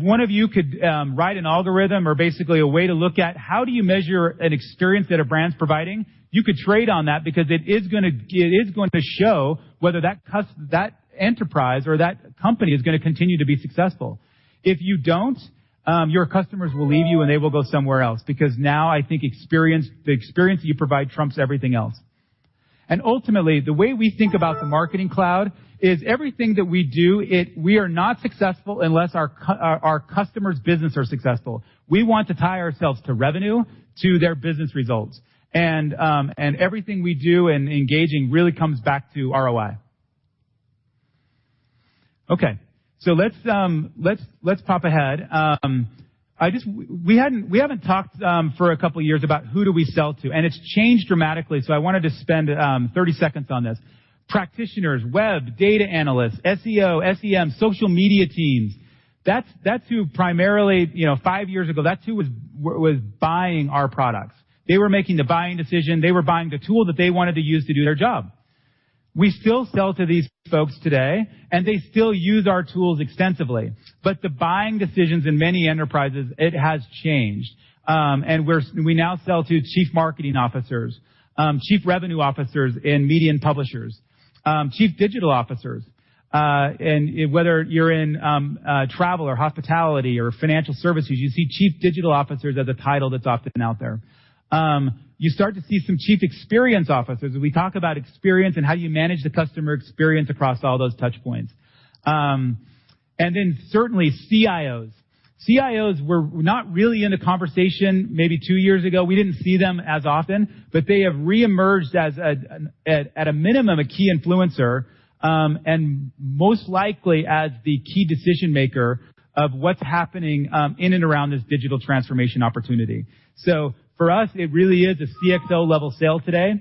one of you could write an algorithm or basically a way to look at how do you measure an experience that a brand's providing, you could trade on that because it is going to show whether that enterprise or that company is going to continue to be successful. If you don't, your customers will leave you, and they will go somewhere else because now I think the experience you provide trumps everything else. Ultimately, the way we think about the Marketing Cloud is everything that we do, we are not successful unless our customers' business are successful. We want to tie ourselves to revenue, to their business results. Everything we do and engaging really comes back to ROI. Okay. Let's pop ahead. We haven't talked for a couple of years about who do we sell to, and it's changed dramatically, so I wanted to spend 30 seconds on this. Practitioners, web, data analysts, SEO, SEM, social media teams. Five years ago, that's who was buying our products. They were making the buying decision. They were buying the tool that they wanted to use to do their job. We still sell to these folks today, and they still use our tools extensively. The buying decisions in many enterprises, it has changed. We now sell to chief marketing officers, chief revenue officers in media and publishers, chief digital officers. Whether you're in travel or hospitality or financial services, you see chief digital officers as a title that's often out there. You start to see some chief experience officers. We talk about experience and how do you manage the customer experience across all those touch points. Then certainly CIOs. CIOs were not really in the conversation maybe two years ago. We didn't see them as often, but they have reemerged as at a minimum, a key influencer, and most likely as the key decision-maker of what's happening in and around this digital transformation opportunity. For us, it really is a CXO-level sale today.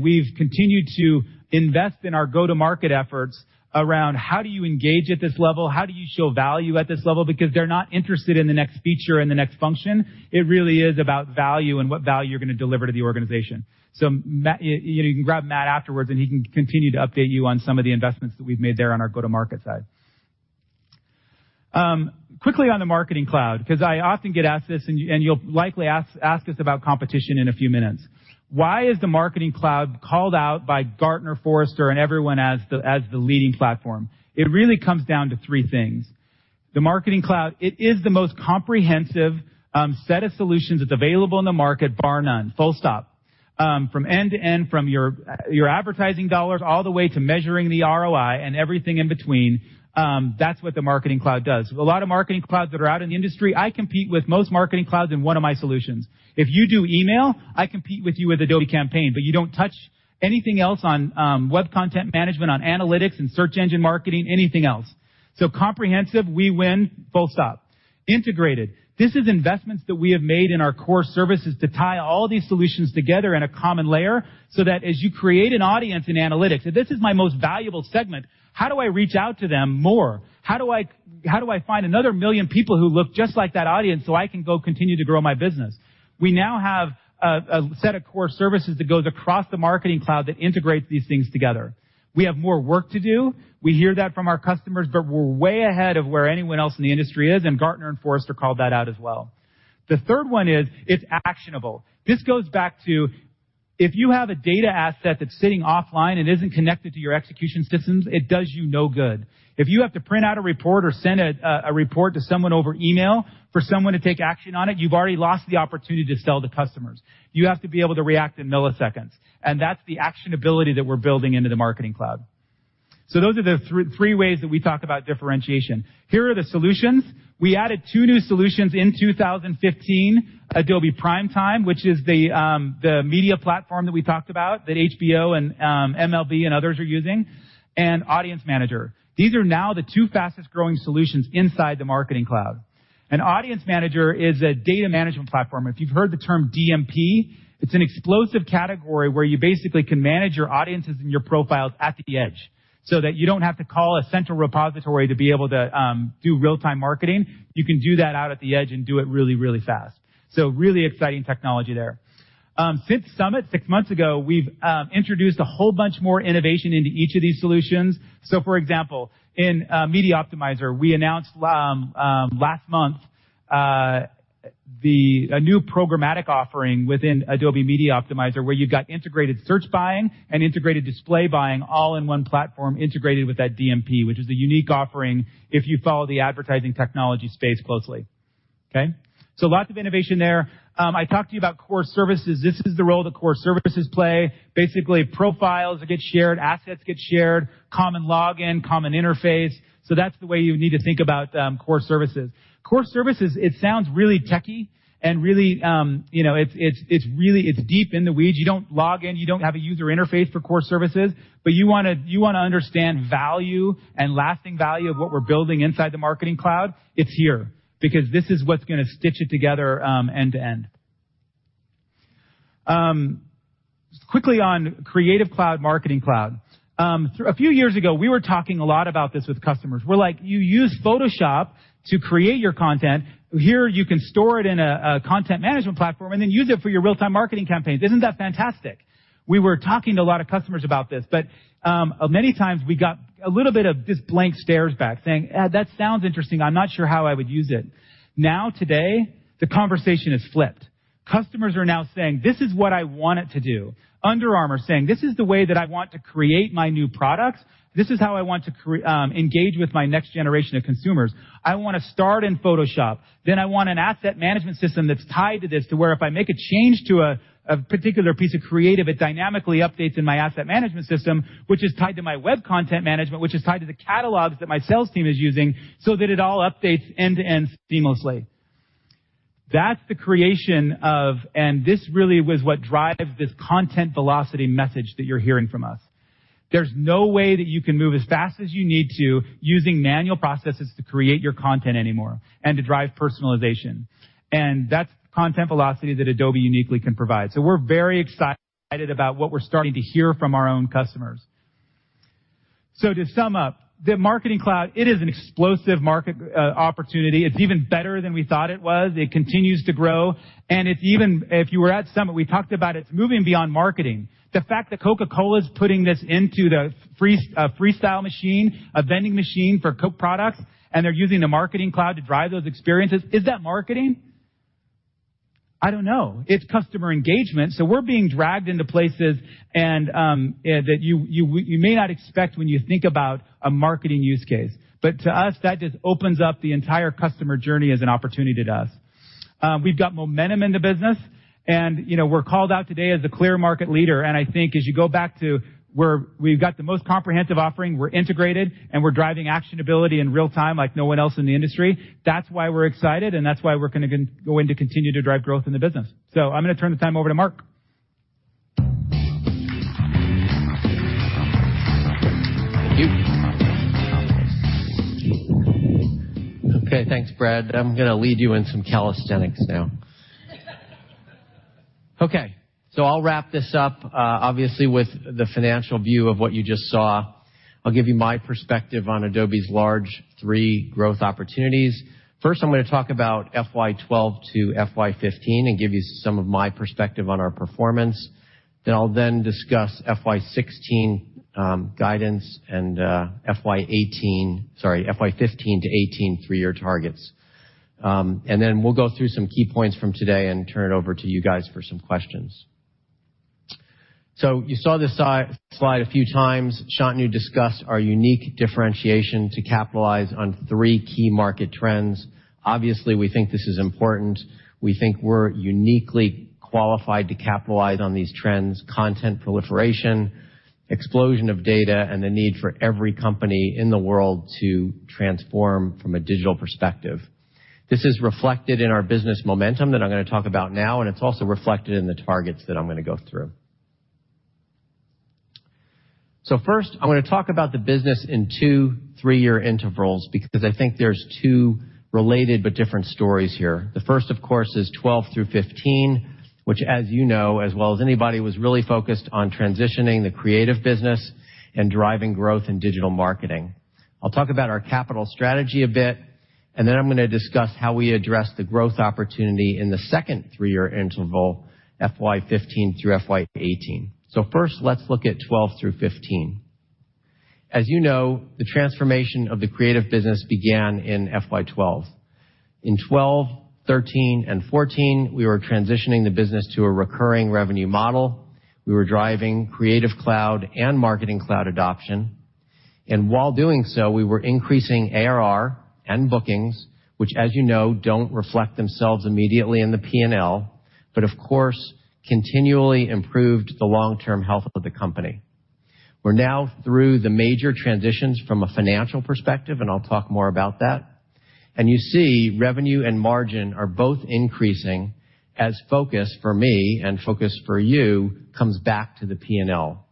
We've continued to invest in our go-to-market efforts around how do you engage at this level? How do you show value at this level? Because they're not interested in the next feature and the next function. It really is about value and what value you're going to deliver to the organization. You can grab Matt afterwards, and he can continue to update you on some of the investments that we've made there on our go-to-market side. Quickly on the Marketing Cloud, because I often get asked this, and you'll likely ask us about competition in a few minutes. Why is the Marketing Cloud called out by Gartner, Forrester, and everyone as the leading platform? It really comes down to three things. The Marketing Cloud, it is the most comprehensive set of solutions that's available in the market, bar none. Full stop. From end to end, from your advertising dollars all the way to measuring the ROI and everything in between, that's what the Marketing Cloud does. A lot of Marketing Clouds that are out in the industry, I compete with most Marketing Clouds in one of my solutions. If you do email, I compete with you with Adobe Campaign, but you don't touch anything else on web content management, on analytics and search engine marketing, anything else. Comprehensive, we win, full stop. Integrated. This is investments that we have made in our core services to tie all these solutions together in a common layer, so that as you create an audience in analytics, if this is my most valuable segment, how do I reach out to them more? How do I find another million people who look just like that audience so I can go continue to grow my business? We now have a set of core services that goes across the Marketing Cloud that integrates these things together. We have more work to do. We hear that from our customers, we're way ahead of where anyone else in the industry is, and Gartner and Forrester called that out as well. The third one is it's actionable. This goes back to, if you have a data asset that's sitting offline and isn't connected to your execution systems, it does you no good. If you have to print out a report or send a report to someone over email for someone to take action on it, you've already lost the opportunity to sell to customers. You have to be able to react in milliseconds, and that's the actionability that we're building into the Marketing Cloud. Those are the three ways that we talk about differentiation. Here are the solutions. We added two new solutions in 2015, Adobe Primetime, which is the media platform that we talked about that HBO and MLB and others are using, and Audience Manager. These are now the two fastest-growing solutions inside the Marketing Cloud. An Audience Manager is a data management platform. If you've heard the term DMP, it's an explosive category where you basically can manage your audiences and your profiles at the edge, so that you don't have to call a central repository to be able to do real-time marketing. You can do that out at the edge and do it really, really fast. Really exciting technology there. Since Summit, six months ago, we've introduced a whole bunch more innovation into each of these solutions. For example, in Media Optimizer, we announced last month a new programmatic offering within Adobe Media Optimizer where you've got integrated search buying and integrated display buying all in one platform integrated with that DMP, which is a unique offering if you follow the advertising technology space closely. Okay? Lots of innovation there. I talked to you about core services. This is the role the core services play. Basically, profiles get shared, assets get shared, common login, common interface. That's the way you need to think about core services. Core services, it sounds really techie, and really it's deep in the weeds. You don't log in, you don't have a user interface for core services. You want to understand value and lasting value of what we're building inside the Marketing Cloud, it's here because this is what's going to stitch it together end to end. Quickly on Creative Cloud, Marketing Cloud. A few years ago, we were talking a lot about this with customers, we're like, "You use Photoshop to create your content. Here, you can store it in a content management platform and then use it for your real-time marketing campaigns. Isn't that fantastic?" We were talking to a lot of customers about this, many times we got a little bit of just blank stares back saying, "That sounds interesting. I'm not sure how I would use it." Today, the conversation has flipped. Customers are now saying, "This is what I want it to do." Under Armour is saying, "This is the way that I want to create my new products. This is how I want to engage with my next generation of consumers. I want to start in Photoshop. I want an asset management system that's tied to this, to where if I make a change to a particular piece of creative, it dynamically updates in my asset management system, which is tied to my web content management, which is tied to the catalogs that my sales team is using so that it all updates end to end seamlessly." That's the creation of, this really was what drives this content velocity message that you're hearing from us. There's no way that you can move as fast as you need to using manual processes to create your content anymore and to drive personalization. That's content velocity that Adobe uniquely can provide. We're very excited about what we're starting to hear from our own customers. To sum up, the Marketing Cloud, it is an explosive market opportunity. It's even better than we thought it was. It continues to grow. If you were at Summit, we talked about it's moving beyond marketing. The fact that Coca-Cola's putting this into the Freestyle machine, a vending machine for Coke products, and they're using the Marketing Cloud to drive those experiences, is that marketing? I don't know. It's customer engagement. We're being dragged into places that you may not expect when you think about a marketing use case. To us, that just opens up the entire customer journey as an opportunity to us. We've got momentum in the business. We're called out today as a clear market leader. I think as you go back to where we've got the most comprehensive offering, we're integrated, and we're driving actionability in real-time like no one else in the industry. That's why we're excited. That's why we're going to continue to drive growth in the business. I'm going to turn the time over to Mark. Thank you. Thanks, Brad. I'm going to lead you in some calisthenics now. I'll wrap this up, obviously, with the financial view of what you just saw. I'll give you my perspective on Adobe's large three growth opportunities. First, I'm going to talk about FY 2012 to FY 2015 and give you some of my perspective on our performance. I'll then discuss FY 2016 guidance and FY 2018, sorry, FY 2015 to 2018 three-year targets. We'll go through some key points from today and turn it over to you guys for some questions. You saw this slide a few times. Shantanu discussed our unique differentiation to capitalize on three key market trends. Obviously, we think this is important. We think we're uniquely qualified to capitalize on these trends, content proliferation, explosion of data, the need for every company in the world to transform from a digital perspective. This is reflected in our business momentum that I'm going to talk about now. It's also reflected in the targets that I'm going to go through. First, I'm going to talk about the business in two three-year intervals because I think there's two related but different stories here. The first, of course, is 2012 through 2015, which, as you know as well as anybody, was really focused on transitioning the creative business, driving growth in digital marketing. I'll talk about our capital strategy a bit. I'm going to discuss how we address the growth opportunity in the second three-year interval, FY 2015 through FY 2018. First, let's look at 2012 through 2015. As you know, the transformation of the Creative business began in FY 2012. In 2012, 2013, and 2014, we were transitioning the business to a recurring revenue model. We were driving Adobe Creative Cloud and Adobe Marketing Cloud adoption. While doing so, we were increasing ARR and bookings, which, as you know, don't reflect themselves immediately in the P&L, but, of course, continually improved the long-term health of the company. We're now through the major transitions from a financial perspective, and I'll talk more about that. You see revenue and margin are both increasing as focus for me and focus for you comes back to the P&L.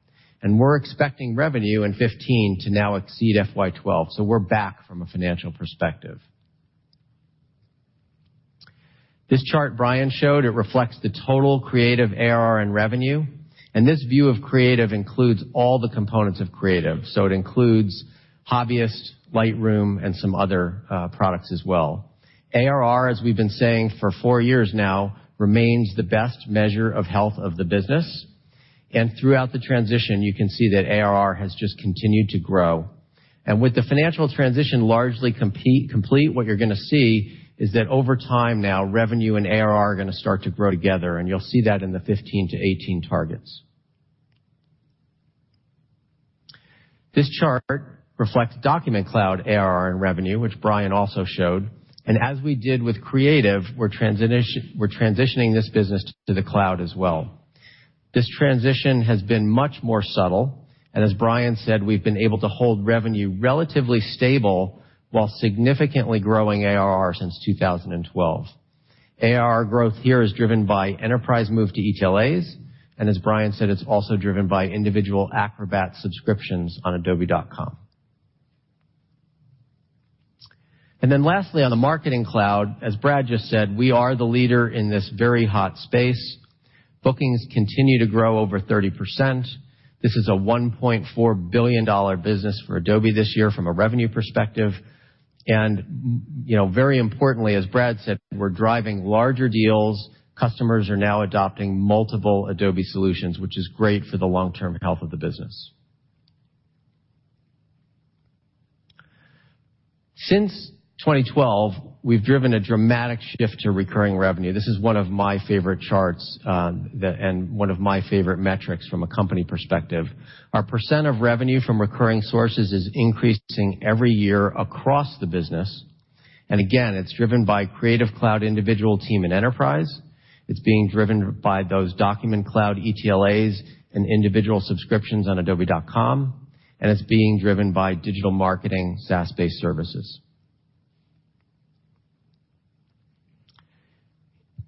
We're expecting revenue in 2015 to now exceed FY 2012. We're back from a financial perspective. This chart Brian showed, it reflects the total Creative ARR and revenue, and this view of Creative includes all the components of Creative. It includes Hobbyist, Lightroom, and some other products as well. ARR, as we've been saying for four years now, remains the best measure of health of the business. Throughout the transition, you can see that ARR has just continued to grow. With the financial transition largely complete, what you're going to see is that over time now, revenue and ARR are going to start to grow together, and you'll see that in the 2015 to 2018 targets. This chart reflects Adobe Document Cloud ARR and revenue, which Brian also showed. As we did with Creative, we're transitioning this business to the cloud as well. This transition has been much more subtle, and as Brian said, we've been able to hold revenue relatively stable while significantly growing ARR since 2012. ARR growth here is driven by enterprise move to ETLAs, as Brian said, it's also driven by individual Adobe Acrobat subscriptions on adobe.com. Lastly, on the Adobe Marketing Cloud, as Brad just said, we are the leader in this very hot space. Bookings continue to grow over 30%. This is a $1.4 billion business for Adobe this year from a revenue perspective. Very importantly, as Brad said, we're driving larger deals. Customers are now adopting multiple Adobe solutions, which is great for the long-term health of the business. Since 2012, we've driven a dramatic shift to recurring revenue. This is one of my favorite charts and one of my favorite metrics from a company perspective. Our % of revenue from recurring sources is increasing every year across the business. Again, it's driven by Adobe Creative Cloud Individual, Team, and Enterprise. It's being driven by those Adobe Document Cloud ETLAs and individual subscriptions on adobe.com, and it's being driven by digital marketing SaaS-based services.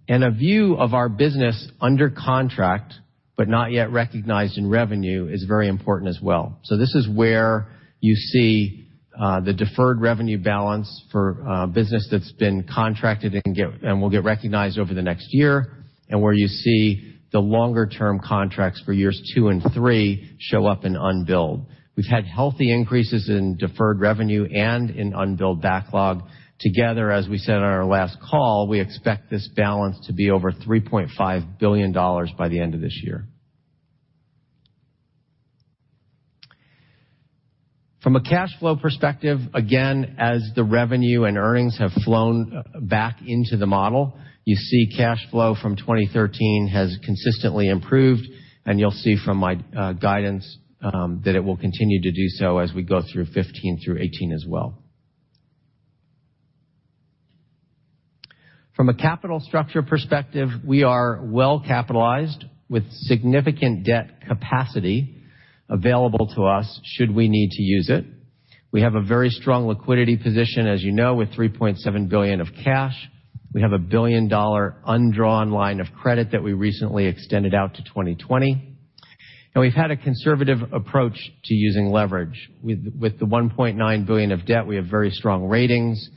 A view of our business under contract, but not yet recognized in revenue is very important as well. This is where you see the deferred revenue balance for business that's been contracted and will get recognized over the next year, and where you see the longer-term contracts for years two and three show up in unbilled. We've had healthy increases in deferred revenue and in unbilled backlog together. As we said on our last call, we expect this balance to be over $3.5 billion by the end of this year. From a cash flow perspective, again, as the revenue and earnings have flown back into the model, you see cash flow from 2013 has consistently improved, and you'll see from my guidance that it will continue to do so as we go through 2015 through 2018 as well. From a capital structure perspective, we are well capitalized with significant debt capacity available to us should we need to use it. We have a very strong liquidity position, as you know, with $3.7 billion of cash. We have a billion-dollar undrawn line of credit that we recently extended out to 2020. We've had a conservative approach to using leverage. With the $1.9 billion of debt, we have very strong ratings,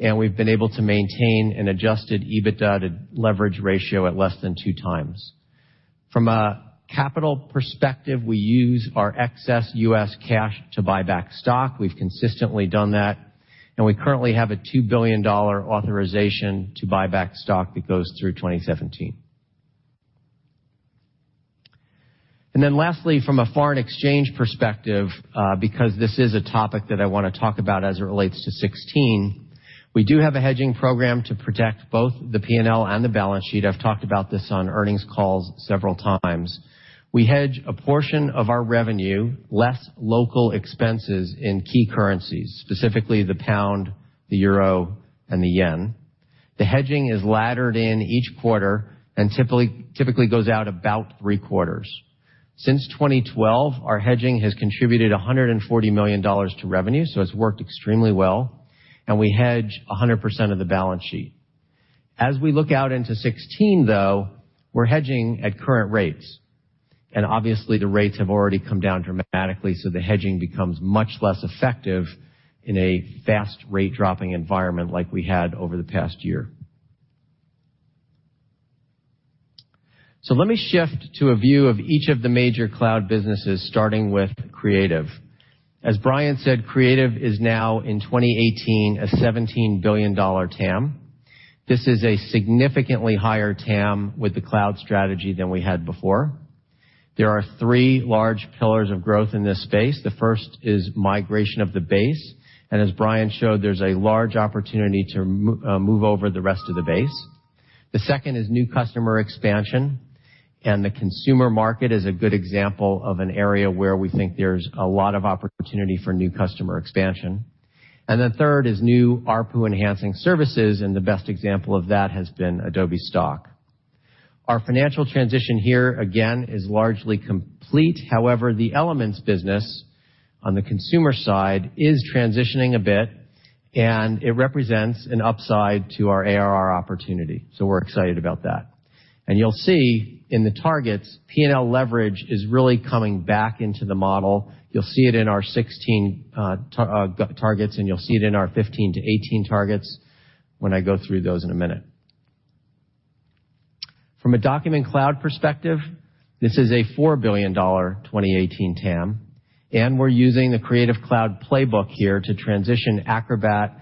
and we've been able to maintain an adjusted EBITDA leverage ratio at less than two times. From a capital perspective, we use our excess U.S. cash to buy back stock. We've consistently done that, we currently have a $2 billion authorization to buy back stock that goes through 2017. Lastly, from a foreign exchange perspective, because this is a topic that I want to talk about as it relates to 2016, we do have a hedging program to protect both the P&L and the balance sheet. I've talked about this on earnings calls several times. We hedge a portion of our revenue, less local expenses in key currencies, specifically the pound, the euro, and the yen. The hedging is laddered in each quarter and typically goes out about three quarters. Since 2012, our hedging has contributed $140 million to revenue, so it's worked extremely well, and we hedge 100% of the balance sheet. As we look out into 2016 though, we're hedging at current rates, and obviously the rates have already come down dramatically, so the hedging becomes much less effective in a fast rate dropping environment like we had over the past year. Let me shift to a view of each of the major cloud businesses, starting with Creative. As Brian said, Creative is now in 2018, a $17 billion TAM. This is a significantly higher TAM with the cloud strategy than we had before. There are three large pillars of growth in this space. The first is migration of the base, and as Brian showed, there's a large opportunity to move over the rest of the base. The second is new customer expansion, and the consumer market is a good example of an area where we think there's a lot of opportunity for new customer expansion. The third is new ARPU enhancing services, and the best example of that has been Adobe Stock. Our financial transition here again is largely complete. However, the elements business on the consumer side is transitioning a bit, and it represents an upside to our ARR opportunity, so we're excited about that. You'll see in the targets, P&L leverage is really coming back into the model. You'll see it in our 2016 targets, and you'll see it in our 2015 to 2018 targets when I go through those in a minute. From a Document Cloud perspective, this is a $4 billion 2018 TAM, and we're using the Creative Cloud playbook here to transition Acrobat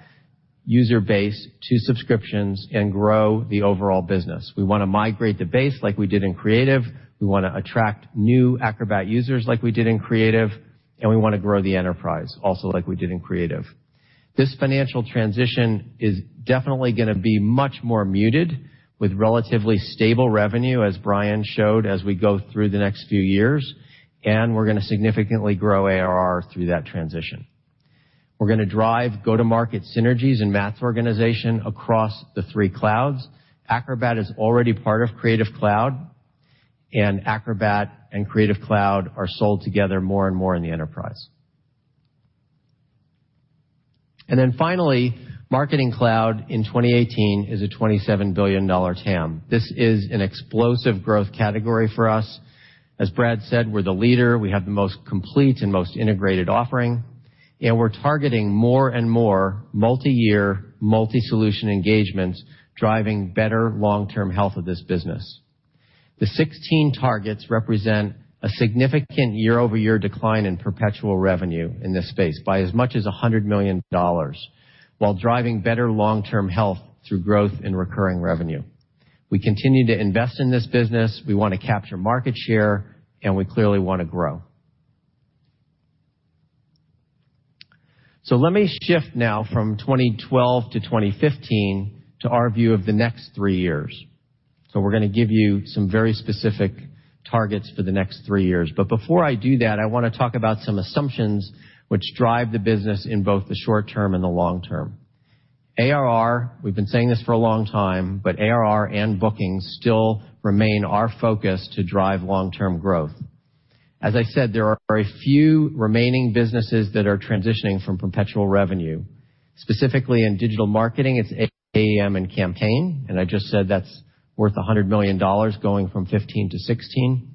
user base to subscriptions and grow the overall business. We want to migrate the base like we did in Creative. We want to attract new Acrobat users like we did in Creative, we want to grow the enterprise also like we did in Creative. This financial transition is definitely going to be much more muted with relatively stable revenue, as Brian showed as we go through the next few years, we're going to significantly grow ARR through that transition. We're going to drive go-to-market synergies and Matt's organization across the three clouds. Acrobat is already part of Creative Cloud, and Acrobat and Creative Cloud are sold together more and more in the enterprise. Finally, Marketing Cloud in 2018 is a $27 billion TAM. This is an explosive growth category for us. As Brad said, we're the leader. We have the most complete and most integrated offering, and we're targeting more and more multi-year, multi-solution engagements, driving better long-term health of this business. The 2016 targets represent a significant year-over-year decline in perpetual revenue in this space by as much as $100 million, while driving better long-term health through growth in recurring revenue. We continue to invest in this business. We want to capture market share, we clearly want to grow. Let me shift now from 2012 to 2015 to our view of the next three years. We're going to give you some very specific targets for the next three years. Before I do that, I want to talk about some assumptions which drive the business in both the short term and the long term. ARR, we've been saying this for a long time, ARR and bookings still remain our focus to drive long-term growth. As I said, there are a few remaining businesses that are transitioning from perpetual revenue. Specifically in Digital Marketing, it's AEM and Campaign, I just said that's worth $100 million going from 2015 to 2016,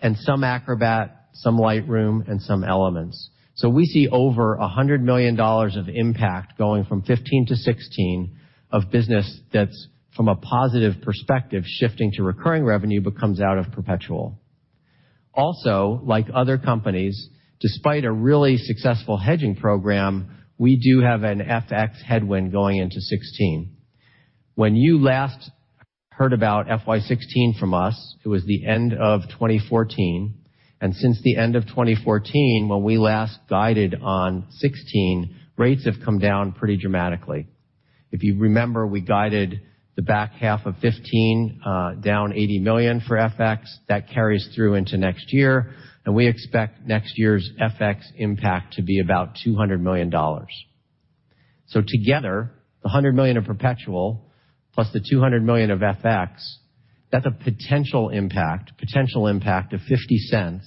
and some Acrobat, some Lightroom, and some Elements. We see over $100 million of impact going from 2015 to 2016 of business that's from a positive perspective, shifting to recurring revenue, comes out of perpetual. Like other companies, despite a really successful hedging program, we do have an FX headwind going into 2016. When you last heard about FY 2016 from us, it was the end of 2014. Since the end of 2014, when we last guided on 2016, rates have come down pretty dramatically. If you remember, we guided the back half of 2015 down $80 million for FX. That carries through into next year, we expect next year's FX impact to be about $200 million. Together, the $100 million of perpetual plus the $200 million of FX, that's a potential impact of $0.50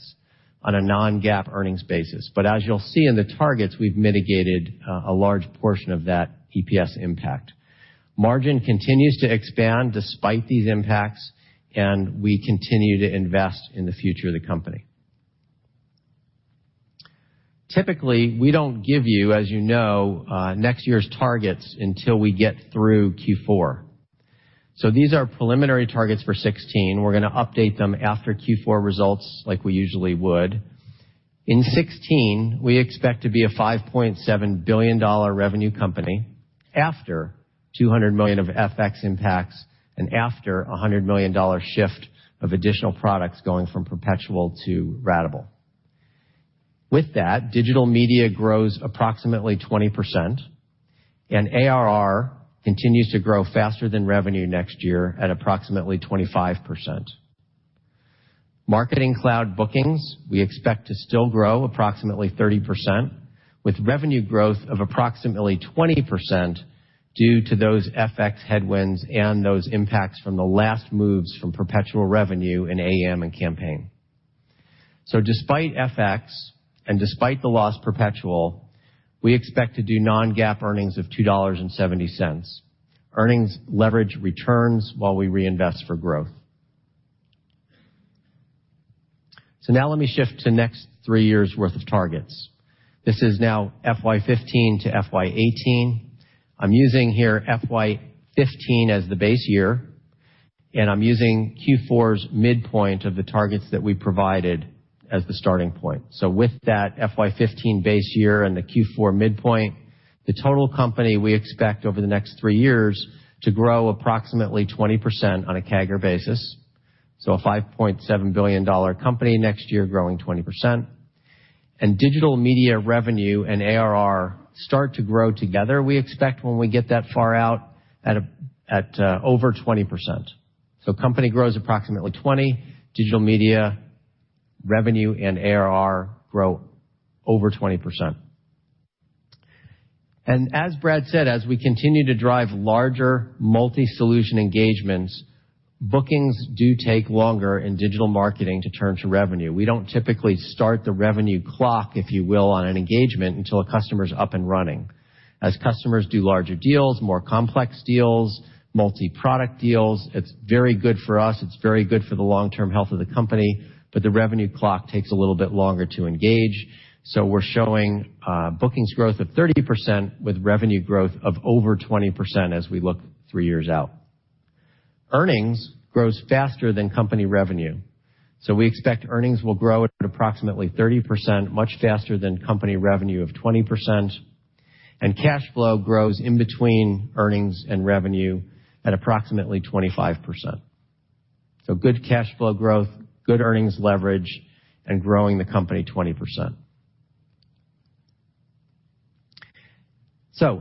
on a non-GAAP earnings basis. As you'll see in the targets, we've mitigated a large portion of that EPS impact. Margin continues to expand despite these impacts, we continue to invest in the future of the company. Typically, we don't give you, as you know, next year's targets until we get through Q4. These are preliminary targets for 2016. We're going to update them after Q4 results like we usually would. In 2016, we expect to be a $5.7 billion revenue company after $200 million of FX impacts and after $100 million shift of additional products going from perpetual to ratable. With that, Digital Media grows approximately 20%, ARR continues to grow faster than revenue next year at approximately 25%. Marketing Cloud bookings, we expect to still grow approximately 30%, with revenue growth of approximately 20% due to those FX headwinds and those impacts from the last moves from perpetual revenue in AEM and Campaign. Despite FX and despite the loss perpetual, we expect to do non-GAAP earnings of $2.70. Earnings leverage returns while we reinvest for growth. Now let me shift to next three years' worth of targets. This is now FY 2015 to FY 2018. I am using here FY 2015 as the base year, and I am using Q4's midpoint of the targets that we provided as the starting point. With that FY 2015 base year and the Q4 midpoint, the total company, we expect over the next three years to grow approximately 20% on a CAGR basis. A $5.7 billion company next year growing 20%. Digital media revenue and ARR start to grow together, we expect when we get that far out at over 20%. Company grows approximately 20%, digital media revenue and ARR grow over 20%. As Brad said, as we continue to drive larger multi-solution engagements, bookings do take longer in Digital Marketing to turn to revenue. We do not typically start the revenue clock, if you will, on an engagement until a customer is up and running. As customers do larger deals, more complex deals, multi-product deals, it is very good for us, it is very good for the long-term health of the company, but the revenue clock takes a little bit longer to engage. We are showing bookings growth of 30% with revenue growth of over 20% as we look three years out. Earnings grows faster than company revenue. We expect earnings will grow at approximately 30%, much faster than company revenue of 20%, and cash flow grows in between earnings and revenue at approximately 25%. Good cash flow growth, good earnings leverage, and growing the company 20%.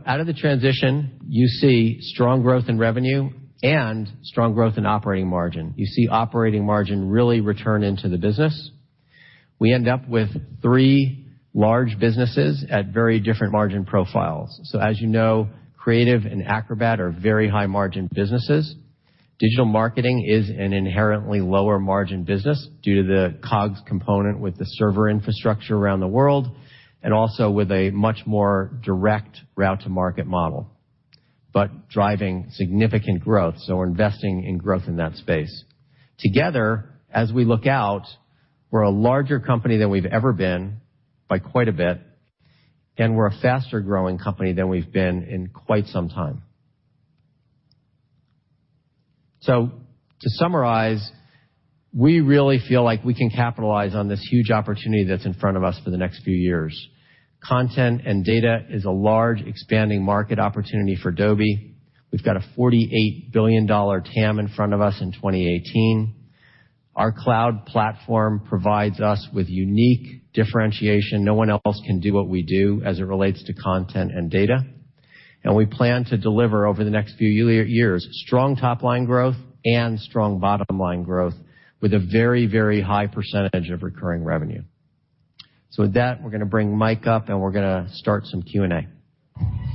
Out of the transition, you see strong growth in revenue and strong growth in operating margin. You see operating margin really return into the business. We end up with three large businesses at very different margin profiles. As you know, Creative and Acrobat are very high margin businesses. Digital Marketing is an inherently lower margin business due to the COGS component with the server infrastructure around the world, and also with a much more direct route to market model, but driving significant growth. We are investing in growth in that space. Together, as we look out, we are a larger company than we have ever been by quite a bit, and we are a faster-growing company than we have been in quite some time. To summarize, we really feel like we can capitalize on this huge opportunity that is in front of us for the next few years. Content and data is a large expanding market opportunity for Adobe. We have got a $48 billion TAM in front of us in 2018. Our cloud platform provides us with unique differentiation. No one else can do what we do as it relates to content and data. We plan to deliver over the next few years, strong top-line growth and strong bottom-line growth with a very high percentage of recurring revenue. With that, we are going to bring Mike up and we are going to start some Q&A.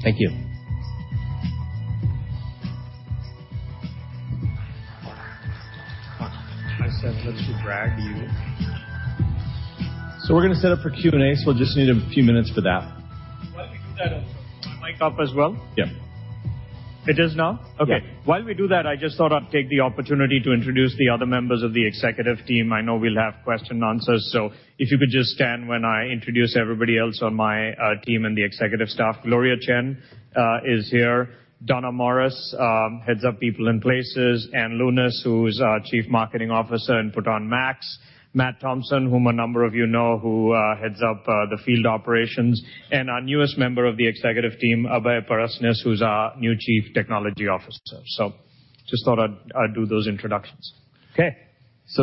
Thank you. I said let you brag you in. We're going to set up for Q&A, so we'll just need a few minutes for that. While we do that, I'll put my mic up as well. Yeah. It is now? Okay. Yeah. While we do that, I just thought I'd take the opportunity to introduce the other members of the executive team. I know we'll have question and answers, so if you could just stand when I introduce everybody else on my team and the executive staff. Gloria Chen is here. Donna Morris heads up People & Places. Ann Lewnes, who's our Chief Marketing Officer and put on Adobe MAX. Matt Thompson, whom a number of you know, who heads up the field operations, and our newest member of the executive team, Abhay Parasnis, who's our new Chief Technology Officer. Just thought I'd do those introductions.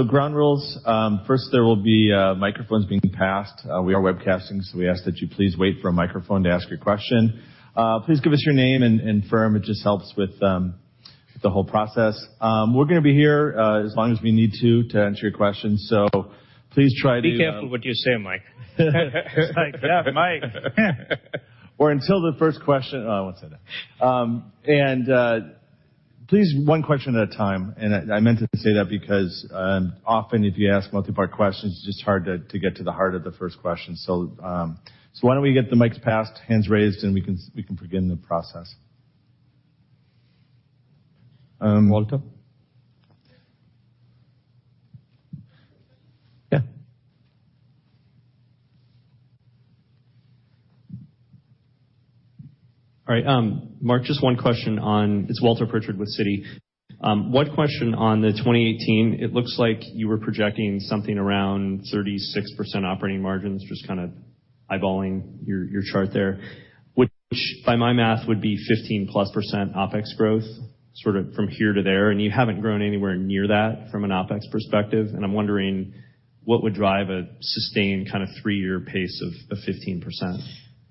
Ground rules. First, there will be microphones being passed. We are webcasting, so we ask that you please wait for a microphone to ask your question. Please give us your name and firm. It just helps with the whole process. We're going to be here as long as we need to answer your questions, so please try to Be careful what you say, Mike. It's like, yeah, Mike. Or until the first question Oh, I won't say that. Please one question at a time, and I meant to say that because often if you ask multi-part questions, it's just hard to get to the heart of the first question. Why don't we get the mics passed, hands raised, and we can begin the process. Walter. Yeah. All right. Mark, just one question on, it's Walter Pritchard with Citi. One question on the 2018. It looks like you were projecting something around 36% operating margins, just kind of eyeballing your chart there, which by my math would be 15-plus % OpEx growth sort of from here to there, you haven't grown anywhere near that from an OpEx perspective, I'm wondering what would drive a sustained kind of three-year pace of 15%?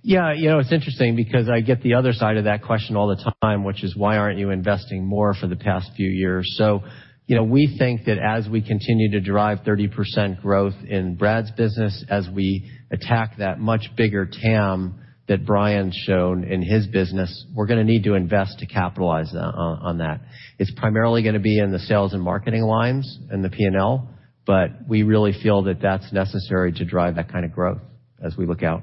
Yeah. It's interesting because I get the other side of that question all the time, which is why aren't you investing more for the past few years? We think that as we continue to drive 30% growth in Brad's business, as we attack that much bigger TAM that Brian's shown in his business, we're going to need to invest to capitalize on that. It's primarily going to be in the sales and marketing lines and the P&L, we really feel that that's necessary to drive that kind of growth as we look out.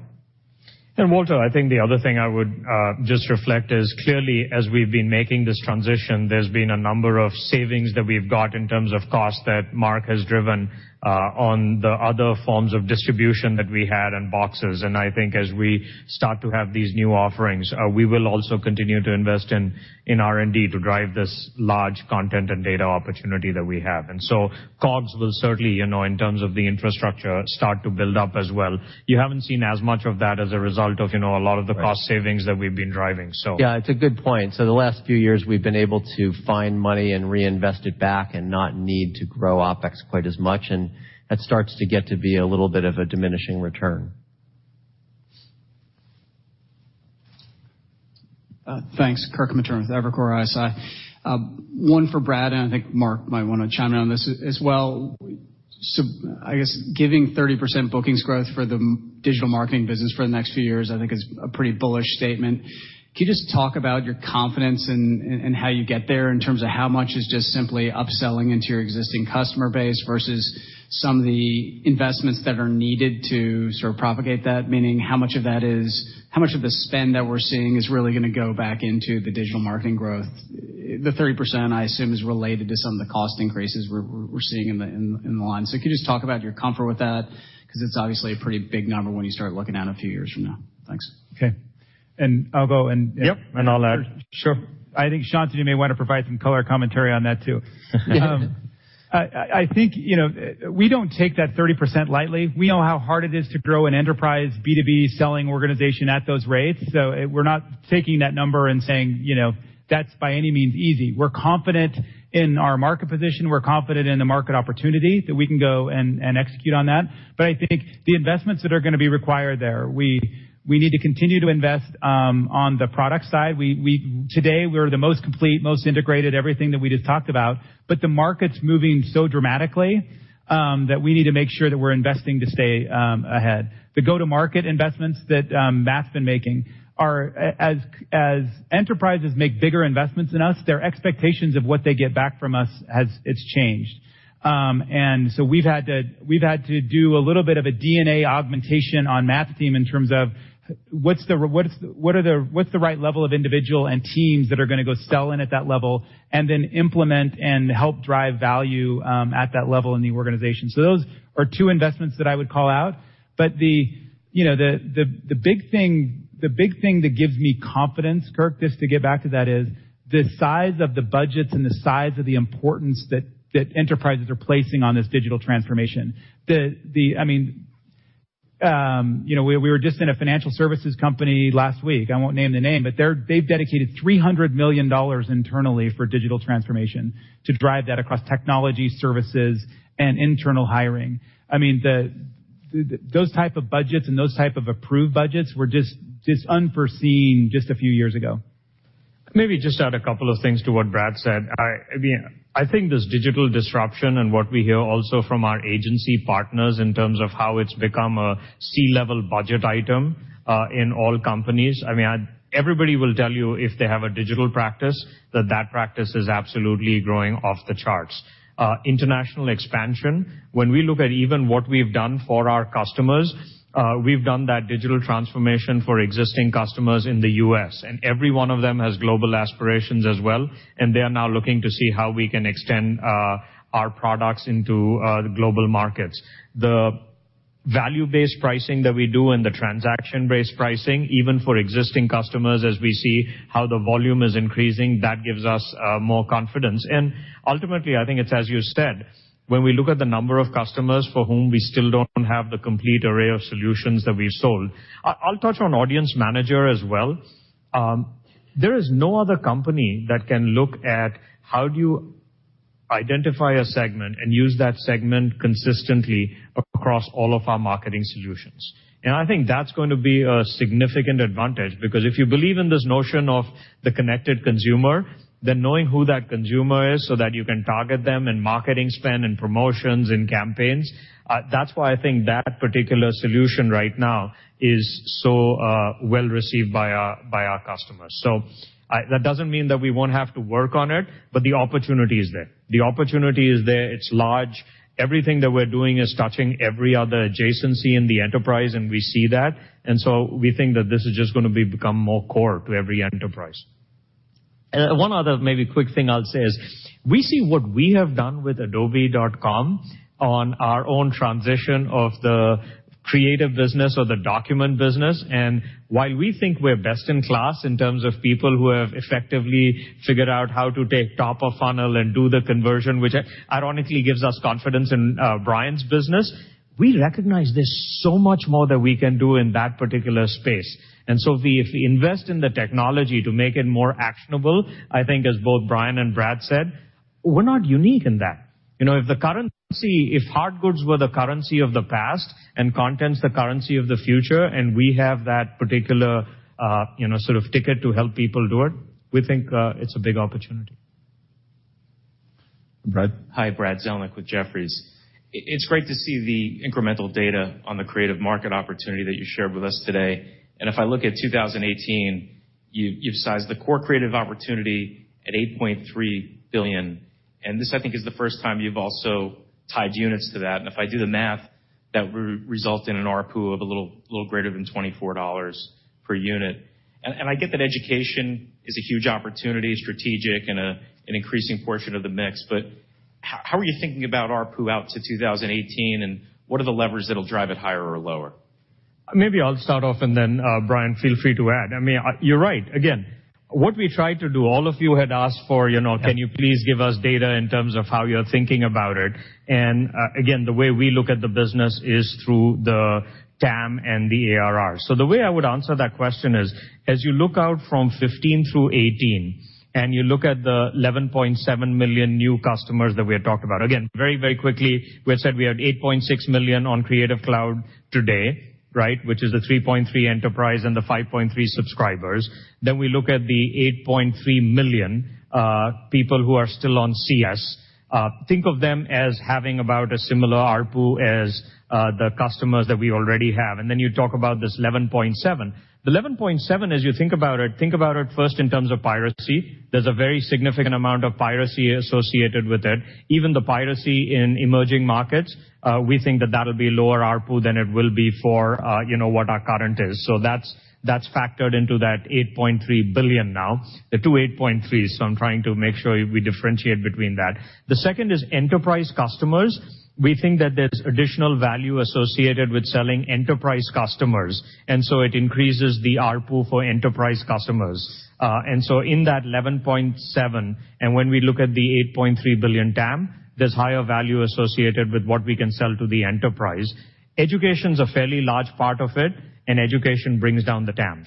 Walter, I think the other thing I would just reflect is clearly as we've been making this transition, there's been a number of savings that we've got in terms of cost that Mark has driven on the other forms of distribution that we had and boxes. I think as we start to have these new offerings, we will also continue to invest in R&D to drive this large content and data opportunity that we have. COGS will certainly, in terms of the infrastructure, start to build up as well. You haven't seen as much of that as a result of a lot of the cost savings that we've been driving. Yeah, it's a good point. The last few years we've been able to find money and reinvest it back and not need to grow OpEx quite as much, that starts to get to be a little bit of a diminishing return. Thanks. Kirk Materne with Evercore ISI. One for Brad, and I think Mark might want to chime in on this as well. I guess giving 30% bookings growth for the digital marketing business for the next few years I think is a pretty bullish statement. Can you just talk about your confidence and how you get there in terms of how much is just simply upselling into your existing customer base versus some of the investments that are needed to sort of propagate that? Meaning how much of the spend that we're seeing is really going to go back into the digital marketing growth? The 30%, I assume, is related to some of the cost increases we're seeing in the line. Can you just talk about your comfort with that? Because it's obviously a pretty big number when you start looking out a few years from now. Thanks. Okay. I'll go. Yep. I'll add. Sure. I think, Shantanu, you may want to provide some color commentary on that, too. I think we don't take that 30% lightly. We know how hard it is to grow an enterprise B2B selling organization at those rates. We're not taking that number and saying that's by any means easy. We're confident in our market position. We're confident in the market opportunity that we can go and execute on that. I think the investments that are going to be required there, we need to continue to invest on the product side. Today, we're the most complete, most integrated everything that we just talked about, but the market's moving so dramatically, that we need to make sure that we're investing to stay ahead. The go-to-market investments that Matt's been making are as enterprises make bigger investments in us, their expectations of what they get back from us has changed. We've had to do a little bit of a DNA augmentation on Matt's team in terms of what's the right level of individual and teams that are going to go sell in at that level and then implement and help drive value at that level in the organization. Those are two investments that I would call out. The big thing that gives me confidence, Kirk, just to get back to that is the size of the budgets and the size of the importance that enterprises are placing on this digital transformation. We were just in a financial services company last week. I won't name the name, but they've dedicated $300 million internally for digital transformation to drive that across technology services and internal hiring. Those type of budgets and those type of approved budgets were just unforeseen just a few years ago. Maybe just add a couple of things to what Brad said. I think this digital disruption and what we hear also from our agency partners in terms of how it's become a C-level budget item, in all companies. Everybody will tell you if they have a digital practice, that practice is absolutely growing off the charts. International expansion, when we look at even what we've done for our customers, we've done that digital transformation for existing customers in the U.S., and every one of them has global aspirations as well, and they are now looking to see how we can extend our products into the global markets. The value-based pricing that we do and the transaction-based pricing, even for existing customers, as we see how the volume is increasing, that gives us more confidence. Ultimately, I think it's as you said, when we look at the number of customers for whom we still don't have the complete array of solutions that we've sold. I'll touch on Audience Manager as well. There is no other company that can look at how do you identify a segment and use that segment consistently across all of our marketing solutions. I think that's going to be a significant advantage because if you believe in this notion of the connected consumer, then knowing who that consumer is so that you can target them and marketing spend and promotions and campaigns, that's why I think that particular solution right now is so well-received by our customers. That doesn't mean that we won't have to work on it, but the opportunity is there. The opportunity is there. It's large. Everything that we're doing is touching every other adjacency in the enterprise, and we see that. We think that this is just going to become more core to every enterprise. One other maybe quick thing I'll say is we see what we have done with adobe.com on our own transition of the creative business or the document business, and while we think we're best in class in terms of people who have effectively figured out how to take top of funnel and do the conversion, which ironically gives us confidence in Brian's business, we recognize there's so much more that we can do in that particular space. If we invest in the technology to make it more actionable, I think as both Brian and Brad said, we're not unique in that. If hard goods were the currency of the past and content's the currency of the future, and we have that particular sort of ticket to help people do it, we think it's a big opportunity. Brad? Hi, Brad Zelnick with Jefferies. It's great to see the incremental data on the creative market opportunity that you shared with us today. If I look at 2018 You've sized the core creative opportunity at $8.3 billion, and this, I think, is the first time you've also tied units to that, and if I do the math, that would result in an ARPU of a little greater than $24 per unit. I get that education is a huge opportunity, strategic, and an increasing portion of the mix, but how are you thinking about ARPU out to 2018, and what are the levers that'll drive it higher or lower? Maybe I'll start off, and then Brian, feel free to add. You're right. Again, what we tried to do, all of you had asked for, can you please give us data in terms of how you're thinking about it? Again, the way we look at the business is through the TAM and the ARR. The way I would answer that question is, as you look out from 2015 through 2018, and you look at the 11.7 million new customers that we had talked about. Again, very quickly, we had said we had 8.6 million on Creative Cloud today, which is the 3.3 enterprise and the 5.3 subscribers. We look at the 8.3 million people who are still on CS. Think of them as having about a similar ARPU as the customers that we already have. Then you talk about this 11.7. The $11.7 billion, as you think about it, think about it first in terms of piracy. There's a very significant amount of piracy associated with it. Even the piracy in emerging markets, we think that that'll be lower ARPU than it will be for what our current is. That's factored into that $8.3 billion now, the two 8.3s, I'm trying to make sure we differentiate between that. The second is enterprise customers. We think that there's additional value associated with selling enterprise customers, and so it increases the ARPU for enterprise customers. In that $11.7 billion, and when we look at the $8.3 billion TAM, there's higher value associated with what we can sell to the enterprise. Education's a fairly large part of it, and education brings down the TAM.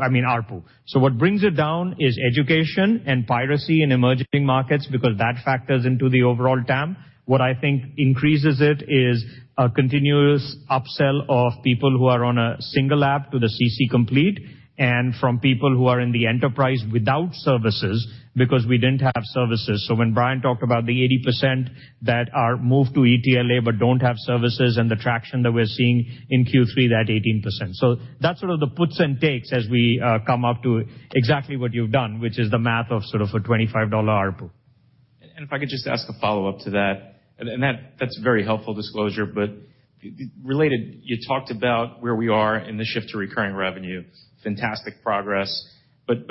I mean ARPU. What brings it down is education and piracy in emerging markets because that factors into the overall TAM. What I think increases it is a continuous upsell of people who are on a single app to the CC Complete and from people who are in the enterprise without services because we didn't have services. When Brian talked about the 80% that are moved to ETLA but don't have services and the traction that we're seeing in Q3, that 18%. That's sort of the puts and takes as we come up to exactly what you've done, which is the math of sort of a $25 ARPU. If I could just ask a follow-up to that's a very helpful disclosure. Related, you talked about where we are in the shift to recurring revenue. Fantastic progress.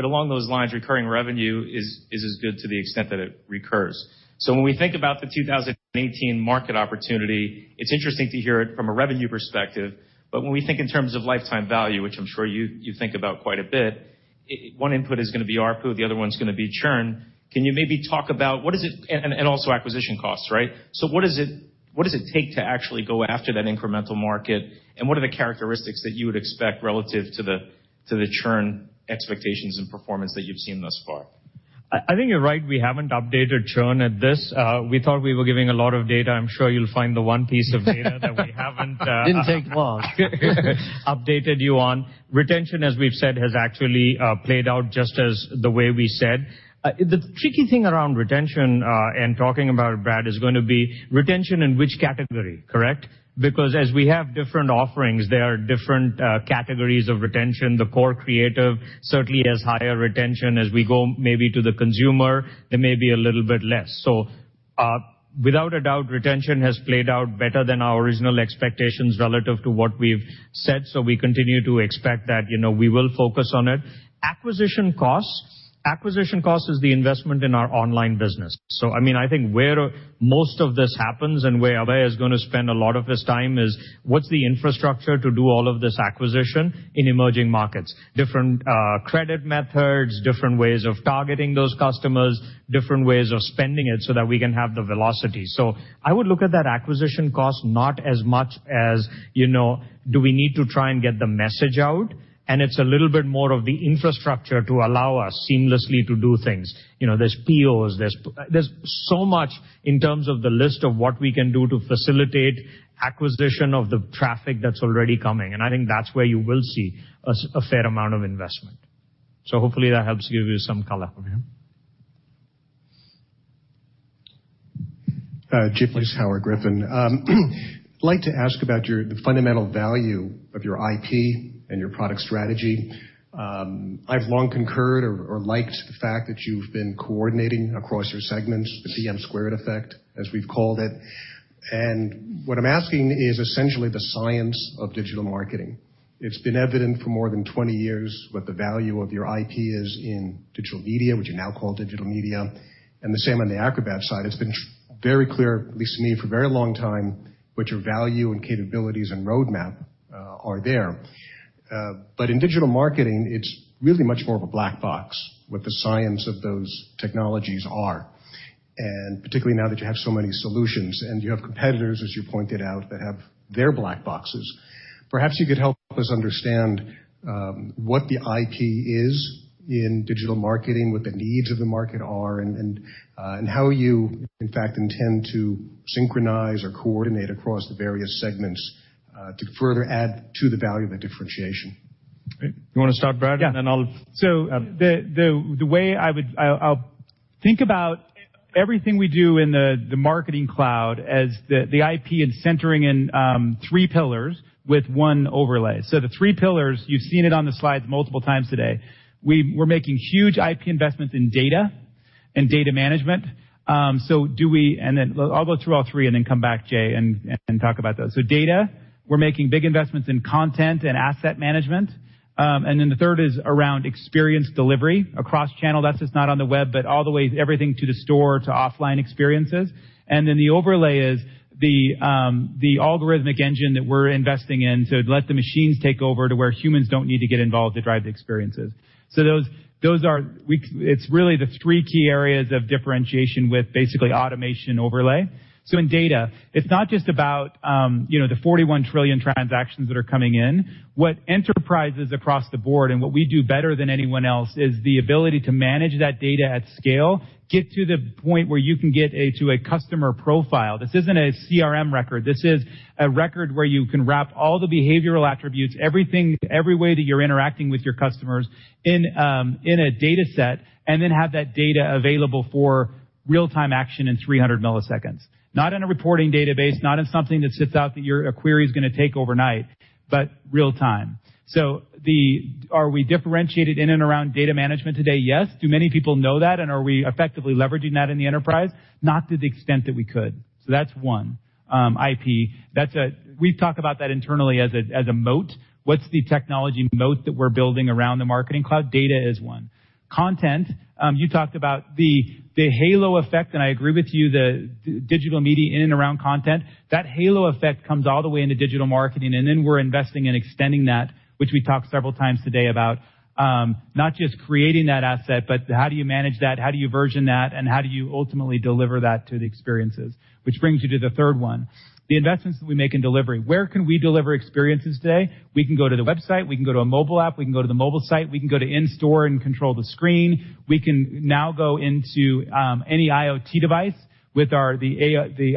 Along those lines, recurring revenue is as good to the extent that it recurs. When we think about the 2018 market opportunity, it's interesting to hear it from a revenue perspective, but when we think in terms of lifetime value, which I'm sure you think about quite a bit, one input is going to be ARPU, the other one's going to be churn. Can you maybe talk about what is it, and also acquisition costs, right? What does it take to actually go after that incremental market, and what are the characteristics that you would expect relative to the churn expectations and performance that you've seen thus far? I think you're right, we haven't updated churn at this. We thought we were giving a lot of data. I'm sure you'll find the one piece of data that we haven't. Didn't take long. Updated you on. Retention, as we've said, has actually played out just as the way we said. The tricky thing around retention, and talking about it, Brad, is going to be retention in which category, correct? Because as we have different offerings, there are different categories of retention. The core creative certainly has higher retention. As we go maybe to the consumer, there may be a little bit less. Without a doubt, retention has played out better than our original expectations relative to what we've said, so we continue to expect that. We will focus on it. Acquisition costs. Acquisition costs is the investment in our online business. I think where most of this happens and where Abhay is going to spend a lot of his time is what's the infrastructure to do all of this acquisition in emerging markets? Different credit methods, different ways of targeting those customers, different ways of spending it so that we can have the velocity. I would look at that acquisition cost not as much as do we need to try and get the message out, and it's a little bit more of the infrastructure to allow us seamlessly to do things. There's POs. There's so much in terms of the list of what we can do to facilitate acquisition of the traffic that's already coming, and I think that's where you will see a fair amount of investment. Hopefully that helps give you some color. Okay. Jefferies, Jay Vleeschhouwer. I'd like to ask about the fundamental value of your IP and your product strategy. I've long concurred or liked the fact that you've been coordinating across your segments, the DM squared effect, as we've called it. What I'm asking is essentially the science of digital marketing. It's been evident for more than 20 years what the value of your IP is in digital media, which you now call digital media, and the same on the Adobe Acrobat side. It's been very clear, at least to me, for a very long time, what your value and capabilities and roadmap are there. In digital marketing, it's really much more of a black box what the science of those technologies are, and particularly now that you have so many solutions, and you have competitors, as you pointed out, that have their black boxes. Perhaps you could help us understand what the IP is in digital marketing, what the needs of the market are, and how you, in fact, intend to synchronize or coordinate across the various segments, to further add to the value of the differentiation. You want to start, Brad? Yeah. I'll. The way I'll. Think about everything we do in the Marketing Cloud as the IP and centering in three pillars with one overlay. The three pillars, you've seen it on the slides multiple times today. We're making huge IP investments in data and data management. I'll go through all three and then come back, Jay, and talk about those. Data, we're making big investments in content and asset management. The third is around experience delivery across channel. That's just not on the web, but all the way, everything to the store to offline experiences. The overlay is the algorithmic engine that we're investing in to let the machines take over to where humans don't need to get involved to drive the experiences. It's really the three key areas of differentiation with basically automation overlay. In data, it's not just about the 41 trillion transactions that are coming in. What enterprises across the board and what we do better than anyone else is the ability to manage that data at scale, get to the point where you can get to a customer profile. This isn't a CRM record. This is a record where you can wrap all the behavioral attributes, every way that you're interacting with your customers in a data set, and then have that data available for real-time action in 300 milliseconds. Not in a reporting database, not in something that sits out that your query is going to take overnight, but real-time. Are we differentiated in and around data management today? Yes. Do many people know that, and are we effectively leveraging that in the enterprise? Not to the extent that we could. That's one IP. We've talked about that internally as a moat. What's the technology moat that we're building around the Marketing Cloud? Data is one. Content, you talked about the halo effect, and I agree with you, the digital media in and around content. That halo effect comes all the way into digital marketing, and then we're investing in extending that, which we talked several times today about, not just creating that asset, but how do you manage that, how do you version that, and how do you ultimately deliver that to the experiences? Which brings you to the third one, the investments that we make in delivery. Where can we deliver experiences today? We can go to the website, we can go to a mobile app, we can go to the mobile site, we can go to in-store and control the screen. We can now go into any IoT device with the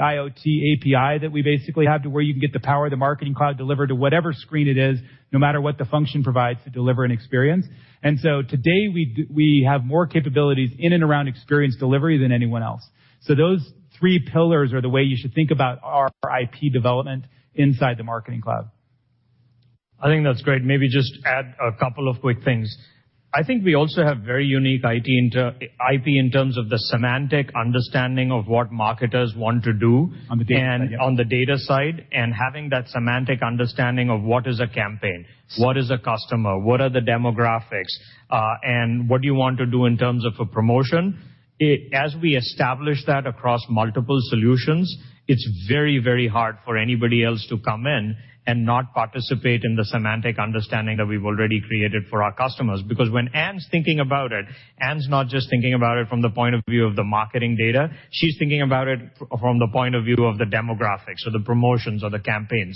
IoT API that we basically have to where you can get the power of the Marketing Cloud delivered to whatever screen it is, no matter what the function provides to deliver an experience. Today, we have more capabilities in and around experience delivery than anyone else. Those three pillars are the way you should think about our IP development inside the Marketing Cloud. I think that's great. Maybe just add a couple of quick things. I think we also have very unique IP in terms of the semantic understanding of what marketers want to do- On the data side, yeah On the data side, having that semantic understanding of what is a campaign, what is a customer, what are the demographics, and what do you want to do in terms of a promotion. As we establish that across multiple solutions, it's very hard for anybody else to come in and not participate in the semantic understanding that we've already created for our customers. When Ann's thinking about it, Ann's not just thinking about it from the point of view of the marketing data. She's thinking about it from the point of view of the demographics or the promotions or the campaign.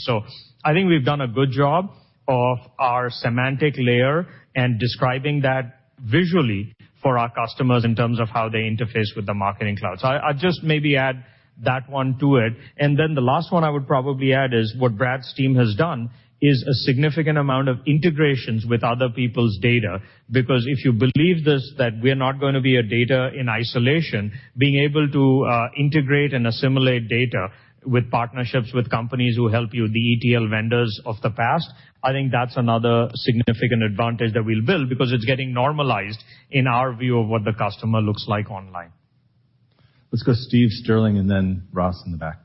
I think we've done a good job of our semantic layer and describing that visually for our customers in terms of how they interface with the Marketing Cloud. I'll just maybe add that one to it. The last one I would probably add is what Brad's team has done is a significant amount of integrations with other people's data. If you believe this, that we're not going to be a data in isolation, being able to integrate and assimilate data with partnerships with companies who help you, the ETL vendors of the past, I think that's another significant advantage that we'll build because it's getting normalized in our view of what the customer looks like online. Let's go Sterling Auty and then Ross in the back.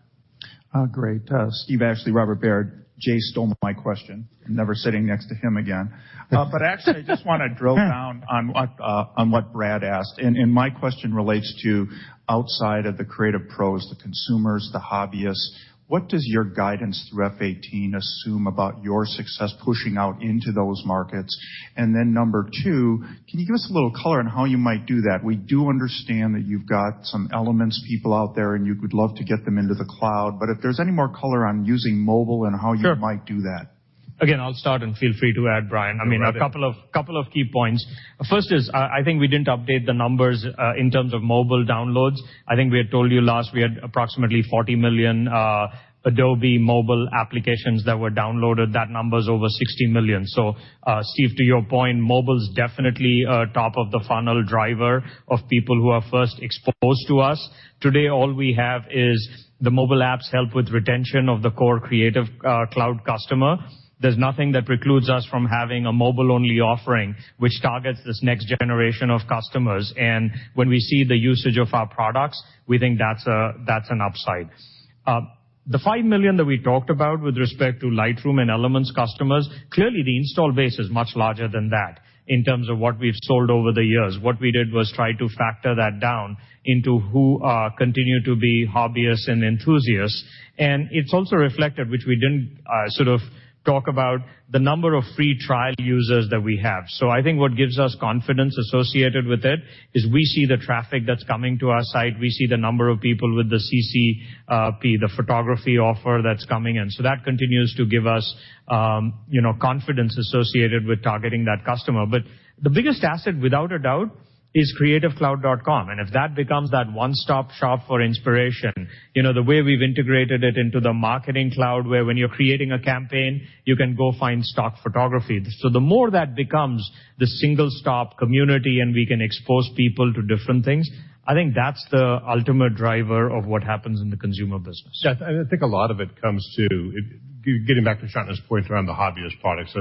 Great. Steve Ashley, Robert W. Baird. Jay stole my question. I am never sitting next to him again. Actually, I just want to drill down on what Brad asked, and my question relates to outside of the creative pros, the consumers, the hobbyists, what does your guidance through FY 2018 assume about your success pushing out into those markets? Number 2, can you give us a little color on how you might do that? We do understand that you have got some Elements people out there, and you would love to get them into the cloud, if there is any more color on using mobile and how you might do that. Sure. Again, I will start and feel free to add, Brian. A couple of key points. First is, I think we did not update the numbers, in terms of mobile downloads. I think we had told you last, we had approximately 40 million Adobe mobile applications that were downloaded. That number is over 60 million. Steve, to your point, mobile is definitely a top-of-the-funnel driver of people who are first exposed to us. Today, all we have is the mobile apps help with retention of the core Creative Cloud customer. There is nothing that precludes us from having a mobile-only offering which targets this next generation of customers. When we see the usage of our products, we think that is an upside. The 5 million that we talked about with respect to Lightroom and Elements customers, clearly the install base is much larger than that in terms of what we have sold over the years. What we did was try to factor that down into who continue to be hobbyists and enthusiasts. It is also reflected, which we did not sort of talk about, the number of free trial users that we have. I think what gives us confidence associated with it is we see the traffic that is coming to our site. We see the number of people with the CCP, the photography offer that is coming in. That continues to give us confidence associated with targeting that customer. The biggest asset, without a doubt, is creativecloud.com. If that becomes that one-stop shop for inspiration, the way we've integrated it into the Marketing Cloud, where when you're creating a campaign, you can go find stock photography. The more that becomes the single-stop community, and we can expose people to different things, I think that's the ultimate driver of what happens in the consumer business. I think a lot of it comes to, getting back to Shantanu's point around the hobbyist products.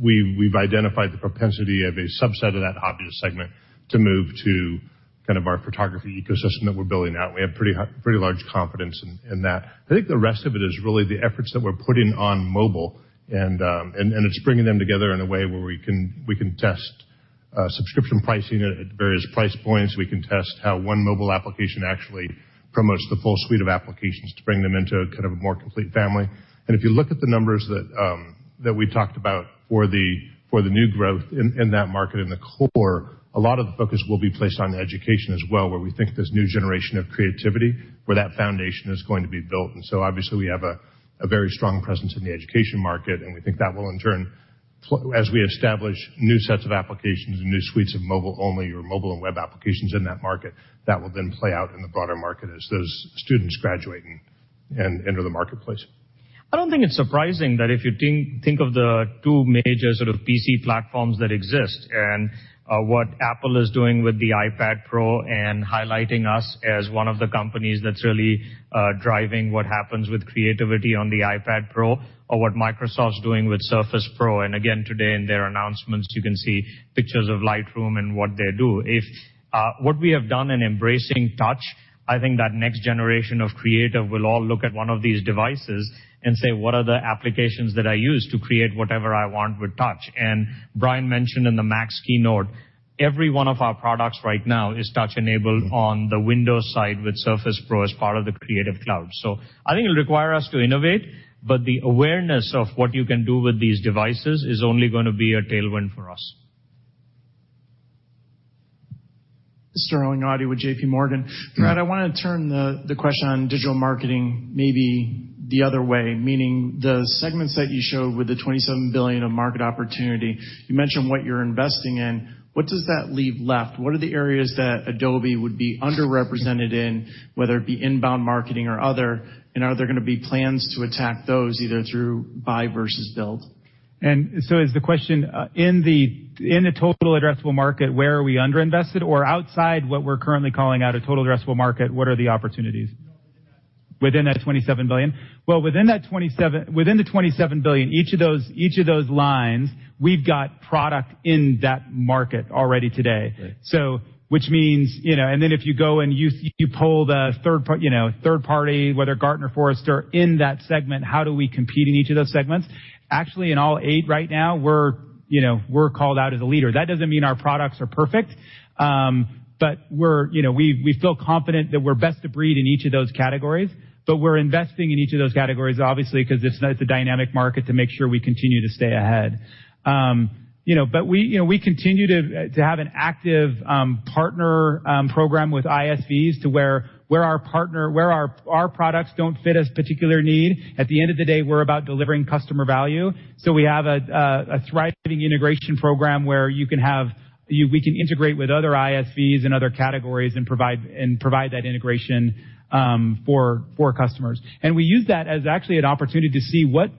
We've identified the propensity of a subset of that hobbyist segment to move to Kind of our photography ecosystem that we're building out. We have pretty large confidence in that. I think the rest of it is really the efforts that we're putting on mobile, and it's bringing them together in a way where we can test subscription pricing at various price points. We can test how one mobile application actually promotes the full suite of applications to bring them into kind of a more complete family. If you look at the numbers that we talked about for the new growth in that market in the core, a lot of the focus will be placed on education as well, where we think this new generation of creativity, where that foundation is going to be built. Obviously, we have a very strong presence in the education market, and we think that will in turn, as we establish new sets of applications and new suites of mobile only or mobile and web applications in that market, that will then play out in the broader market as those students graduate and enter the marketplace. I don't think it's surprising that if you think of the two major sort of PC platforms that exist and what Apple is doing with the iPad Pro and highlighting us as one of the companies that's really driving what happens with creativity on the iPad Pro or what Microsoft's doing with Surface Pro. Again, today in their announcements, you can see pictures of Lightroom and what they do. If what we have done in embracing touch, I think that next generation of creative will all look at one of these devices and say, "What are the applications that I use to create whatever I want with touch?" Brian mentioned in the Max keynote, every one of our products right now is touch-enabled on the Windows side with Surface Pro as part of the Creative Cloud. I think it'll require us to innovate, but the awareness of what you can do with these devices is only going to be a tailwind for us. Sterling Auty with JP Morgan. Brad, I want to turn the question on digital marketing maybe the other way, meaning the segments that you showed with the $27 billion of market opportunity. You mentioned what you're investing in. What does that leave left? What are the areas that Adobe would be underrepresented in, whether it be inbound marketing or other? Are there going to be plans to attack those either through buy versus build? Is the question in the total addressable market, where are we underinvested? Or outside what we're currently calling out a total addressable market, what are the opportunities? No, within that. Within that $27 billion. Within the $27 billion, each of those lines, we've got product in that market already today. Right. If you go and you poll the third party, whether Gartner, Forrester in that segment, how do we compete in each of those segments? In all eight right now, we're called out as a leader. That doesn't mean our products are perfect, but we feel confident that we're best of breed in each of those categories, but we're investing in each of those categories, obviously, because it's a dynamic market to make sure we continue to stay ahead. We continue to have an active partner program with ISVs to where our products don't fit as particular need. At the end of the day, we're about delivering customer value. We have a thriving integration program where we can integrate with other ISVs and other categories and provide that integration for customers. We use that as actually an opportunity to see what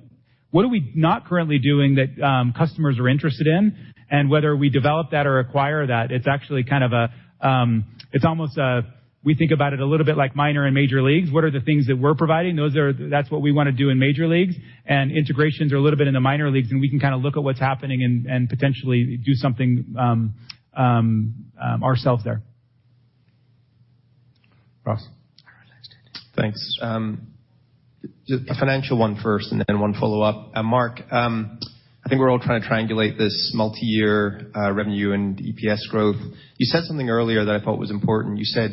are we not currently doing that customers are interested in, and whether we develop that or acquire that, it's almost we think about it a little bit like minor and major leagues. What are the things that we're providing? That's what we want to do in major leagues, and integrations are a little bit in the minor leagues, and we can kind of look at what's happening and potentially do something ourself there. Ross. All right, thanks. A financial one first and then one follow-up. Mark, I think we're all trying to triangulate this multi-year revenue and EPS growth. You said something earlier that I thought was important. You said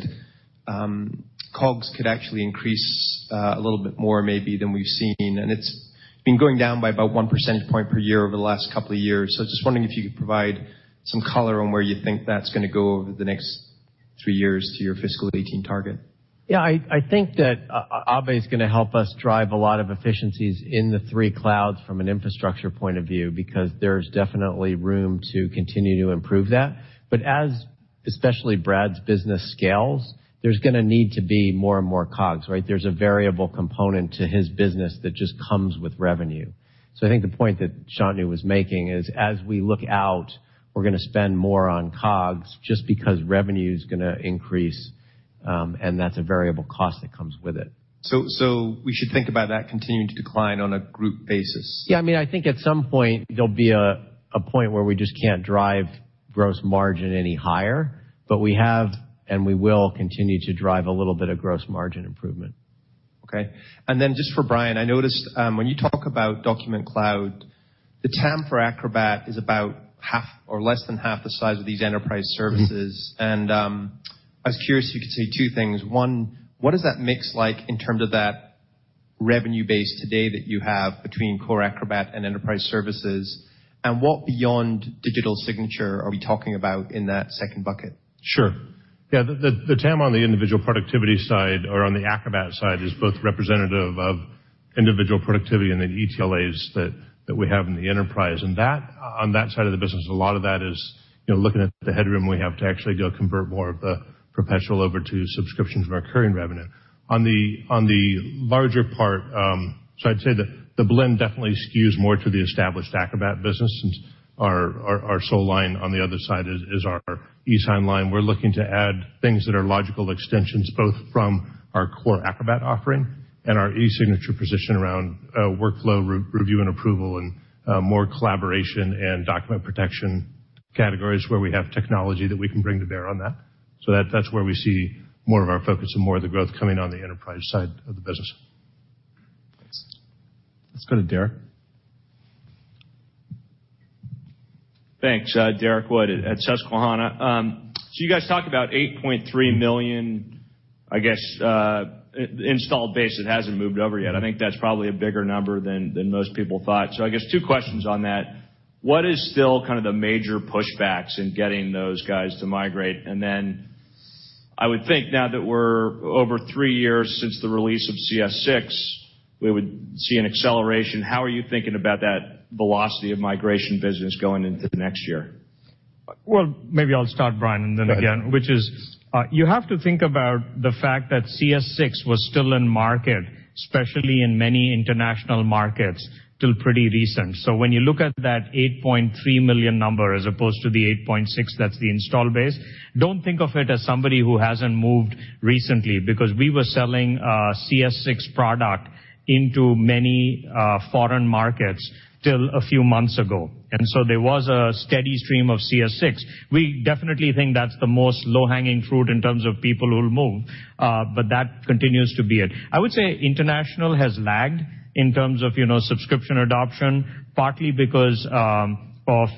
COGS could actually increase a little bit more maybe than we've seen, and it's been going down by about one percentage point per year over the last couple of years. Just wondering if you could provide some color on where you think that's going to go over the next three years to your fiscal 2018 target. I think that Abhay is going to help us drive a lot of efficiencies in the three clouds from an infrastructure point of view because there's definitely room to continue to improve that. As especially Brad's business scales, there's going to need to be more and more COGS, right? There's a variable component to his business that just comes with revenue. I think the point that Shantanu was making is as we look out, we're going to spend more on COGS just because revenue is going to increase, and that's a variable cost that comes with it. We should think about that continuing to decline on a group basis. I think at some point, there'll be a point where we just can't drive gross margin any higher, we have, and we will continue to drive a little bit of gross margin improvement. Okay. Then just for Brian, I noticed when you talk about Adobe Document Cloud, the TAM for Adobe Acrobat is about half or less than half the size of these enterprise services. I was curious, you could say two things. One, what is that mix like in terms of that revenue base today that you have between core Adobe Acrobat and enterprise services? What beyond digital signature are we talking about in that second bucket? Sure. Yeah, the TAM on the individual productivity side or on the Adobe Acrobat side is both representative of individual productivity and then ETLAs that we have in the enterprise. On that side of the business, a lot of that is looking at the headroom we have to actually go convert more of the perpetual over to subscriptions of our recurring revenue. On the larger part, I'd say the blend definitely skews more to the established Adobe Acrobat business since our sole line on the other side is our e-sign line. We're looking to add things that are logical extensions, both from our core Adobe Acrobat offering and our e-signature position around workflow review and approval and more collaboration and document protection categories where we have technology that we can bring to bear on that. That's where we see more of our focus and more of the growth coming on the enterprise side of the business. Let's go to Derrick. Thanks. Derrick Wood at Susquehanna. You guys talk about 8.3 million, I guess, installed base that hasn't moved over yet. I think that's probably a bigger number than most people thought. I guess two questions on that. What is still kind of the major pushbacks in getting those guys to migrate? Then I would think now that we're over three years since the release of CS6, we would see an acceleration. How are you thinking about that velocity of migration business going into the next year? Maybe I'll start, Brian, and then again. Go ahead. Which is, you have to think about the fact that CS6 was still in market, especially in many international markets, till pretty recent. When you look at that 8.3 million number as opposed to the 8.6, that's the install base, don't think of it as somebody who hasn't moved recently. We were selling CS6 product into many foreign markets till a few months ago. There was a steady stream of CS6. We definitely think that's the most low-hanging fruit in terms of people who'll move, but that continues to be it. I would say international has lagged in terms of subscription adoption, partly because of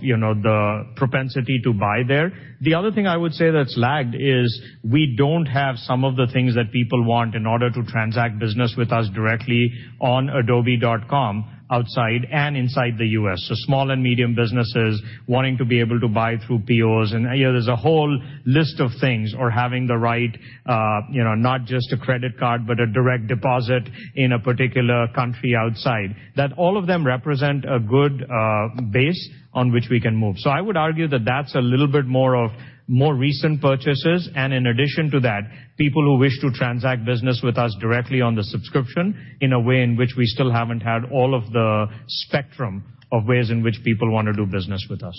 the propensity to buy there. The other thing I would say that's lagged is we don't have some of the things that people want in order to transact business with us directly on adobe.com outside and inside the U.S. Small and medium businesses wanting to be able to buy through POs, and there's a whole list of things, or having the right, not just a credit card, but a direct deposit in a particular country outside. That all of them represent a good base on which we can move. I would argue that that's a little bit more of more recent purchases, and in addition to that, people who wish to transact business with us directly on the subscription in a way in which we still haven't had all of the spectrum of ways in which people want to do business with us.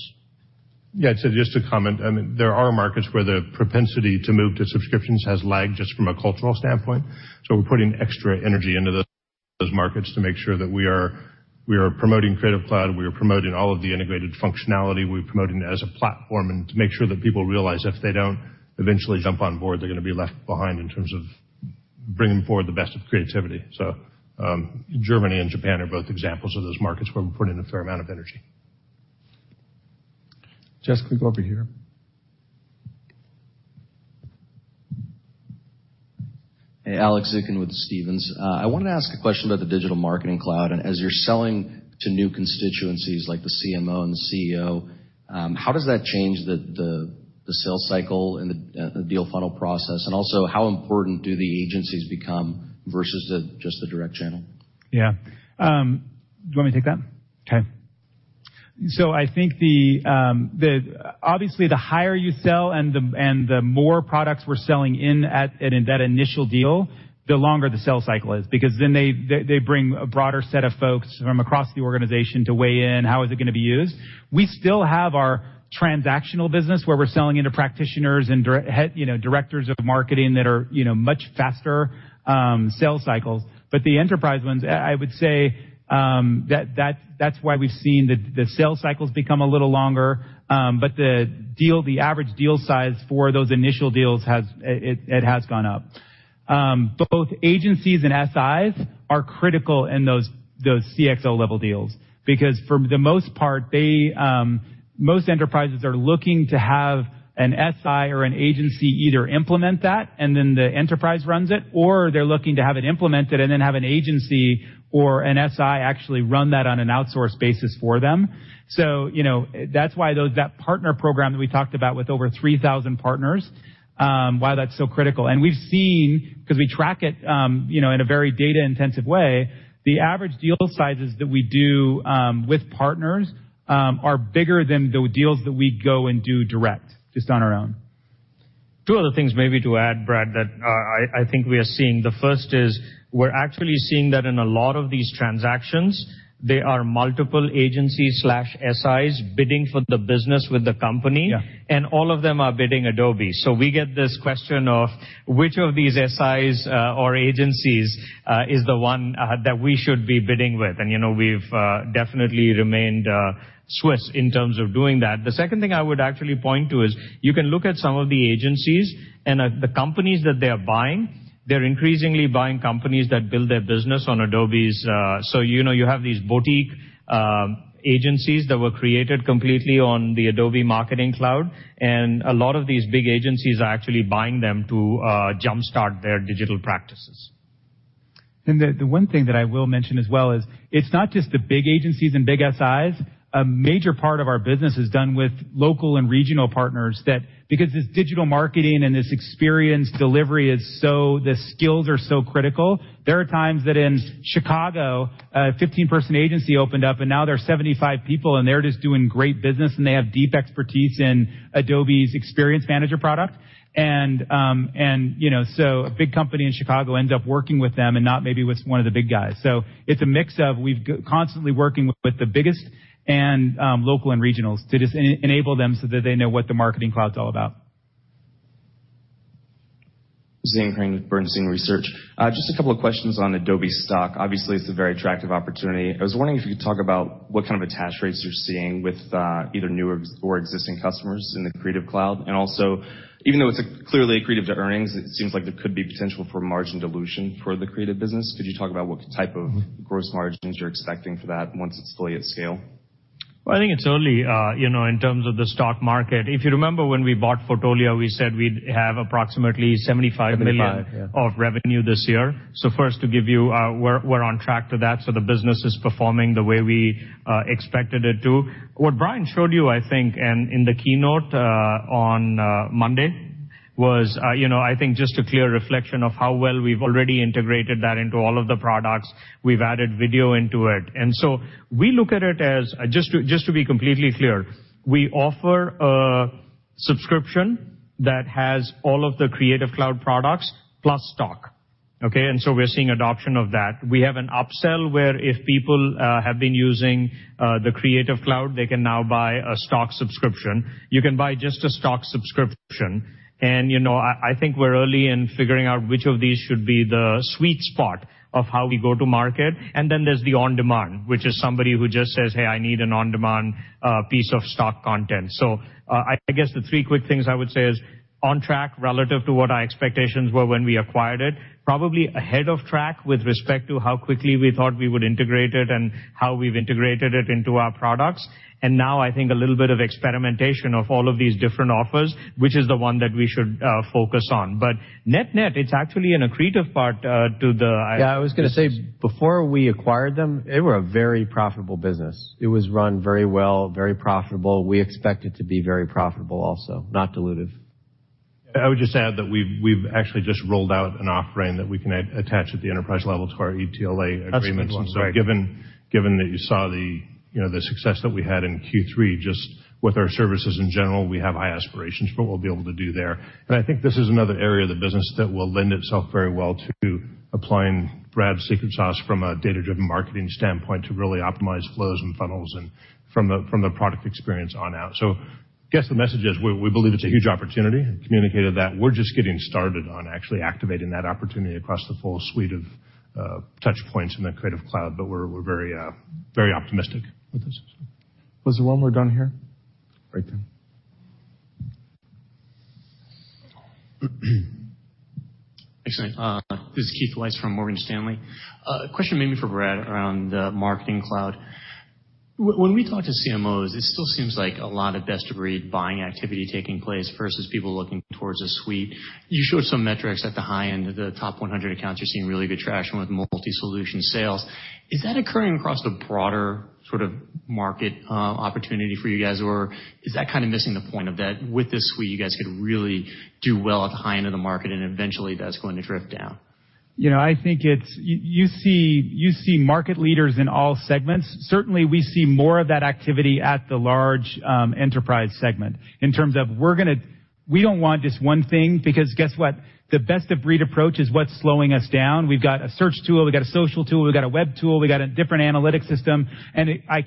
Yeah, just to comment. There are markets where the propensity to move to subscriptions has lagged just from a cultural standpoint. We're putting extra energy into those markets to make sure that we are promoting Creative Cloud, we are promoting all of the integrated functionality, we're promoting it as a platform, and to make sure that people realize if they don't eventually jump on board, they're going to be left behind in terms of bringing forward the best of creativity. Germany and Japan are both examples of those markets where we're putting a fair amount of energy. Jessica, go over here. Hey, Alex Zukin with Stephens. I wanted to ask a question about the Digital Marketing Cloud, as you're selling to new constituencies like the CMO and the CEO, how does that change the sales cycle and the deal funnel process? Also, how important do the agencies become versus just the direct channel? Yeah. Do you want me to take that? Okay. I think obviously the higher you sell and the more products we're selling in at that initial deal, the longer the sales cycle is. They bring a broader set of folks from across the organization to weigh in how is it going to be used. We still have our transactional business where we're selling into practitioners and directors of marketing that are much faster sales cycles. The enterprise ones, I would say, that's why we've seen the sales cycles become a little longer. The average deal size for those initial deals has gone up. Both agencies and SIs are critical in those CXO-level deals. For the most part, most enterprises are looking to have an SI or an agency either implement that and then the enterprise runs it, or they're looking to have it implemented and then have an agency or an SI actually run that on an outsource basis for them. That's why that partner program that we talked about with over 3,000 partners, why that's so critical. We've seen, because we track it in a very data-intensive way, the average deal sizes that we do with partners are bigger than the deals that we go and do direct, just on our own. Two other things maybe to add, Brad, that I think we are seeing. The first is we're actually seeing that in a lot of these transactions, there are multiple agencies/SIs bidding for the business with the company. Yeah. All of them are bidding Adobe. We get this question of which of these SIs or agencies is the one that we should be bidding with. We've definitely remained Swiss in terms of doing that. The second thing I would actually point to is you can look at some of the agencies and the companies that they are buying. They're increasingly buying companies that build their business on Adobe's. You have these boutique agencies that were created completely on the Adobe Marketing Cloud, and a lot of these big agencies are actually buying them to jumpstart their digital practices. The one thing that I will mention as well is it's not just the big agencies and big SIs. A major part of our business is done with local and regional partners that because this digital marketing and this experience delivery is so the skills are so critical, there are times that in Chicago, a 15-person agency opened up and now there are 75 people, and they're just doing great business and they have deep expertise in Adobe Experience Manager product. A big company in Chicago ends up working with them and not maybe with one of the big guys. It's a mix of we're constantly working with the biggest and local and regionals to just enable them so that they know what the Marketing Cloud's all about. Zain Krane with Bernstein Research. Just a couple of questions on Adobe Stock. Obviously, it's a very attractive opportunity. I was wondering if you could talk about what kind of attach rates you're seeing with either new or existing customers in the Creative Cloud. Even though it's clearly accretive to earnings, it seems like there could be potential for margin dilution for the creative business. Could you talk about what type of gross margins you're expecting for that once it's fully at scale? I think it's early in terms of the stock market. If you remember when we bought Fotolia, we said we'd have approximately 75 million- 75, yeah of revenue this year. We're on track to that, so the business is performing the way we expected it to. What Brian showed you, I think, in the keynote on Monday was I think just a clear reflection of how well we've already integrated that into all of the products. We've added video into it. We look at it as, just to be completely clear, we offer a subscription that has all of the Creative Cloud products plus Stock, okay? We're seeing adoption of that. We have an upsell, where if people have been using the Creative Cloud, they can now buy a Stock subscription. You can buy just a Stock subscription. I think we're early in figuring out which of these should be the sweet spot of how we go to market. There's the on-demand, which is somebody who just says, "Hey, I need an on-demand piece of Stock content." I guess the three quick things I would say is on track relative to what our expectations were when we acquired it, probably ahead of track with respect to how quickly we thought we would integrate it and how we've integrated it into our products. Now I think a little bit of experimentation of all of these different offers, which is the one that we should focus on. Net, it's actually an accretive part to the- Yeah, I was going to say before we acquired them, they were a very profitable business. It was run very well, very profitable. We expect it to be very profitable also, not dilutive. I would just add that we've actually just rolled out an offering that we can attach at the enterprise level to our ETLA agreements. That's a good one, right. Given that you saw the success that we had in Q3 just with our services in general, we have high aspirations for what we'll be able to do there. I think this is another area of the business that will lend itself very well to applying Brad's secret sauce from a data-driven marketing standpoint to really optimize flows and funnels and from the product experience on out. I guess the message is we believe it's a huge opportunity and communicated that. We're just getting started on actually activating that opportunity across the full suite of touchpoints in the Creative Cloud, but we're very optimistic with this. Was there one more down here? Right there. This is Keith Weiss from Morgan Stanley. A question maybe for Brad around the Marketing Cloud. When we talk to CMOs, it still seems like a lot of best-of-breed buying activity taking place versus people looking towards a suite. You showed some metrics at the high end. The top 100 accounts you're seeing really good traction with multi-solution sales. Is that occurring across the broader market opportunity for you guys? Or is that missing the point of that with this suite, you guys could really do well at the high end of the market, and eventually, that's going to drift down? I think you see market leaders in all segments. Certainly, we see more of that activity at the large enterprise segment in terms of we don't want just one thing, because guess what? The best-of-breed approach is what's slowing us down. We've got a search tool. We've got a social tool. We've got a web tool. We've got a different analytics system. A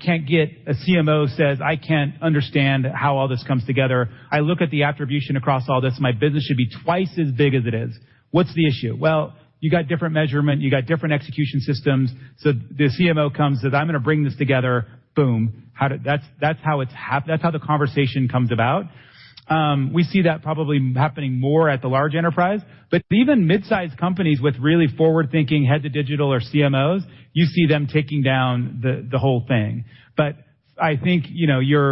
CMO says, "I can't understand how all this comes together. I look at the attribution across all this. My business should be twice as big as it is." What's the issue? Well, you got different measurement, you got different execution systems. The CMO comes, says, "I'm going to bring this together." Boom. That's how the conversation comes about. We see that probably happening more at the large enterprise. Even midsize companies with really forward-thinking head of digital or CMOs, you see them taking down the whole thing. I think your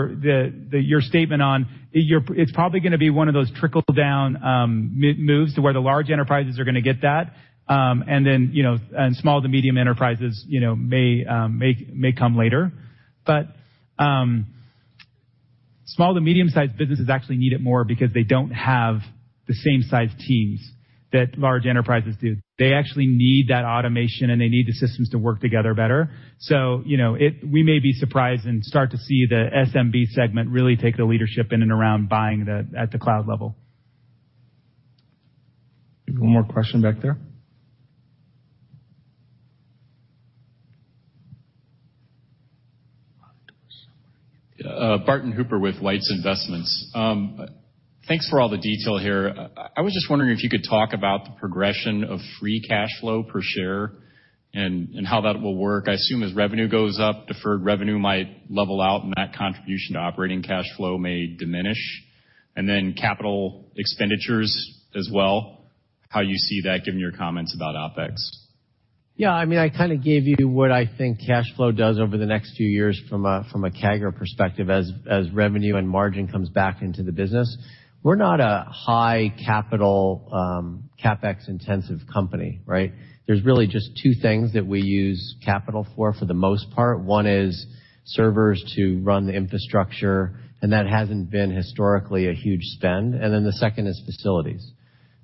statement on it's probably going to be one of those trickle-down moves to where the large enterprises are going to get that. Small to medium enterprises may come later. Small to medium-sized businesses actually need it more because they don't have the same size teams that large enterprises do. They actually need that automation, and they need the systems to work together better. We may be surprised and start to see the SMB segment really take the leadership in and around buying at the cloud level. One more question back there. Barton Hooper with Weitz Investments. Thanks for all the detail here. I was just wondering if you could talk about the progression of free cash flow per share and how that will work. I assume as revenue goes up, deferred revenue might level out, and that contribution to operating cash flow may diminish. Capital expenditures as well, how you see that given your comments about OpEx. I gave you what I think cash flow does over the next few years from a CAGR perspective as revenue and margin comes back into the business. We are not a high capital, CapEx-intensive company, right? There are really just two things that we use capital for the most part. One is servers to run the infrastructure, and that has not been historically a huge spend, and then the second is facilities.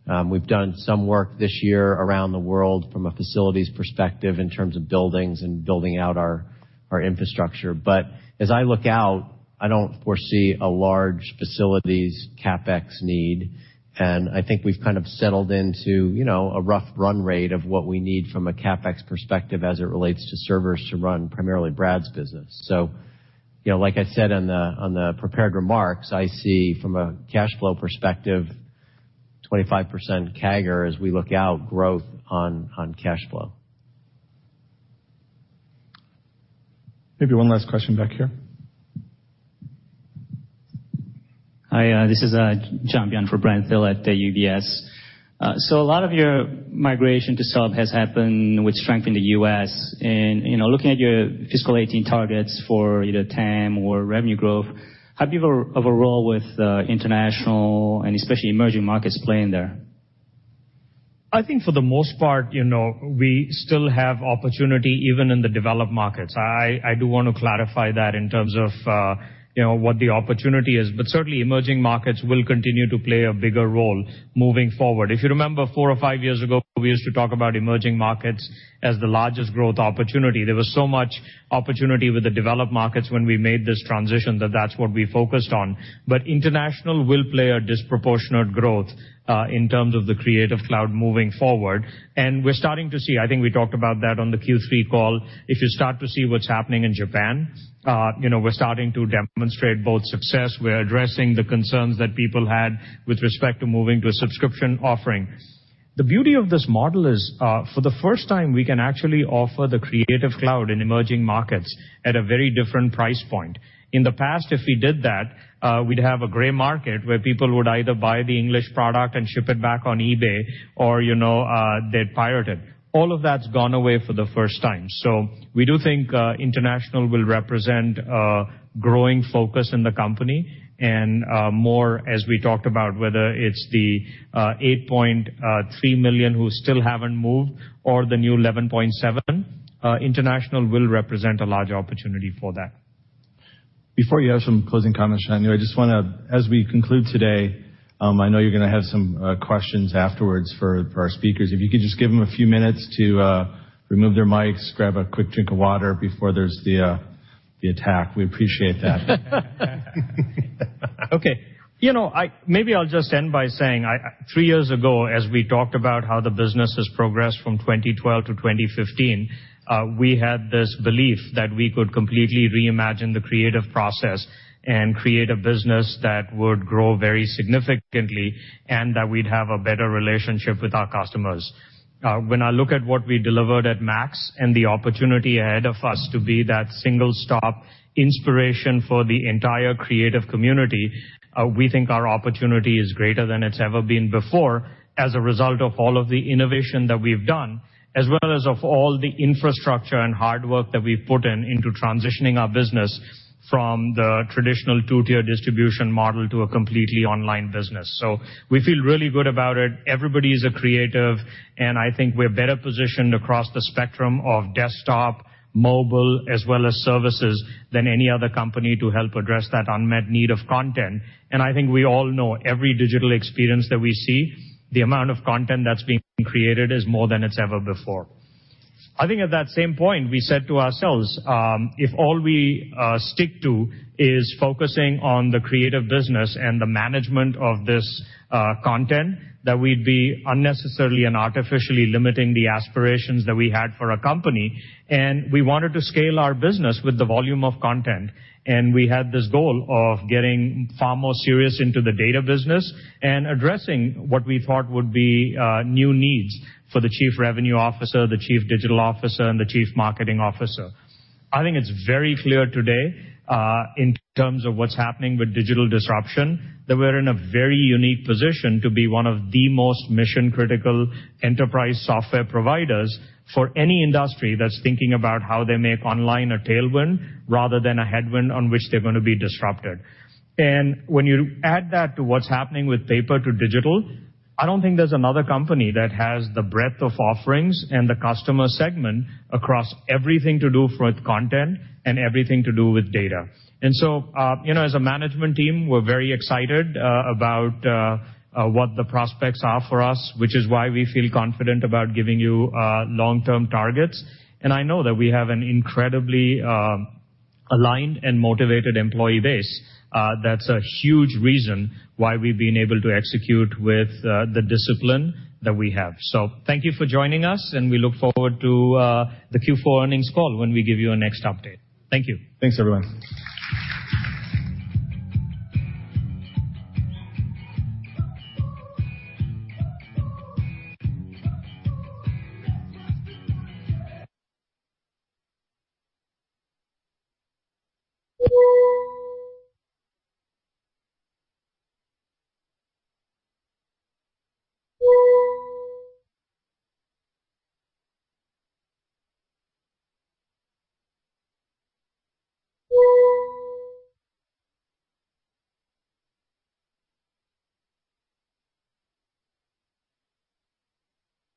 We have done some work this year around the world from a facilities perspective in terms of buildings and building out our infrastructure. But as I look out, I do not foresee a large facilities CapEx need, and I think we have settled into a rough run rate of what we need from a CapEx perspective as it relates to servers to run primarily Brad's business. Like I said on the prepared remarks, I see from a cash flow perspective, 25% CAGR as we look out growth on cash flow. Maybe one last question back here. Hi, this is John Byun for Brent Thill at UBS. A lot of your migration to sub has happened with strength in the U.S., and looking at your fiscal 2018 targets for either TAM or revenue growth, how big of a role with international and especially emerging markets playing there? I think for the most part, we still have opportunity even in the developed markets. I do want to clarify that in terms of what the opportunity is, but certainly emerging markets will continue to play a bigger role moving forward. If you remember four or five years ago, we used to talk about emerging markets as the largest growth opportunity. There was so much opportunity with the developed markets when we made this transition that that's what we focused on. International will play a disproportionate growth, in terms of the Creative Cloud moving forward, and we're starting to see. I think we talked about that on the Q3 call. If you start to see what's happening in Japan, we're starting to demonstrate both success. We're addressing the concerns that people had with respect to moving to a subscription offering. The beauty of this model is, for the first time, we can actually offer the Creative Cloud in emerging markets at a very different price point. In the past, if we did that, we'd have a gray market where people would either buy the English product and ship it back on eBay or they'd pirate it. All of that's gone away for the first time. We do think international will represent a growing focus in the company and more as we talked about whether it's the 8.3 million who still haven't moved or the new 11.7. International will represent a large opportunity for that. Before you have some closing comments, Shantanu, I just want to, as we conclude today, I know you're going to have some questions afterwards for our speakers. If you could just give them a few minutes to remove their mics, grab a quick drink of water before there's the attack, we appreciate that. Maybe I'll just end by saying, three years ago, as we talked about how the business has progressed from 2012 to 2015, we had this belief that we could completely reimagine the creative process and create a business that would grow very significantly and that we'd have a better relationship with our customers. When I look at what we delivered at MAX and the opportunity ahead of us to be that single-stop inspiration for the entire creative community, we think our opportunity is greater than it's ever been before as a result of all of the innovation that we've done as well as of all the infrastructure and hard work that we've put in into transitioning our business from the traditional two-tier distribution model to a completely online business. We feel really good about it. Everybody is a creative, I think we're better positioned across the spectrum of desktop, mobile, as well as services than any other company to help address that unmet need of content. I think we all know every digital experience that we see, the amount of content that's being created is more than it's ever before. I think at that same point, we said to ourselves, if all we stick to is focusing on the creative business and the management of this content, that we'd be unnecessarily and artificially limiting the aspirations that we had for our company. We wanted to scale our business with the volume of content. We had this goal of getting far more serious into the data business and addressing what we thought would be new needs for the Chief Revenue Officer, the Chief Digital Officer, and the Chief Marketing Officer. I think it's very clear today, in terms of what's happening with digital disruption, that we're in a very unique position to be one of the most mission-critical enterprise software providers for any industry that's thinking about how they make online a tailwind rather than a headwind on which they're going to be disrupted. When you add that to what's happening with paper to digital, I don't think there's another company that has the breadth of offerings and the customer segment across everything to do with content and everything to do with data. As a management team, we're very excited about what the prospects are for us, which is why we feel confident about giving you long-term targets. I know that we have an incredibly aligned and motivated employee base. That's a huge reason why we've been able to execute with the discipline that we have. Thank you for joining us. We look forward to the Q4 earnings call when we give you our next update. Thank you. Thanks, everyone.